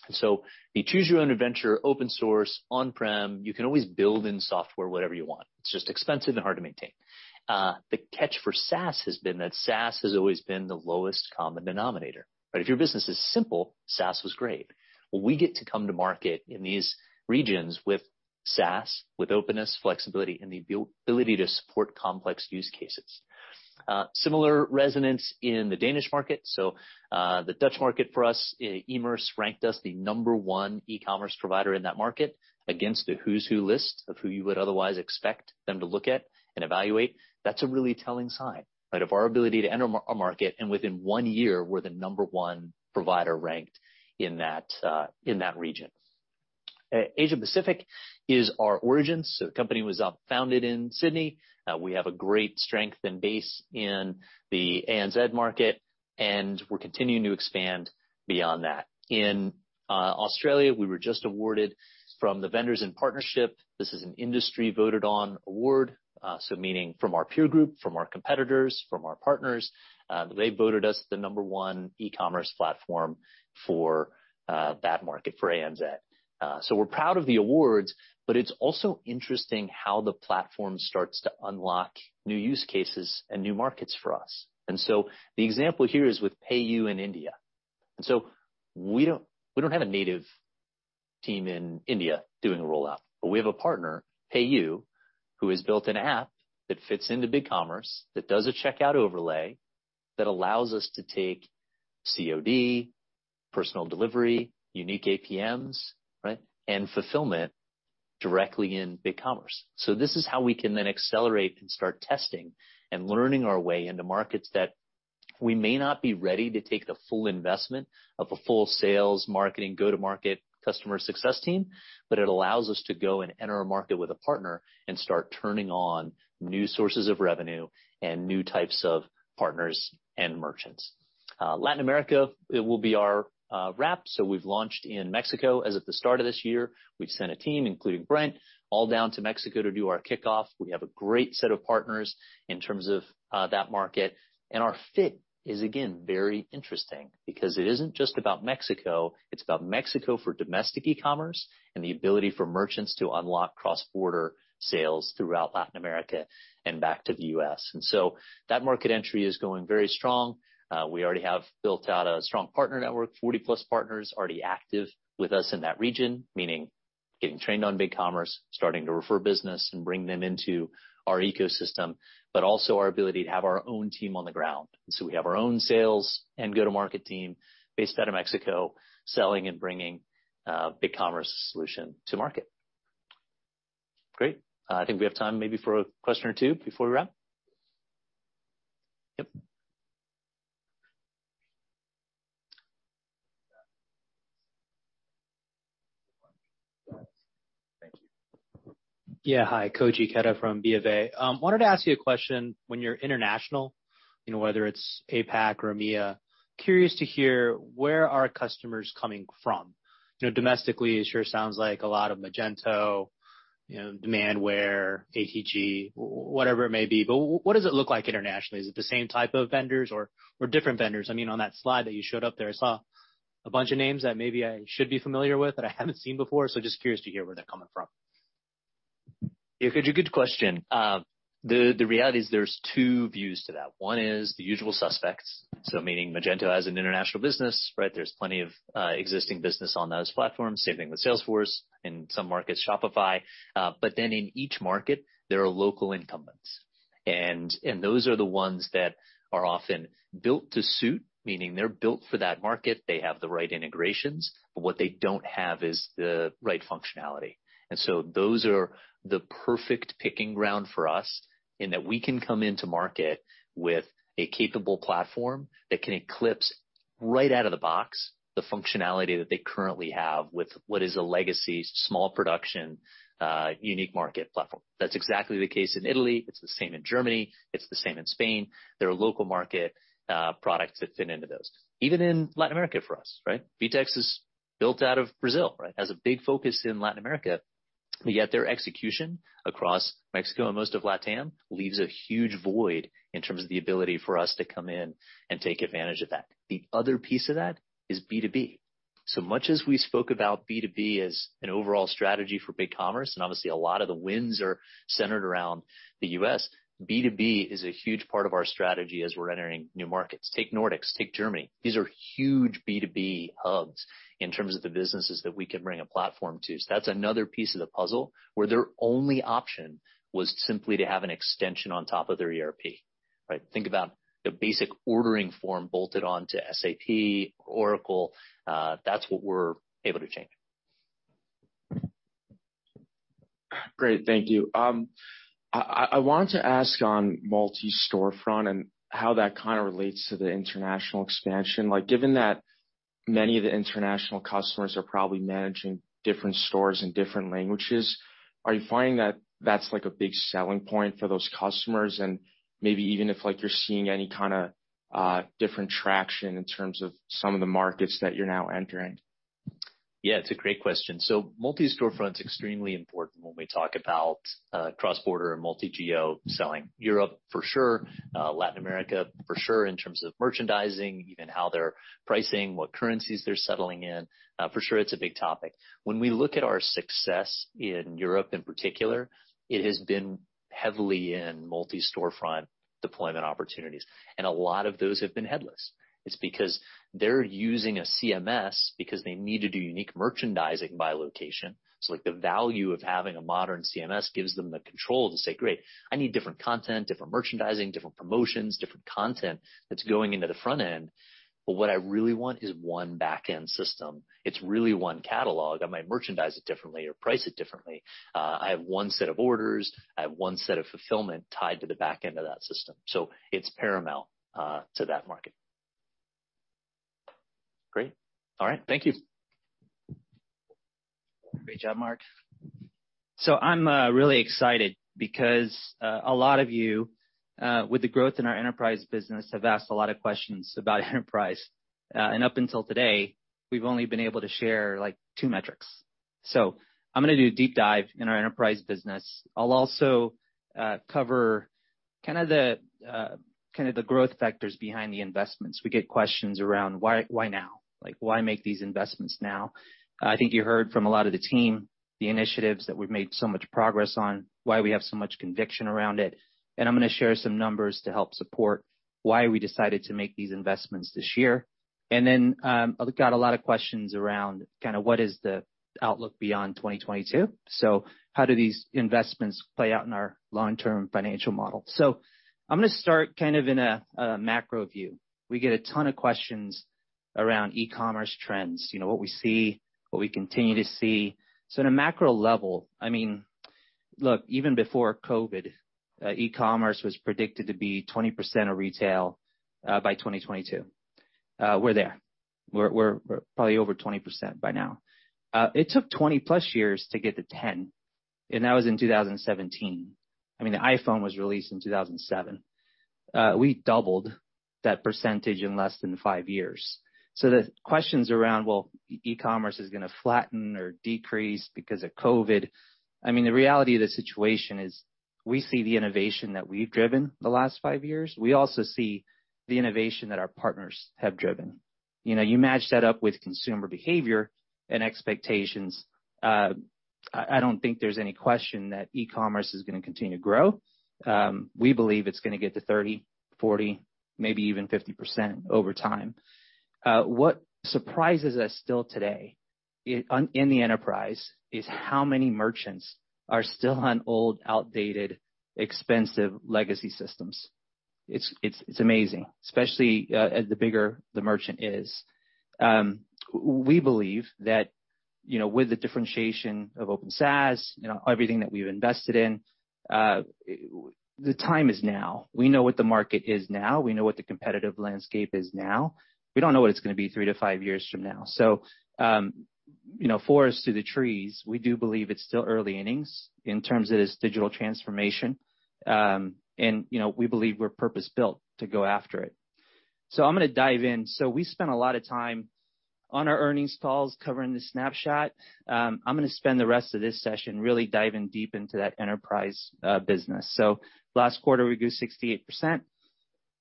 BigCommerce, choose your own adventure, open source, on-prem, you can always build in software, whatever you want. It's just expensive and hard to maintain. The catch for SaaS has been that SaaS has always been the lowest common denominator. If your business is simple, SaaS was great. Well, we get to come to market in these regions with SaaS, with openness, flexibility and the ability to support complex use cases. Similar resonance in the Danish market. The Dutch market for us, Emerce ranked us the number one e-commerce provider in that market against a who's who list of who you would otherwise expect them to look at and evaluate. That's a really telling sign, right? Of our ability to enter market, and within one year, we're the number one provider ranked in that, in that region. Asia-Pacific is our origin. The company was founded in Sydney. We have a great strength and base in the ANZ market, and we're continuing to expand beyond that. In Australia, we were just awarded from the vendors in partnership. This is an industry voted on award, meaning from our peer group, from our competitors, from our partners. They voted us the number one e-commerce platform for that market for ANZ. We're proud of the awards, but it's also interesting how the platform starts to unlock new use cases and new markets for us. The example here is with PayU in India. We don't have a native team in India doing a rollout, but we have a partner, PayU, who has built an app that fits into BigCommerce, that does a checkout overlay that allows us to take COD, personal delivery, unique APMs, right? Fulfillment directly in BigCommerce. This is how we can then accelerate and start testing and learning our way into markets that we may not be ready to take the full investment of a full sales marketing go-to-market customer success team, but it allows us to go and enter a market with a partner and start turning on new sources of revenue and new types of partners and merchants. Latin America, it will be our next. We've launched in Mexico as of the start of this year. We've sent a team, including Brent, all down to Mexico to do our kickoff. We have a great set of partners in terms of that market. Our fit is again very interesting because it isn't just about Mexico, it's about Mexico for domestic e-commerce and the ability for merchants to unlock cross-border sales throughout Latin America and back to the U.S. That market entry is going very strong. We already have built out a strong partner network, 40-plus partners already active with us in that region, meaning getting trained on BigCommerce, starting to refer business and bring them into our ecosystem, but also our ability to have our own team on the ground. We have our own sales and go-to-market team based out of Mexico, selling and bringing BigCommerce solution to market. Great. I think we have time maybe for a question or two before we wrap. Yep. Thank you. Yeah. Hi, Koji Ikeda from B of A. Wanted to ask you a question. When you're international, you know, whether it's APAC or EMEA, curious to hear where are customers coming from? You know, domestically, it sure sounds like a lot of Magento, you know, Demandware, ATG, whatever it may be. But what does it look like internationally? Is it the same type of vendors or different vendors? I mean, on that slide that you showed up there, I saw a bunch of names that maybe I should be familiar with that I haven't seen before, so just curious to hear where they're coming from. Yeah, Koji, good question. The reality is there's two views to that. One is the usual suspects, so meaning Magento as an international business, right? There's plenty of existing business on those platforms. Same thing with Salesforce, in some markets Shopify. But then in each market, there are local incumbents, and those are the ones that are often built to suit, meaning they're built for that market. They have the right integrations, but what they don't have is the right functionality. Those are the perfect picking ground for us in that we can come into market with a capable platform that can eclipse right out of the box the functionality that they currently have with what is a legacy small production, unique market platform. That's exactly the case in Italy, it's the same in Germany, it's the same in Spain. There are local market products that fit into those. Even in Latin America for us, right? VTEX is built out of Brazil, right? Has a big focus in Latin America, but yet their execution across Mexico and most of LatAm leaves a huge void in terms of the ability for us to come in and take advantage of that. The other piece of that is B2B. So much as we spoke about B2B as an overall strategy for BigCommerce, and obviously a lot of the wins are centered around the U.S., B2B is a huge part of our strategy as we're entering new markets. Take Nordics, take Germany. These are huge B2B hubs in terms of the businesses that we can bring a platform to. So that's another piece of the puzzle where their only option was simply to have an extension on top of their ERP, right? Think about the basic ordering form bolted onto SAP, Oracle. That's what we're able to change. Great. Thank you. I wanted to ask on multi-storefront and how that kinda relates to the international expansion. Like, given that many of the international customers are probably managing different stores in different languages, are you finding that that's like a big selling point for those customers? And maybe even if, like, you're seeing any kinda different traction in terms of some of the markets that you're now entering. Yeah, it's a great question. Multi-storefront's extremely important when we talk about cross-border and multi-geo selling. Europe for sure, Latin America for sure in terms of merchandising, even how they're pricing, what currencies they're settling in. For sure it's a big topic. When we look at our success in Europe in particular, it has been heavily in multi-storefront deployment opportunities, and a lot of those have been headless. It's because they're using a CMS because they need to do unique merchandising by location. Like, the value of having a modern CMS gives them the control to say, "Great, I need different content, different merchandising, different promotions, different content that's going into the front end. But what I really want is one backend system. It's really one catalog. I might merchandise it differently or price it differently. I have one set of orders, I have one set of fulfillment tied to the back end of that system." It's paramount to that market. Great. All right. Thank you. Great job, Marc. I'm really excited because a lot of you with the growth in our enterprise business have asked a lot of questions about enterprise. Up until today, we've only been able to share, like, two metrics. I'm gonna do a deep dive in our enterprise business. I'll also cover kinda the growth factors behind the investments. We get questions around why now? Like, why make these investments now? I think you heard from a lot of the team the initiatives that we've made so much progress on, why we have so much conviction around it, and I'm gonna share some numbers to help support why we decided to make these investments this year. I've got a lot of questions around kinda what is the outlook beyond 2022. How do these investments play out in our long-term financial model? I'm gonna start kind of in a macro view. We get a ton of questions around e-commerce trends, you know, what we see, what we continue to see. At a macro level, I mean, look, even before COVID, e-commerce was predicted to be 20% of retail by 2022. We're there. We're probably over 20% by now. It took 20-plus years to get to 10, and that was in 2017. I mean, the iPhone was released in 2007. We doubled that percentage in less than five years. The questions around, well, e-commerce is gonna flatten or decrease because of COVID, I mean, the reality of the situation is we see the innovation that we've driven the last five years. We also see the innovation that our partners have driven. You match that up with consumer behavior and expectations. I don't think there's any question that e-commerce is gonna continue to grow. We believe it's gonna get to 30, 40, maybe even 50% over time. What surprises us still today in the enterprise is how many merchants are still on old, outdated, expensive legacy systems. It's amazing, especially the bigger the merchant is. We believe that with the differentiation of Open SaaS, everything that we've invested in. The time is now. We know what the market is now. We know what the competitive landscape is now. We don't know what it's gonna be three to five years from now. Forest through the trees, we do believe it's still early innings in terms of this digital transformation. We believe we're purpose-built to go after it. I'm gonna dive in. We spent a lot of time on our earnings calls covering the snapshot. I'm gonna spend the rest of this session really diving deep into that enterprise business. Last quarter, we grew 68%.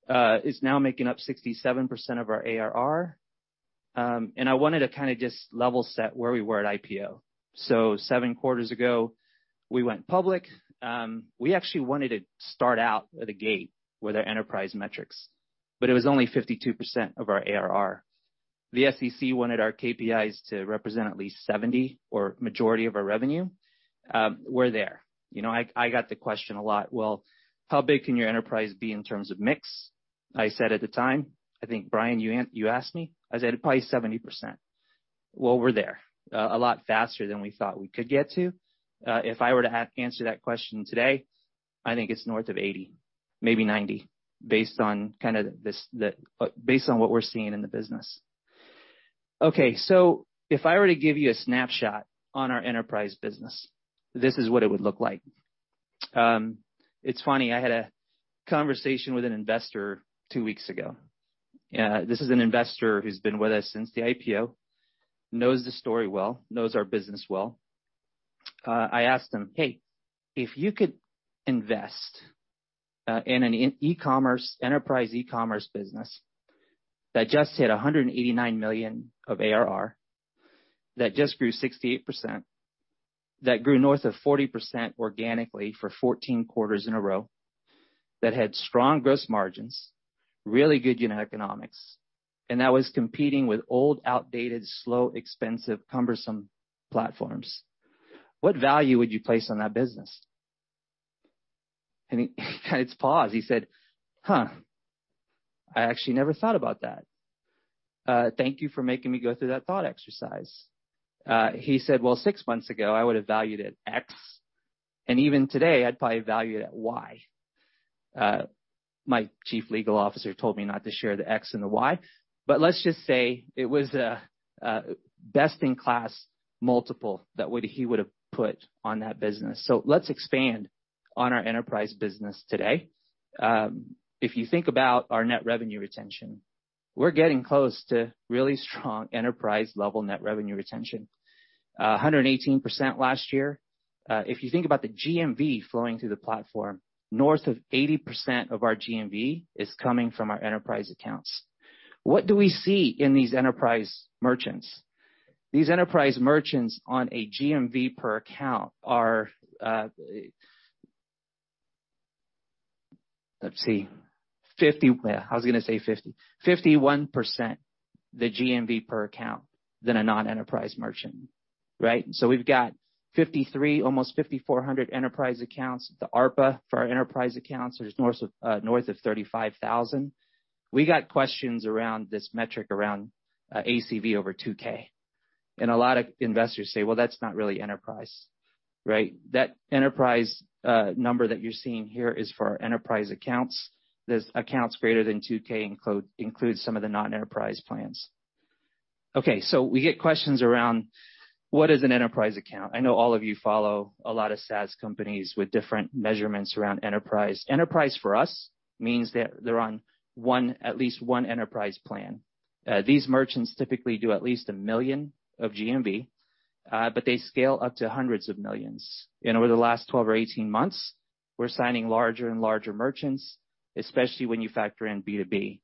It's now making up 67% of our ARR. I wanted to kinda just level set where we were at IPO. Seven quarters ago, we went public. We actually wanted to start out at a gate with our enterprise metrics, but it was only 52% of our ARR. The SEC wanted our KPIs to represent at least 70 or majority of our revenue. We're there. You know, I got the question a lot, "Well, how big can your enterprise be in terms of mix?" I said at the time, I think, Brian, you asked me. I said, "Probably 70%." Well, we're there a lot faster than we thought we could get to. If I were to answer that question today, I think it's north of 80, maybe 90, based on what we're seeing in the business. Okay, so if I were to give you a snapshot on our enterprise business, this is what it would look like. It's funny, I had a conversation with an investor two weeks ago. This is an investor who's been with us since the IPO, knows the story well, knows our business well. I asked him, "Hey, if you could invest in an enterprise e-commerce business that just hit $189 million of ARR, that just grew 68%, that grew north of 40% organically for 14 quarters in a row, that had strong gross margins, really good unit economics, and that was competing with old, outdated, slow, expensive, cumbersome platforms, what value would you place on that business?" He had to pause. He said, "Huh, I actually never thought about that. Thank you for making me go through that thought exercise. He said, "Well, six months ago, I would have valued it X, and even today, I'd probably value it at Y." My chief legal officer told me not to share the X and the Y, but let's just say it was a best-in-class multiple that he would have put on that business. Let's expand on our enterprise business today. If you think about our net revenue retention, we're getting close to really strong enterprise-level net revenue retention. 118% last year. If you think about the GMV flowing through the platform, north of 80% of our GMV is coming from our enterprise accounts. What do we see in these enterprise merchants? These enterprise merchants on a GMV per account are. Let's see, 50. Well, I was gonna say 50. 51% the GMV per account than a non-enterprise merchant, right? We've got 5,300, almost 5,400 enterprise accounts. The ARPA for our enterprise accounts is north of $35,000. We got questions around this metric around ACV over $2,000. A lot of investors say, "Well, that's not really enterprise." Right? That enterprise number that you're seeing here is for our enterprise accounts. There are accounts greater than $2,000 includes some of the non-enterprise plans. Okay, we get questions around what is an enterprise account. I know all of you follow a lot of SaaS companies with different measurements around enterprise. Enterprise for us means that they're on one, at least one enterprise plan. These merchants typically do at least $1 million of GMV, but they scale up to hundreds of millions. Over the last 12 or 18 months, we're signing larger and larger merchants, especially when you factor in B2B.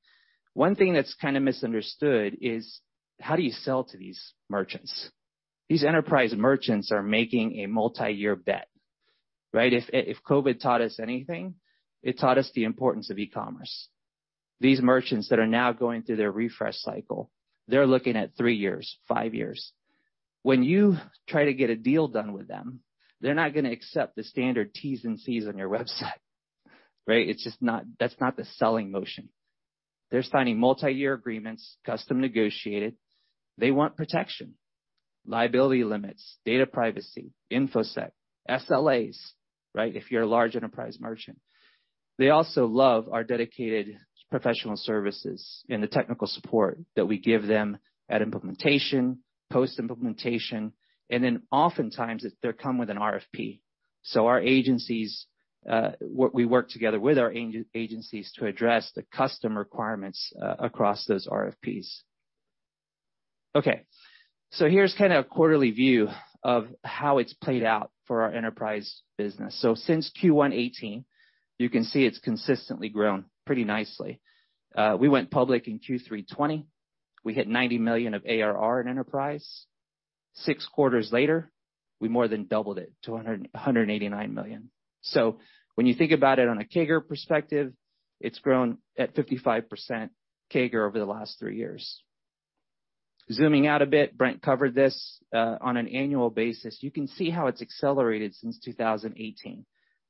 One thing that's kinda misunderstood is how do you sell to these merchants? These enterprise merchants are making a multi-year bet, right? If COVID taught us anything, it taught us the importance of e-commerce. These merchants that are now going through their refresh cycle, they're looking at three years, five years. When you try to get a deal done with them, they're not gonna accept the standard T's and C's on your website, right? It's just not. That's not the selling motion. They're signing multi-year agreements, custom negotiated. They want protection, liability limits, data privacy, infosec, SLAs, right? If you're a large enterprise merchant. They also love our dedicated professional services and the technical support that we give them at implementation, post-implementation, and then oftentimes they come with an RFP. Our agencies, we work together with our agencies to address the custom requirements across those RFPs. Okay, here is kind of a quarterly view of how it's played out for our enterprise business. Since Q1 2018, you can see it's consistently grown pretty nicely. We went public in Q3 2020. We hit $90 million of ARR in enterprise. Six quarters later, we more than doubled it to $189 million. When you think about it on a CAGR perspective, it's grown at 55% CAGR over the last three years. Zooming out a bit, Brent covered this on an annual basis. You can see how it's accelerated since 2018.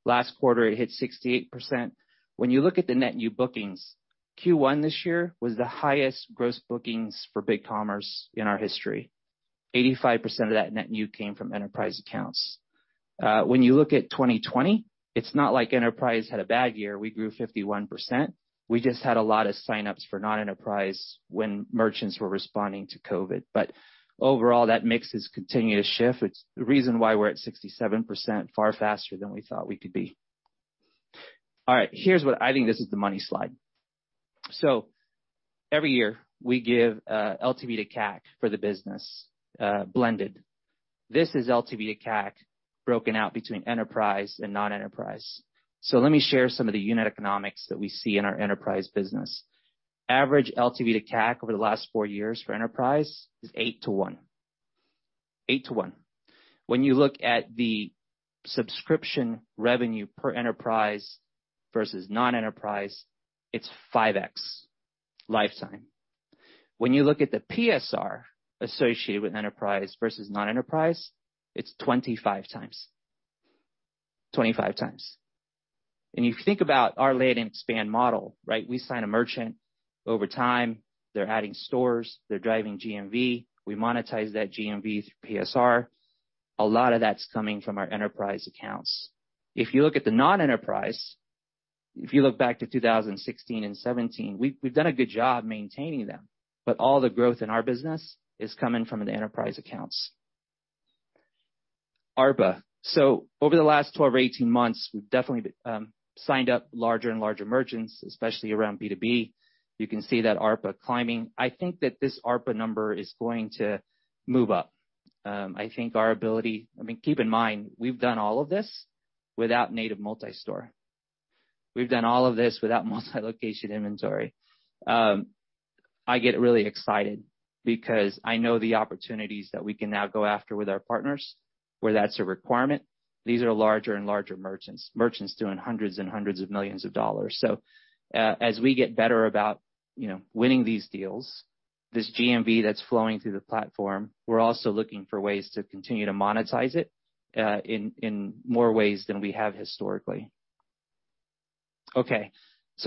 Last quarter, it hit 68%. When you look at the net new bookings, Q1 this year was the highest gross bookings for BigCommerce in our history. 85% of that net new came from enterprise accounts. When you look at 2020, it's not like enterprise had a bad year. We grew 51%. We just had a lot of sign-ups for not enterprise when merchants were responding to COVID. Overall, that mix has continued to shift. It's the reason why we're at 67% far faster than we thought we could be. All right. I think this is the money slide. Every year we give LTV to CAC for the business, blended. This is LTV to CAC broken out between enterprise and non-enterprise. Let me share some of the unit economics that we see in our enterprise business. Average LTV to CAC over the last four years for enterprise is 8-1. 8-1. When you look at the subscription revenue per enterprise versus non-enterprise, it's 5x lifetime. When you look at the PSR associated with enterprise versus non-enterprise, it's 25x. 25x. You think about our land and expand model, right? We sign a merchant. Over time, they're adding stores, they're driving GMV. We monetize that GMV through PSR. A lot of that's coming from our enterprise accounts. If you look at the non-enterprise, if you look back to 2016 and 2017, we've done a good job maintaining them, but all the growth in our business is coming from the enterprise accounts. ARPA. Over the last 12 or 18 months, we've definitely signed up larger and larger merchants, especially around B2B. You can see that ARPA climbing. I think that this ARPA number is going to move up. I mean, keep in mind, we've done all of this without native multi-store. We've done all of this without multi-location inventory. I get really excited because I know the opportunities that we can now go after with our partners where that's a requirement. These are larger and larger merchants doing hundreds and hundreds of millions dollars. As we get better about, you know, winning these deals, this GMV that's flowing through the platform, we're also looking for ways to continue to monetize it in more ways than we have historically. Okay,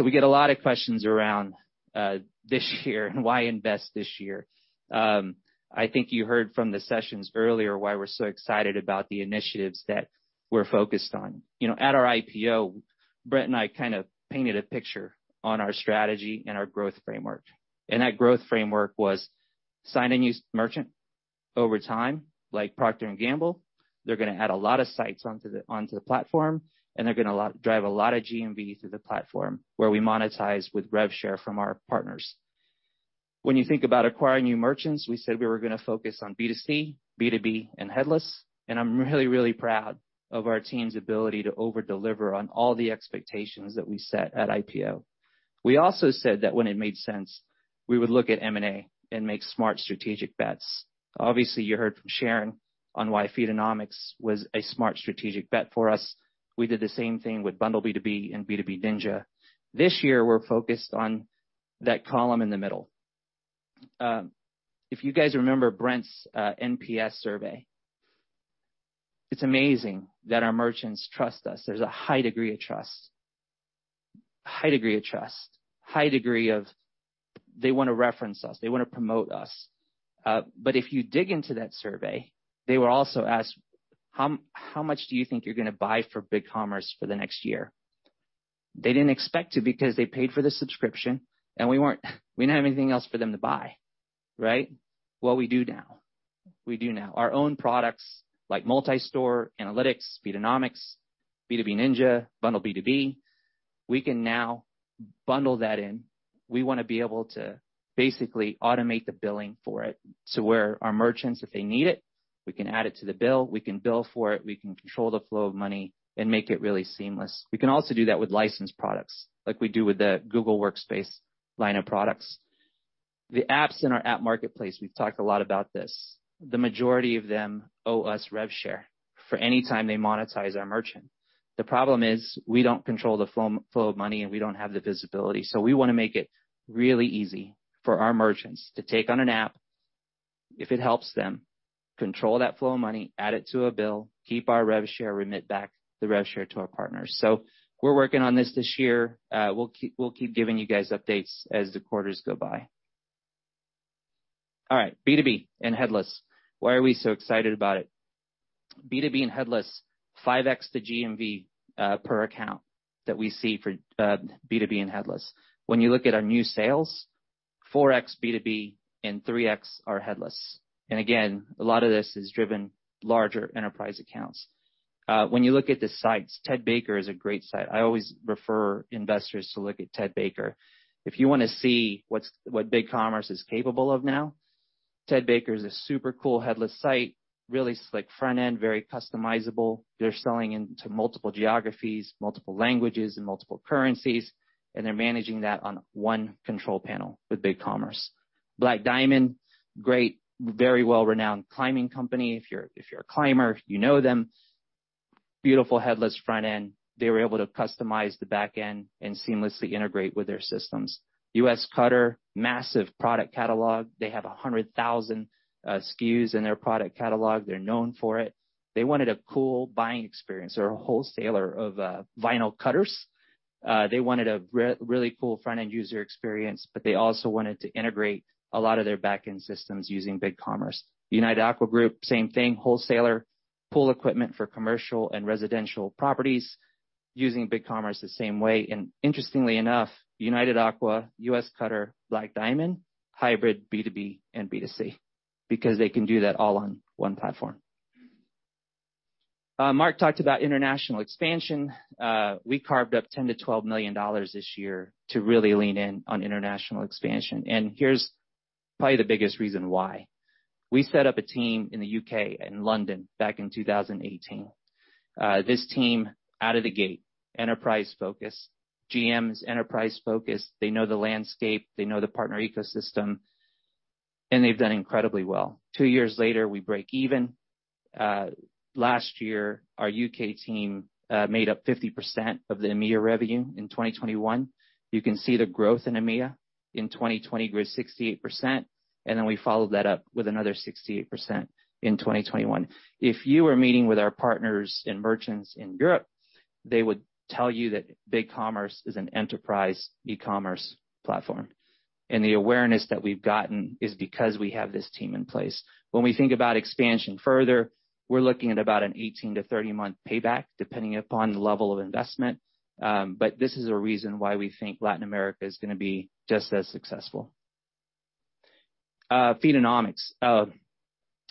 we get a lot of questions around this year and why invest this year. I think you heard from the sessions earlier why we're so excited about the initiatives that we're focused on. You know, at our IPO, Brent and I kind of painted a picture on our strategy and our growth framework, and that growth framework was sign a new merchant over time, like Procter & Gamble. They're gonna add a lot of sites onto the platform, and they're gonna drive a lot of GMV through the platform where we monetize with rev share from our partners. When you think about acquiring new merchants, we said we were gonna focus on B2C, B2B, and headless, and I'm really, really proud of our team's ability to over deliver on all the expectations that we set at IPO. We also said that when it made sense, we would look at M&A and make smart strategic bets. Obviously, you heard from Sharon on why Feedonomics was a smart strategic bet for us. We did the same thing with BundleB2B and B2B Ninja. This year, we're focused on that column in the middle. If you guys remember Brent's NPS survey, it's amazing that our merchants trust us. There's a high degree of trust. They wanna reference us, they wanna promote us. But if you dig into that survey, they were also asked, how much do you think you're gonna buy from BigCommerce for the next year? They didn't expect to because they paid for the subscription, and we didn't have anything else for them to buy, right? Well, we do now. Our own products like Multi-Store, Analytics, Feedonomics, B2B Ninja, BundleB2B, we can now bundle that in. We wanna be able to basically automate the billing for it to where our merchants, if they need it, we can add it to the bill. We can bill for it. We can control the flow of money and make it really seamless. We can also do that with licensed products like we do with the Google Workspace line of products. The apps in our app marketplace, we've talked a lot about this. The majority of them owe us rev share for any time they monetize our merchant. The problem is we don't control the flow of money, and we don't have the visibility. We wanna make it really easy for our merchants to take on an app if it helps them control that flow of money, add it to a bill, keep our rev share, remit back the rev share to our partners. We're working on this year. We'll keep giving you guys updates as the quarters go by. All right, B2B and headless. Why are we so excited about it? B2B and headless, 5x the GMV per account that we see for B2B and headless. When you look at our new sales, 4x B2B and 3x are headless. Again, a lot of this is driven by larger enterprise accounts. When you look at the sites, Ted Baker is a great site. I always refer investors to look at Ted Baker. If you wanna see what BigCommerce is capable of now, Ted Baker is a super cool headless site, really slick front end, very customizable. They're selling into multiple geographies, multiple languages and multiple currencies, and they're managing that on one control panel with BigCommerce. Black Diamond, great, very well-renowned climbing company. If you're a climber, you know them. Beautiful headless front end. They were able to customize the back end and seamlessly integrate with their systems. USCutter, massive product catalog. They have 100,000 SKUs in their product catalog. They're known for it. They wanted a cool buying experience. They're a wholesaler of vinyl cutters. They wanted a really cool front-end user experience, but they also wanted to integrate a lot of their back-end systems using BigCommerce. United Aqua Group, same thing, wholesaler. Pool equipment for commercial and residential properties using BigCommerce the same way. Interestingly enough, United Aqua Group, USCutter, Black Diamond, hybrid B2B and B2C, because they can do that all on one platform. Marc talked about international expansion. We carved up $10-$12 million this year to really lean in on international expansion. Here's probably the biggest reason why. We set up a team in the U.K., in London, back in 2018. This team out of the gate, enterprise-focused. GM is enterprise-focused. They know the landscape, they know the partner ecosystem, and they've done incredibly well. Two years later, we break even. Last year, our U.K. team made up 50% of the EMEA revenue in 2021. You can see the growth in EMEA. In 2020 grew 68%, and then we followed that up with another 68% in 2021. If you were meeting with our partners and merchants in Europe, they would tell you that BigCommerce is an enterprise e-commerce platform. The awareness that we've gotten is because we have this team in place. When we think about expansion further, we're looking at about an 18- to 30-month payback, depending upon the level of investment. This is a reason why we think Latin America is gonna be just as successful. Feedonomics.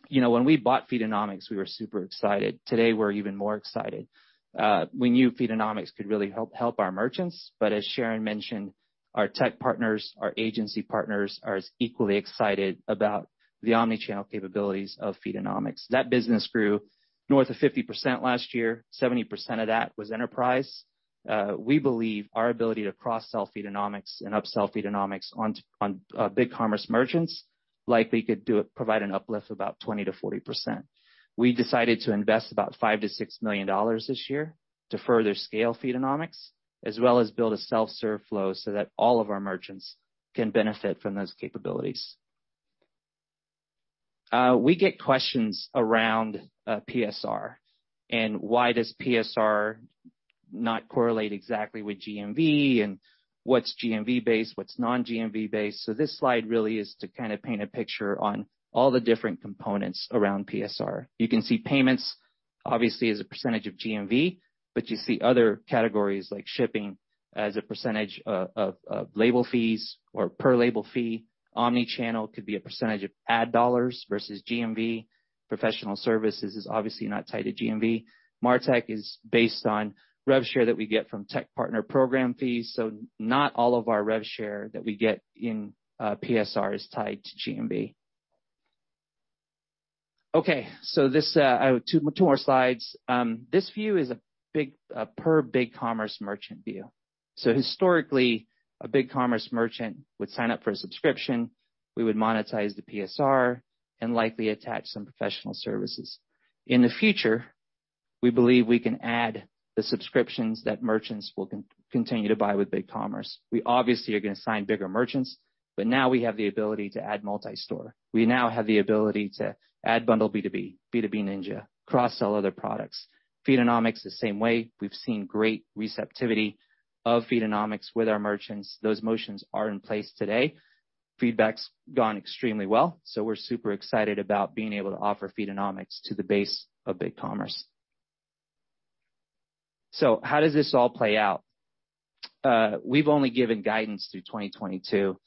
You know, when we bought Feedonomics, we were super excited. Today, we're even more excited. We knew Feedonomics could really help our merchants, but as Sharon mentioned, our tech partners, our agency partners are as equally excited about the Omnichannel capabilities of Feedonomics. That business grew north of 50% last year. 70% of that was enterprise. We believe our ability to cross-sell Feedonomics and upsell Feedonomics onto BigCommerce merchants likely could do it, provide an uplift of about 20%-40%. We decided to invest about $5 million-$6 million this year to further scale Feedonomics, as well as build a self-serve flow so that all of our merchants can benefit from those capabilities. We get questions around PSR and why does PSR not correlate exactly with GMV and what's GMV-based, what's non-GMV based. This slide really is to kinda paint a picture on all the different components around PSR. You can see payments, obviously, as a percentage of GMV, but you see other categories like shipping as a percentage of label fees or per label fee. Omnichannel could be a percentage of ad dollars versus GMV. Professional services is obviously not tied to GMV. MarTech is based on rev share that we get from tech partner program fees. Not all of our rev share that we get in PSR is tied to GMV. I have two more slides. This view is a big per BigCommerce merchant view. Historically, a BigCommerce merchant would sign up for a subscription, we would monetize the PSR and likely attach some professional services. In the future, we believe we can add the subscriptions that merchants will continue to buy with BigCommerce. We obviously are gonna sign bigger merchants, but now we have the ability to add multi-store. We now have the ability to add BundleB2B Ninja, cross-sell other products. Feedonomics, the same way. We've seen great receptivity of Feedonomics with our merchants. Those motions are in place today. Feedback's gone extremely well, so we're super excited about being able to offer Feedonomics to the base of BigCommerce. How does this all play out? We've only given guidance through 2022.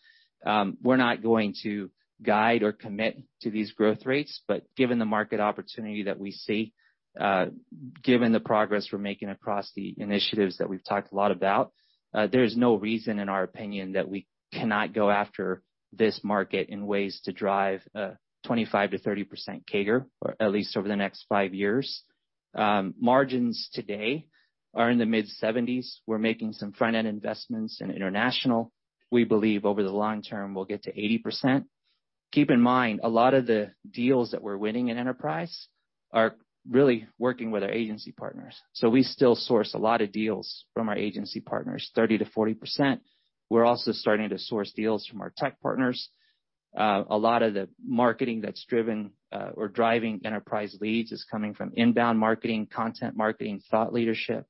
We're not going to guide or commit to these growth rates, but given the market opportunity that we see, given the progress we're making across the initiatives that we've talked a lot about, there's no reason, in our opinion, that we cannot go after this market in ways to drive 25%-30% CAGR, or at least over the next five years. Margins today are in the mid-70s%. We're making some front-end investments in international. We believe over the long term, we'll get to 80%. Keep in mind, a lot of the deals that we're winning in enterprise are really working with our agency partners. We still source a lot of deals from our agency partners, 30%-40%. We're also starting to source deals from our tech partners. A lot of the marketing that's driving enterprise leads is coming from inbound marketing, content marketing, thought leadership.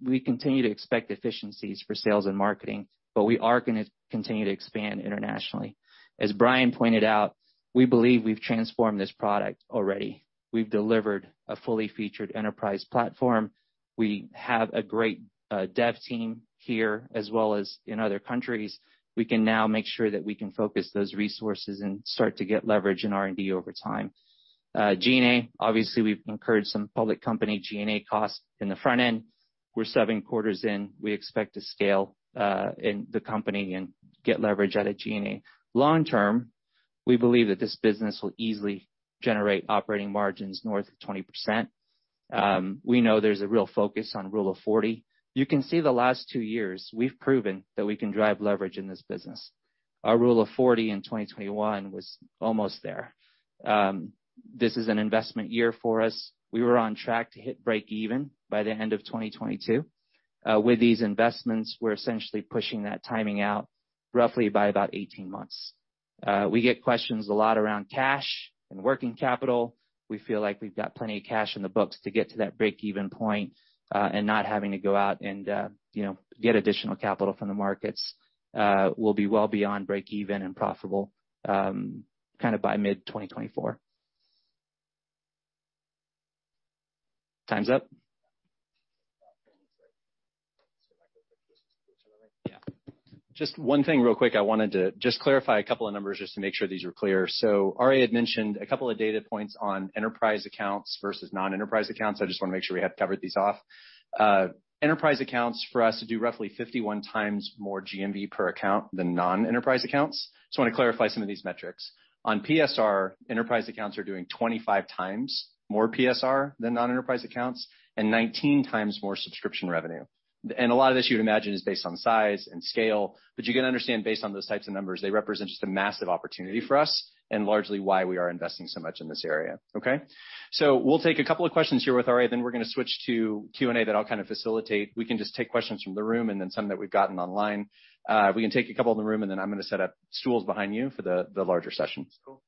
We continue to expect efficiencies for sales and marketing, but we are gonna continue to expand internationally. As Brian pointed out, we believe we've transformed this product already. We've delivered a fully featured enterprise platform. We have a great dev team here, as well as in other countries. We can now make sure that we can focus those resources and start to get leverage in R&D over time. G&A, obviously we've incurred some public company G&A costs in the front end. We're seven quarters in. We expect to scale in the company and get leverage out of G&A. Long-term, we believe that this business will easily generate operating margins north of 20%. We know there's a real focus on Rule of 40. You can see the last two years we've proven that we can drive leverage in this business. Our Rule of 40 in 2021 was almost there. This is an investment year for us. We were on track to hit break-even by the end of 2022. With these investments, we're essentially pushing that timing out roughly by about 18 months. We get questions a lot around cash and working capital. We feel like we've got plenty of cash in the books to get to that break-even point, and not having to go out and, you know, get additional capital from the markets. We'll be well beyond break even and profitable, kinda by mid-2024. Time's up. Yeah. Just one thing real quick. I wanted to just clarify a couple of numbers just to make sure these are clear. RA had mentioned a couple of data points on enterprise accounts versus non-enterprise accounts. I just wanna make sure we have covered these off. Enterprise accounts for us do roughly 51 times more GMV per account than non-enterprise accounts. Just wanna clarify some of these metrics. On PSR, enterprise accounts are doing 25 times more PSR than non-enterprise accounts, and 19 times more subscription revenue. A lot of this you would imagine is based on size and scale, but you can understand based on those types of numbers, they represent just a massive opportunity for us and largely why we are investing so much in this area. Okay? We'll take a couple of questions here with Robert Alvarez, then we're gonna switch to Q&A that I'll kind of facilitate. We can just take questions from the room and then some that we've gotten online. We can take a couple in the room, and then I'm gonna set up stools behind you for the larger session. Cool.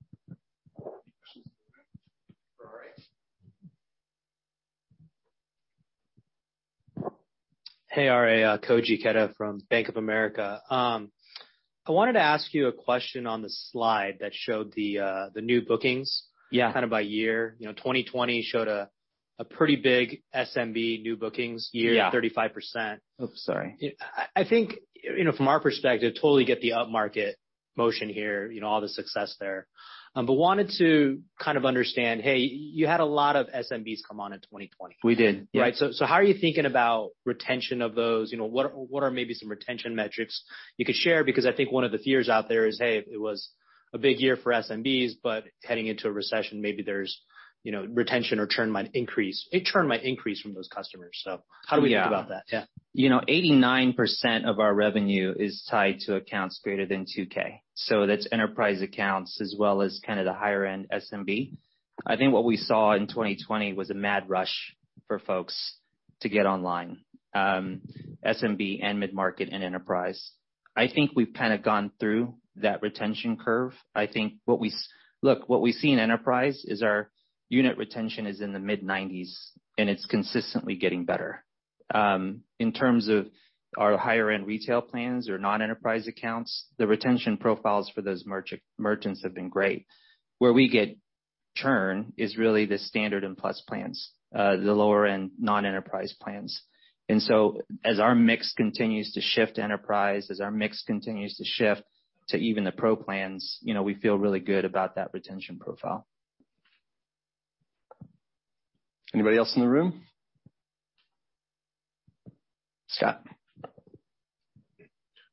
Hey, RA. Koji Ikeda from Bank of America. I wanted to ask you a question on the slide that showed the new bookings. Yeah. Kind of by year. You know, 2020 showed a pretty big SMB new bookings year. Yeah. 35%. Oops, sorry. I think, you know, from our perspective, totally get the upmarket motion here, you know, all the success there. Wanted to kind of understand, hey, you had a lot of SMBs come on in 2020. We did. Yeah. Right. How are you thinking about retention of those? You know, what are maybe some retention metrics you could share? Because I think one of the fears out there is, hey, it was a big year for SMBs, but heading into a recession, maybe there's, you know, retention or churn might increase. A churn might increase from those customers. How do we think about that? Yeah. You know, 89% of our revenue is tied to accounts greater than $2,000. That's enterprise accounts as well as kind of the higher end SMB. I think what we saw in 2020 was a mad rush for folks to get online, SMB and mid-market and enterprise. I think we've kind of gone through that retention curve. I think what we see in enterprise is our unit retention is in the mid-90s%, and it's consistently getting better. In terms of our higher end retail plans or non-enterprise accounts, the retention profiles for those merchants have been great. Where we get churn is really the standard and plus plans, the lower end non-enterprise plans. As our mix continues to shift to enterprise, as our mix continues to shift to even the pro plans, you know, we feel really good about that retention profile. Anybody else in the room? Scott.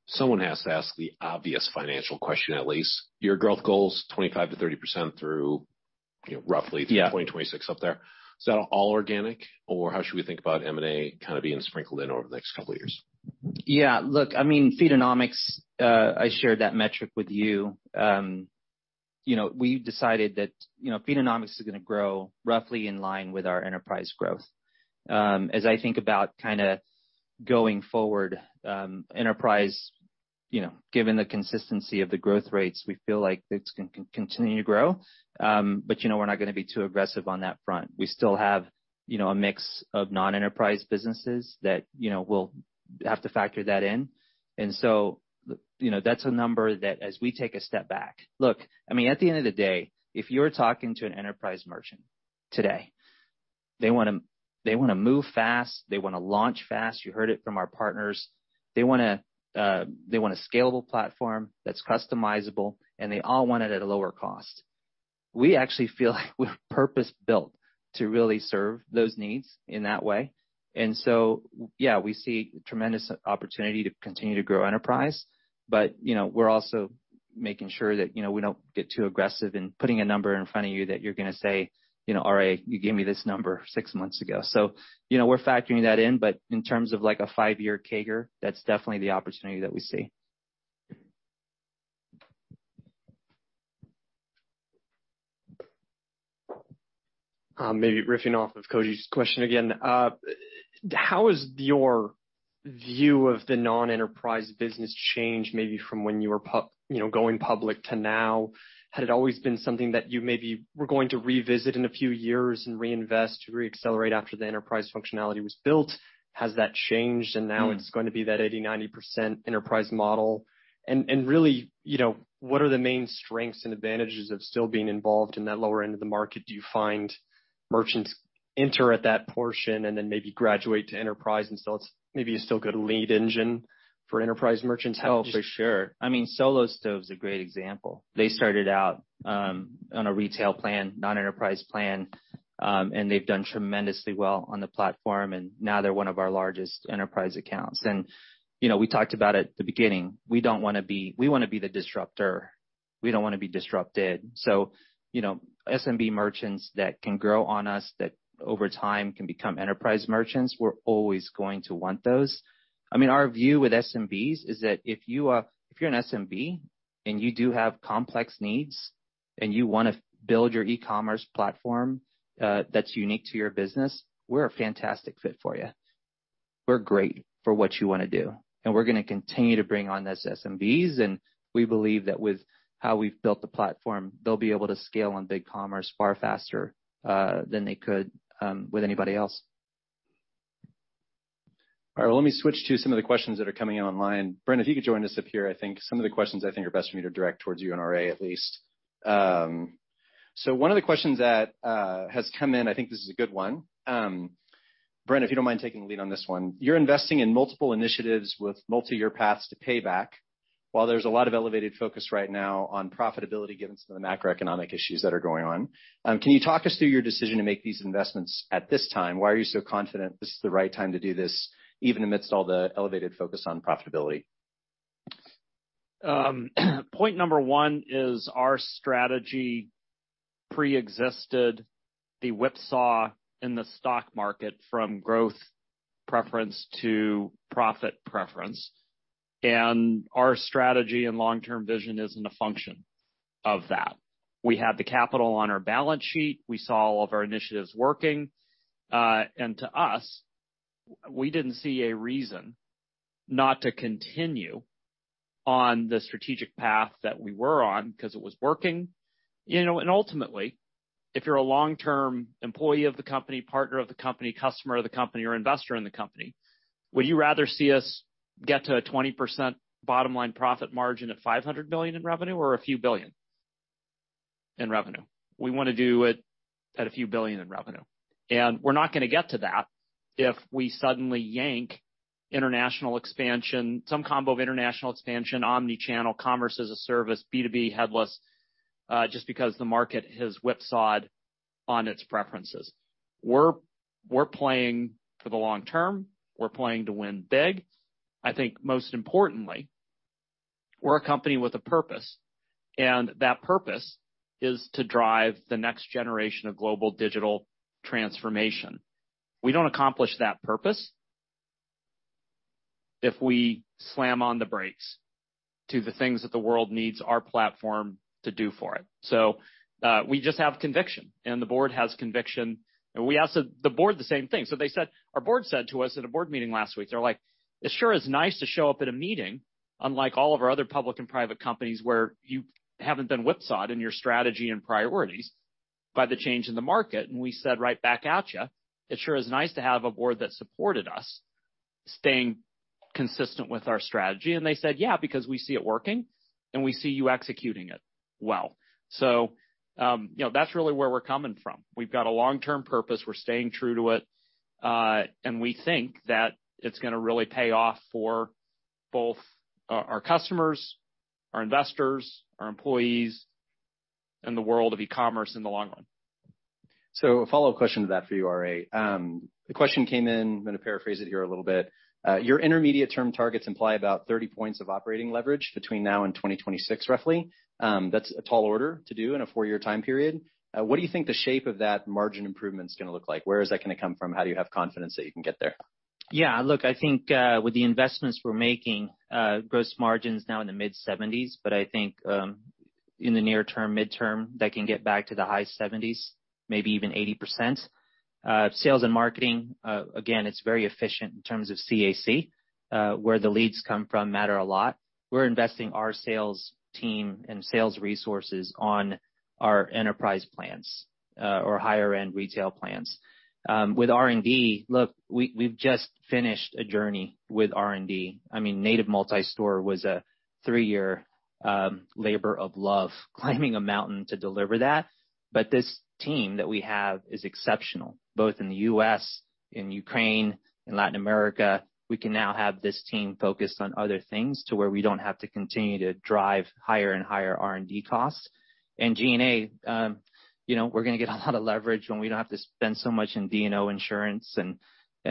Someone has to ask the obvious financial question, at least. Your growth goal is 25%-30% through, you know, roughly- Yeah. through 2026 up there. Is that all organic or how should we think about M&A kind of being sprinkled in over the next couple of years? Yeah. Look, I mean, Feedonomics, I shared that metric with you. You know, we decided that, you know, Feedonomics is gonna grow roughly in line with our enterprise growth. As I think about kinda going forward, enterprise, you know, given the consistency of the growth rates, we feel like it's gonna continue to grow. You know, we're not gonna be too aggressive on that front. We still have, you know, a mix of non-enterprise businesses that, you know, we'll have to factor that in. You know, that's a number that as we take a step back. Look, I mean, at the end of the day, if you're talking to an enterprise merchant today, they wanna, they wanna move fast, they wanna launch fast. You heard it from our partners. They want a scalable platform that's customizable, and they all want it at a lower cost. We actually feel like we're purpose-built to really serve those needs in that way. Yeah, we see tremendous opportunity to continue to grow enterprise. You know, we're also making sure that, you know, we don't get too aggressive in putting a number in front of you that you're gonna say, "You know, RA, you gave me this number six months ago." You know, we're factoring that in. In terms of like a five-year CAGR, that's definitely the opportunity that we see. Maybe riffing off of Koji's question again. How has your view of the non-enterprise business changed maybe from when you were going public to now? Had it always been something that you maybe were going to revisit in a few years and reinvest to reaccelerate after the enterprise functionality was built? Has that changed, and now it's going to be that 80%-90% enterprise model? Really, you know, what are the main strengths and advantages of still being involved in that lower end of the market? Do you find merchants enter at that portion and then maybe graduate to enterprise, and so it's maybe a still good lead engine for enterprise merchants? Oh, for sure. I mean, Solo Stove is a great example. They started out on a retail plan, non-enterprise plan, and they've done tremendously well on the platform, and now they're one of our largest enterprise accounts. You know, we talked about at the beginning, we don't wanna be. We wanna be the disruptor. We don't wanna be disrupted. You know, SMB merchants that can grow on us that over time can become enterprise merchants, we're always going to want those. I mean, our view with SMBs is that if you're an SMB and you do have complex needs and you wanna build your e-commerce platform that's unique to your business, we're a fantastic fit for you. We're great for what you wanna do, and we're gonna continue to bring on those SMBs, and we believe that with how we've built the platform, they'll be able to scale on BigCommerce far faster than they could with anybody else. All right, let me switch to some of the questions that are coming in online. Brent, if you could join us up here. I think some of the questions are best for me to direct towards you and RA, at least. One of the questions that has come in. I think this is a good one. Brent, if you don't mind taking lead on this one. You're investing in multiple initiatives with multi-year paths to payback, while there's a lot of elevated focus right now on profitability given some of the macroeconomic issues that are going on. Can you talk us through your decision to make these investments at this time? Why are you so confident this is the right time to do this, even amidst all the elevated focus on profitability? Point number one is our strategy preexisted the whipsaw in the stock market from growth preference to profit preference. Our strategy and long-term vision isn't a function of that. We had the capital on our balance sheet. We saw all of our initiatives working. To us, we didn't see a reason not to continue on the strategic path that we were on 'cause it was working. You know, ultimately, if you're a long-term employee of the company, partner of the company, customer of the company or investor in the company, would you rather see us get to a 20% bottom line profit margin at $500 billion in revenue or a few billion in revenue? We wanna do it at a few billion in revenue. We're not gonna get to that if we suddenly yank international expansion, some combo of international expansion, omni-channel, Commerce as a Service, B2B headless, just because the market has whipsawed on its preferences. We're playing for the long term. We're playing to win big. I think most importantly, we're a company with a purpose, and that purpose is to drive the next generation of global digital transformation. We don't accomplish that purpose if we slam on the brakes to the things that the world needs our platform to do for it. We just have conviction, and the board has conviction. We asked the board the same thing. Our board said to us at a board meeting last week, they're like, "It sure is nice to show up at a meeting unlike all of our other public and private companies where you haven't been whipsawed in your strategy and priorities by the change in the market." We said, "Right back at ya. It sure is nice to have a board that supported us staying consistent with our strategy." They said, "Yeah, because we see it working and we see you executing it well." You know, that's really where we're coming from. We've got a long-term purpose. We're staying true to it. We think that it's gonna really pay off for both our customers, our investors, our employees, and the world of e-commerce in the long run. A follow-up question to that for you, RA. The question came in, I'm gonna paraphrase it here a little bit. Your intermediate-term targets imply about 30% of operating leverage between now and 2026, roughly. That's a tall order to do in a four-year time period. What do you think the shape of that margin improvement's gonna look like? Where is that gonna come from? How do you have confidence that you can get there? Yeah. Look, I think with the investments we're making, gross margin's now in the mid-70s, but I think in the near term, mid-term, that can get back to the high 70s, maybe even 80%. Sales and marketing, again, it's very efficient in terms of CAC, where the leads come from matter a lot. We're investing our sales team and sales resources on our enterprise plans, or higher-end retail plans. With R&D, look, we've just finished a journey with R&D. I mean, native multi-store was a three-year labor of love, climbing a mountain to deliver that. But this team that we have is exceptional, both in the U.S., in Ukraine, in Latin America. We can now have this team focused on other things to where we don't have to continue to drive higher and higher R&D costs. G&A, you know, we're gonna get a lot of leverage when we don't have to spend so much in D&O insurance and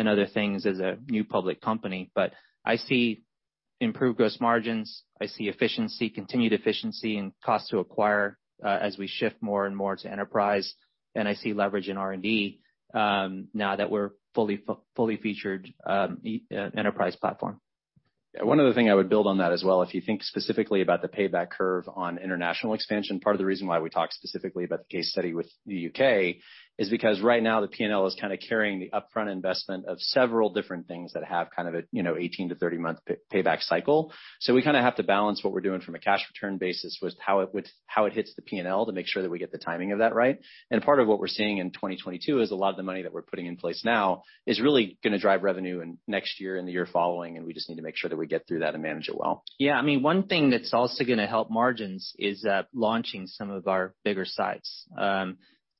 other things as a new public company. I see improved gross margins. I see efficiency, continued efficiency in cost to acquire, as we shift more and more to enterprise. I see leverage in R&D, now that we're fully featured enterprise platform. One other thing I would build on that as well, if you think specifically about the payback curve on international expansion, part of the reason why we talk specifically about the case study with the UK is because right now the P&L is kinda carrying the upfront investment of several different things that have kind of a, you know, 18- to 30-month payback cycle. So we kinda have to balance what we're doing from a cash return basis with how it hits the P&L to make sure that we get the timing of that right. Part of what we're seeing in 2022 is a lot of the money that we're putting in place now is really gonna drive revenue in next year and the year following, and we just need to make sure that we get through that and manage it well. Yeah. I mean, one thing that's also gonna help margins is launching some of our bigger sites.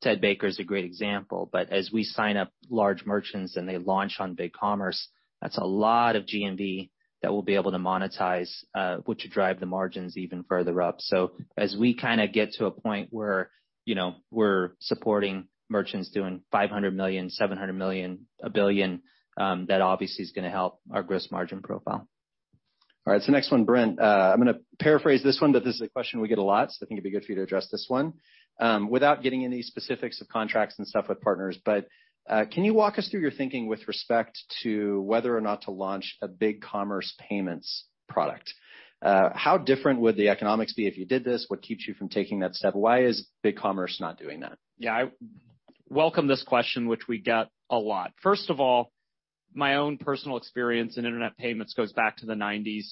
Ted Baker is a great example. As we sign up large merchants and they launch on BigCommerce, that's a lot of GMV that we'll be able to monetize, which will drive the margins even further up. As we kinda get to a point where, you know, we're supporting merchants doing $500 million, $700 million, $1 billion, that obviously is gonna help our gross margin profile. All right, next one, Brent. I'm gonna paraphrase this one, but this is a question we get a lot, so I think it'd be good for you to address this one. Without getting into any specifics of contracts and stuff with partners, but can you walk us through your thinking with respect to whether or not to launch a BigCommerce payments product? How different would the economics be if you did this? What keeps you from taking that step? Why is BigCommerce not doing that? Yeah. I welcome this question, which we get a lot. First of all, my own personal experience in internet payments goes back to the 1990s.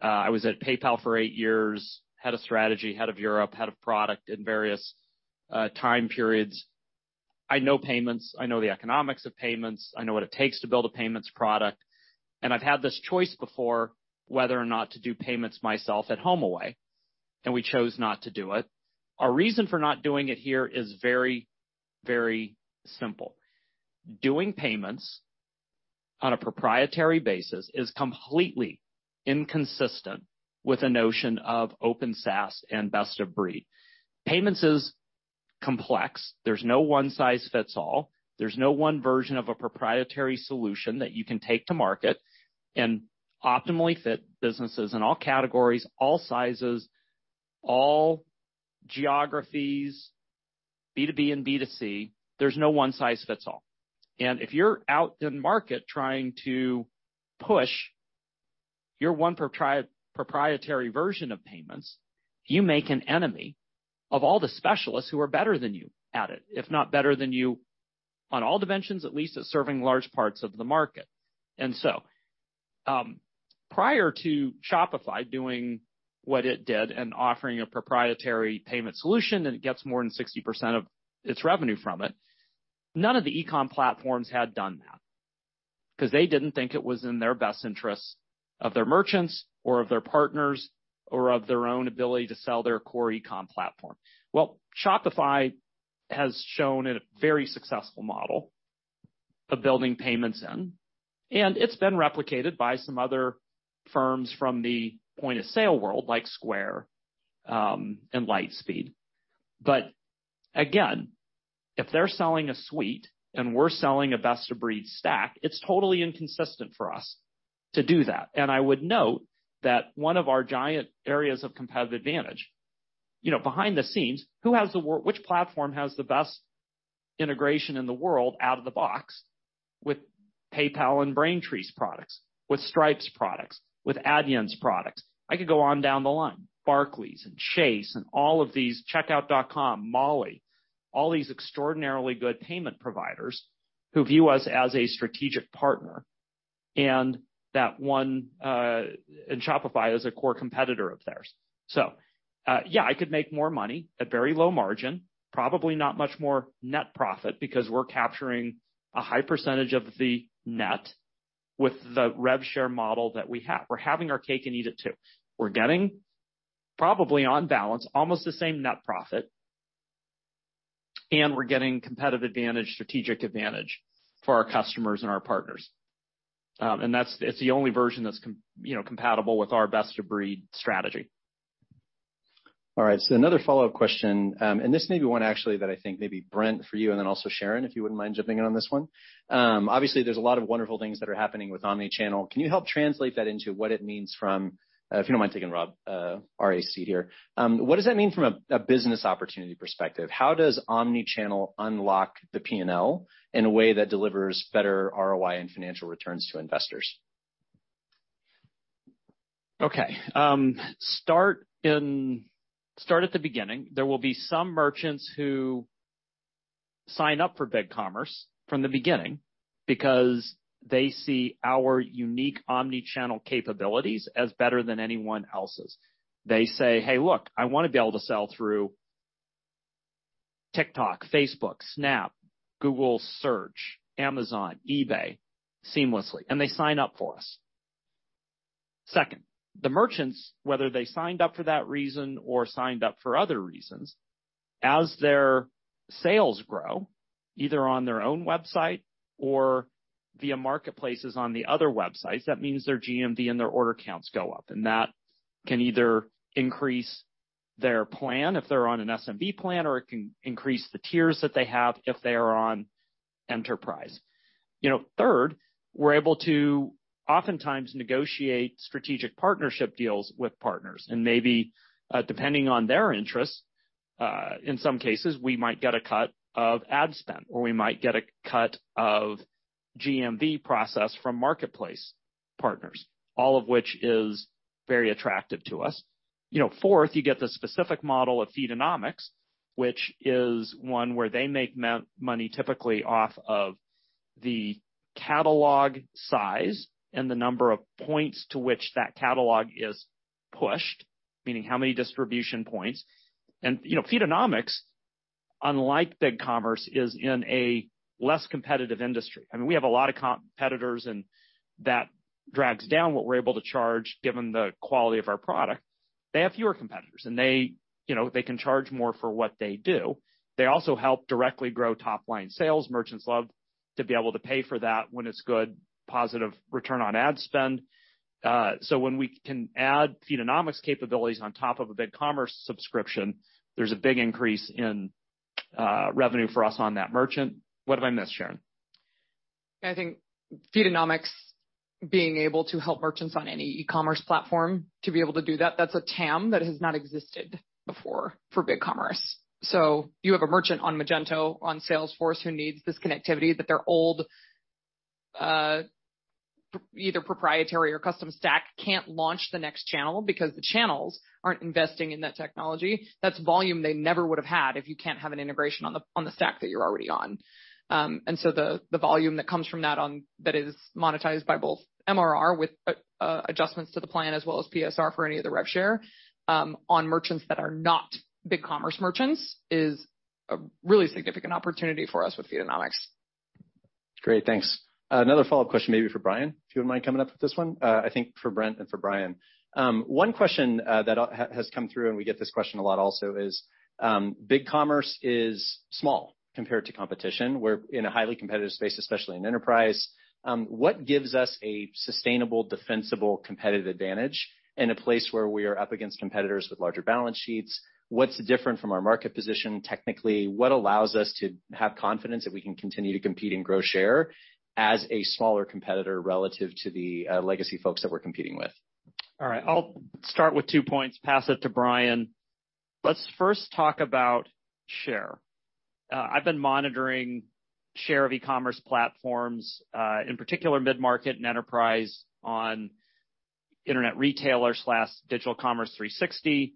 I was at PayPal for eight years, head of strategy, head of Europe, head of product in various time periods. I know payments, I know the economics of payments, I know what it takes to build a payments product, and I've had this choice before whether or not to do payments myself at HomeAway, and we chose not to do it. Our reason for not doing it here is very, very simple. Doing payments on a proprietary basis is completely inconsistent with the notion of open SaaS and best of breed. Payments is complex. There's no one size fits all. There's no one version of a proprietary solution that you can take to market and optimally fit businesses in all categories, all sizes, all geographies, B to B and B to C. There's no one size fits all. If you're out in market trying to push your one proprietary version of payments, you make an enemy of all the specialists who are better than you at it, if not better than you on all dimensions, at least at serving large parts of the market. Prior to Shopify doing what it did and offering a proprietary payment solution, and it gets more than 60% of its revenue from it, none of the e-com platforms had done that 'cause they didn't think it was in their best interest of their merchants or of their partners or of their own ability to sell their core e-com platform. Shopify has shown a very successful model of building payments in, and it's been replicated by some other firms from the point-of-sale world like Square and Lightspeed. Again, if they're selling a suite and we're selling a best of breed stack, it's totally inconsistent for us to do that. I would note that one of our giant areas of competitive advantage, you know, behind the scenes, which platform has the best integration in the world out of the box with PayPal and Braintree's products, with Stripe's products, with Adyen's products? I could go on down the line. Barclays and Chase and all of these, Checkout.com, Mollie, all these extraordinarily good payment providers who view us as a strategic partner, and that one, and Shopify is a core competitor of theirs. I could make more money at very low margin, probably not much more net profit because we're capturing a high percentage of the net with the rev share model that we have. We're having our cake and eat it too. We're getting probably on balance, almost the same net profit, and we're getting competitive advantage, strategic advantage for our customers and our partners. That's the only version that's, you know, compatible with our best of breed strategy. All right, another follow-up question, and this may be one actually that I think maybe Brent for you and then also Sharon, if you wouldn't mind jumping in on this one. Obviously there's a lot of wonderful things that are happening with Omnichannel. Can you help translate that into what it means from, if you don't mind taking Robert, RA here. What does that mean from a business opportunity perspective? How does Omnichannel unlock the P&L in a way that delivers better ROI and financial returns to investors? Start at the beginning. There will be some merchants who sign up for BigCommerce from the beginning because they see our unique omni-channel capabilities as better than anyone else's. They say, "Hey, look, I wanna be able to sell through TikTok, Facebook, Snapchat, Google Search, Amazon, eBay seamlessly," and they sign up for us. Second, the merchants, whether they signed up for that reason or signed up for other reasons, as their sales grow, either on their own website or via marketplaces on the other websites, that means their GMV and their order counts go up, and that can either increase their plan if they're on an SMB plan, or it can increase the tiers that they have if they are on Enterprise. You know, third, we're able to oftentimes negotiate strategic partnership deals with partners and maybe, depending on their interests, in some cases, we might get a cut of ad spend or we might get a cut of GMV process from marketplace partners, all of which is very attractive to us. You know, fourth, you get the specific model of Feedonomics, which is one where they make money typically off of the catalog size and the number of points to which that catalog is pushed, meaning how many distribution points. You know, Feedonomics, unlike BigCommerce, is in a less competitive industry. I mean, we have a lot of competitors, and that drags down what we're able to charge given the quality of our product. They have fewer competitors, and they, you know, they can charge more for what they do. They also help directly grow top-line sales. Merchants love to be able to pay for that when it's good, positive return on ad spend. When we can add Feedonomics capabilities on top of a BigCommerce subscription, there's a big increase in revenue for us on that merchant. What have I missed, Sharon? I think Feedonomics being able to help merchants on any e-commerce platform to be able to do that's a TAM that has not existed before for BigCommerce. You have a merchant on Magento, on Salesforce who needs this connectivity, but their old either proprietary or custom stack can't launch the next channel because the channels aren't investing in that technology. That's volume they never would have had if you can't have an integration on the stack that you're already on. The volume that comes from that is monetized by both MRR with adjustments to the plan as well as PSR for any of the rev share on merchants that are not BigCommerce merchants is a really significant opportunity for us with Feedonomics. Great, thanks. Another follow-up question maybe for Brian, if you wouldn't mind coming up with this one. I think for Brent and for Brian. One question that has come through, and we get this question a lot also, is BigCommerce is small compared to competition. We're in a highly competitive space, especially in enterprise. What gives us a sustainable, defensible, competitive advantage in a place where we are up against competitors with larger balance sheets? What's different from our market position technically? What allows us to have confidence that we can continue to compete and grow share as a smaller competitor relative to the legacy folks that we're competing with? All right, I'll start with 2 points, pass it to Brian. Let's first talk about share. I've been monitoring share of e-commerce platforms, in particular mid-market and enterprise on Internet Retailer/Digital Commerce 360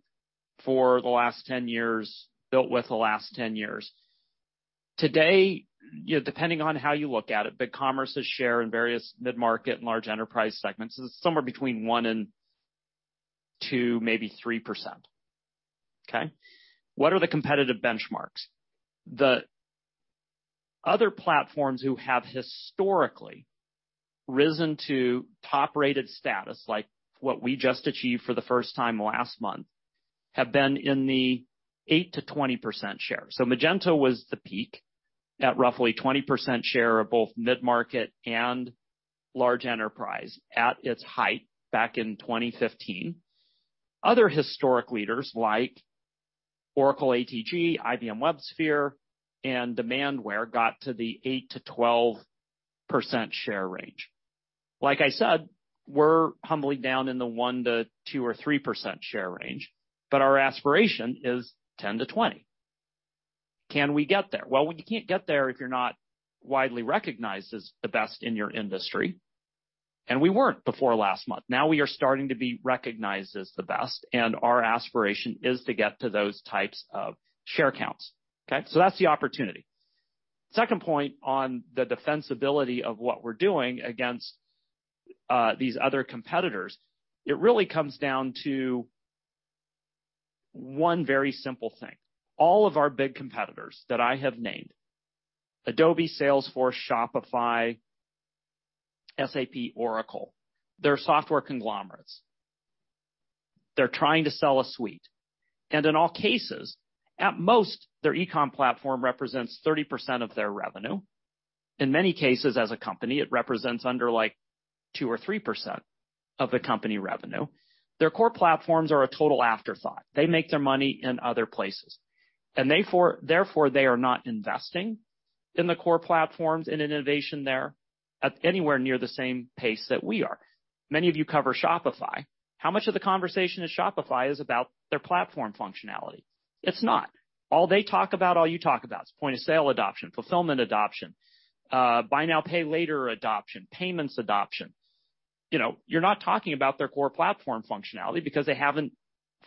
for the last 10 years, built with the last 10 years. Today, you know, depending on how you look at it, BigCommerce's share in various mid-market and large enterprise segments is somewhere between 1% and 2%, maybe 3%. Okay. What are the competitive benchmarks? The other platforms who have historically risen to top-rated status, like what we just achieved for the first time last month, have been in the 8%-20% share. Magento was the peak at roughly 20% share of both mid-market and large enterprise at its height back in 2015. Other historic leaders like Oracle ATG, IBM WebSphere, and Demandware got to the 8%-12% share range. Like I said, we're humbly down in the 1%-2% or 3% share range, but our aspiration is 10%-20%. Can we get there? Well, you can't get there if you're not widely recognized as the best in your industry, and we weren't before last month. Now we are starting to be recognized as the best, and our aspiration is to get to those types of share counts. Okay? So that's the opportunity. Second point on the defensibility of what we're doing against these other competitors, it really comes down to one very simple thing. All of our big competitors that I have named, Adobe, Salesforce, Shopify, SAP, Oracle, they're software conglomerates. They're trying to sell a suite. In all cases, at most, their e-com platform represents 30% of their revenue. In many cases, as a company, it represents under, like, 2% or 3% of the company revenue. Their core platforms are a total afterthought. They make their money in other places. They therefore, they are not investing in the core platforms and innovation there at anywhere near the same pace that we are. Many of you cover Shopify. How much of the conversation at Shopify is about their platform functionality? It's not. All they talk about, all you talk about is point-of-sale adoption, fulfillment adoption, buy now, pay later adoption, payments adoption. You know, you're not talking about their core platform functionality because they haven't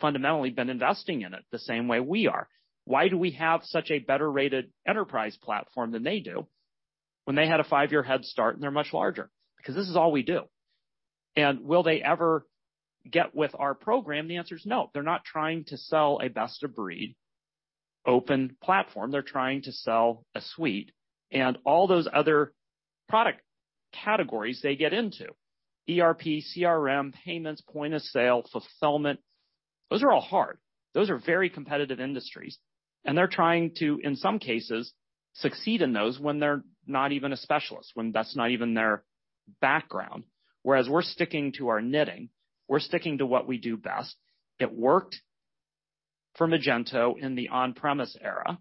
fundamentally been investing in it the same way we are. Why do we have such a better rated enterprise platform than they do when they had a five-year head start and they're much larger? Because this is all we do. Will they ever get with our program? The answer is no. They're not trying to sell a best of breed open platform. They're trying to sell a suite and all those other product categories they get into, ERP, CRM, payments, point of sale, fulfillment. Those are all hard. Those are very competitive industries, and they're trying to, in some cases, succeed in those when they're not even a specialist, when that's not even their background. Whereas we're sticking to our knitting, we're sticking to what we do best. It worked for Magento in the on-premise era.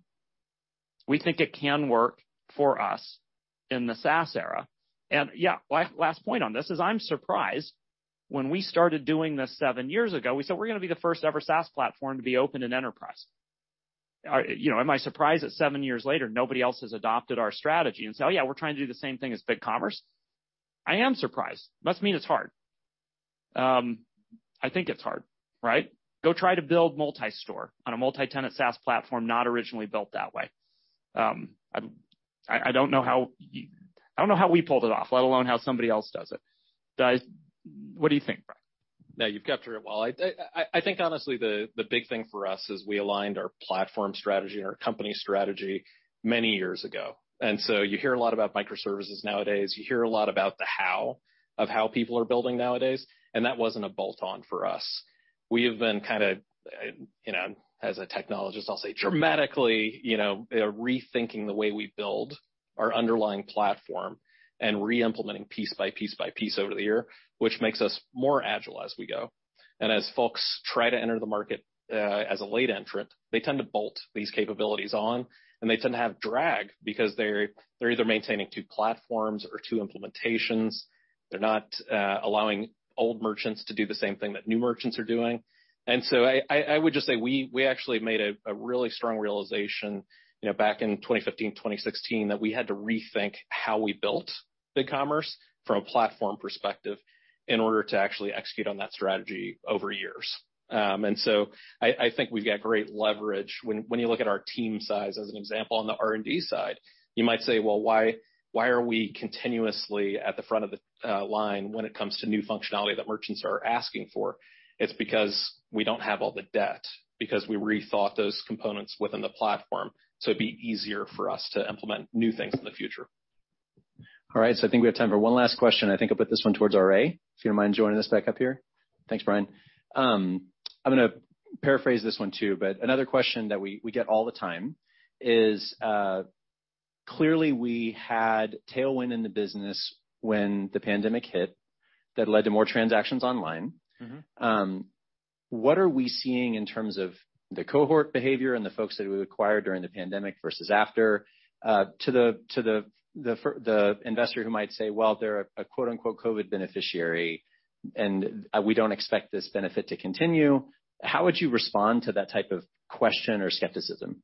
We think it can work for us in the SaaS era. Yeah, my last point on this is I'm surprised when we started doing this seven years ago, we said we're gonna be the first ever SaaS platform to be open in enterprise. You know, am I surprised that seven years later, nobody else has adopted our strategy and say, "Oh, yeah, we're trying to do the same thing as BigCommerce"? I am surprised. Must mean it's hard. I think it's hard, right? Go try to build multi-store on a multi-tenant SaaS platform not originally built that way. I don't know how we pulled it off, let alone how somebody else does it. Guys, what do you think, Brian? Yeah, you've captured it well. I think honestly, the big thing for us is we aligned our platform strategy and our company strategy many years ago. You hear a lot about microservices nowadays. You hear a lot about the how of how people are building nowadays, and that wasn't a bolt-on for us. We have been kinda, you know, as a technologist, I'll say dramatically, you know, rethinking the way we build our underlying platform and re-implementing piece by piece by piece over the year, which makes us more agile as we go. As folks try to enter the market, as a late entrant, they tend to bolt these capabilities on, and they tend to have drag because they're either maintaining two platforms or two implementations. They're not allowing old merchants to do the same thing that new merchants are doing. I would just say we actually made a really strong realization, you know, back in 2015, 2016, that we had to rethink how we built BigCommerce from a platform perspective in order to actually execute on that strategy over years. I think we've got great leverage when you look at our team size as an example on the R&D side. You might say, "Well, why are we continuously at the front of the line when it comes to new functionality that merchants are asking for?" It's because we don't have all the debt, because we rethought those components within the platform, so it'd be easier for us to implement new things in the future. All right, I think we have time for one last question. I think I'll put this one towards RA, if you don't mind joining us back up here. Thanks, Brian. I'm gonna paraphrase this one too, but another question that we get all the time is, clearly we had tailwind in the business when the pandemic hit that led to more transactions online. Mm-hmm. What are we seeing in terms of the cohort behavior and the folks that we acquired during the pandemic versus after, to the investor who might say, "Well, they're a quote unquote COVID beneficiary, and we don't expect this benefit to continue," how would you respond to that type of question or skepticism?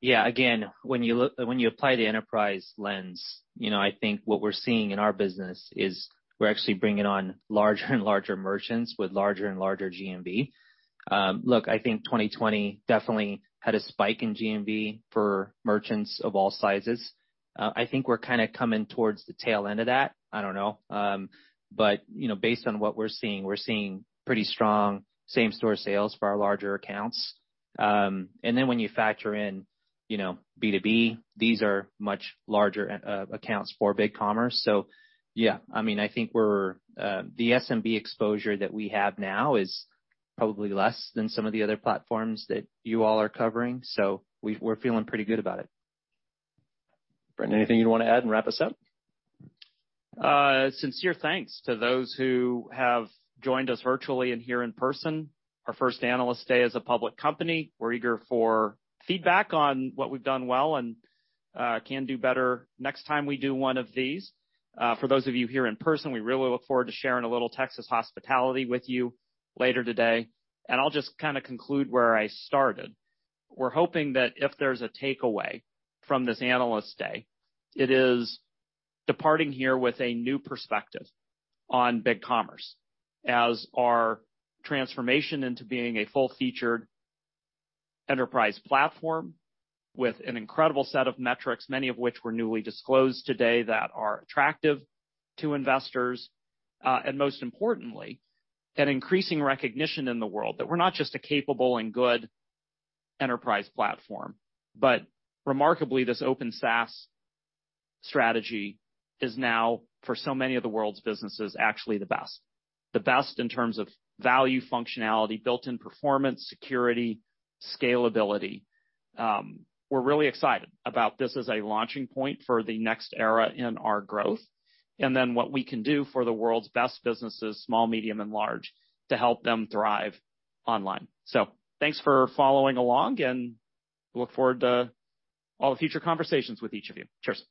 Yeah. Again, when you apply the enterprise lens, you know, I think what we're seeing in our business is we're actually bringing on larger and larger merchants with larger and larger GMV. Look, I think 2020 definitely had a spike in GMV for merchants of all sizes. I think we're kinda coming towards the tail end of that. I don't know. You know, based on what we're seeing, we're seeing pretty strong same store sales for our larger accounts. Then when you factor in, you know, B2B, these are much larger accounts for BigCommerce. Yeah, I mean, I think the SMB exposure that we have now is probably less than some of the other platforms that you all are covering, so we're feeling pretty good about it. Brian, anything you'd wanna add and wrap us up? Sincere thanks to those who have joined us virtually and here in person. Our first Analyst Day as a public company. We're eager for feedback on what we've done well and can do better next time we do one of these. For those of you here in person, we really look forward to sharing a little Texas hospitality with you later today. I'll just kinda conclude where I started. We're hoping that if there's a takeaway from this Analyst Day, it is departing here with a new perspective on BigCommerce as our transformation into being a full-featured enterprise platform with an incredible set of metrics, many of which were newly disclosed today that are attractive to investors. Most importantly, an increasing recognition in the world that we're not just a capable and good enterprise platform, but remarkably, this Open SaaS strategy is now, for so many of the world's businesses, actually the best. The best in terms of value functionality, built-in performance, security, scalability. We're really excited about this as a launching point for the next era in our growth, and then what we can do for the world's best businesses, small, medium, and large, to help them thrive online. Thanks for following along, and look forward to all the future conversations with each of you. Cheers.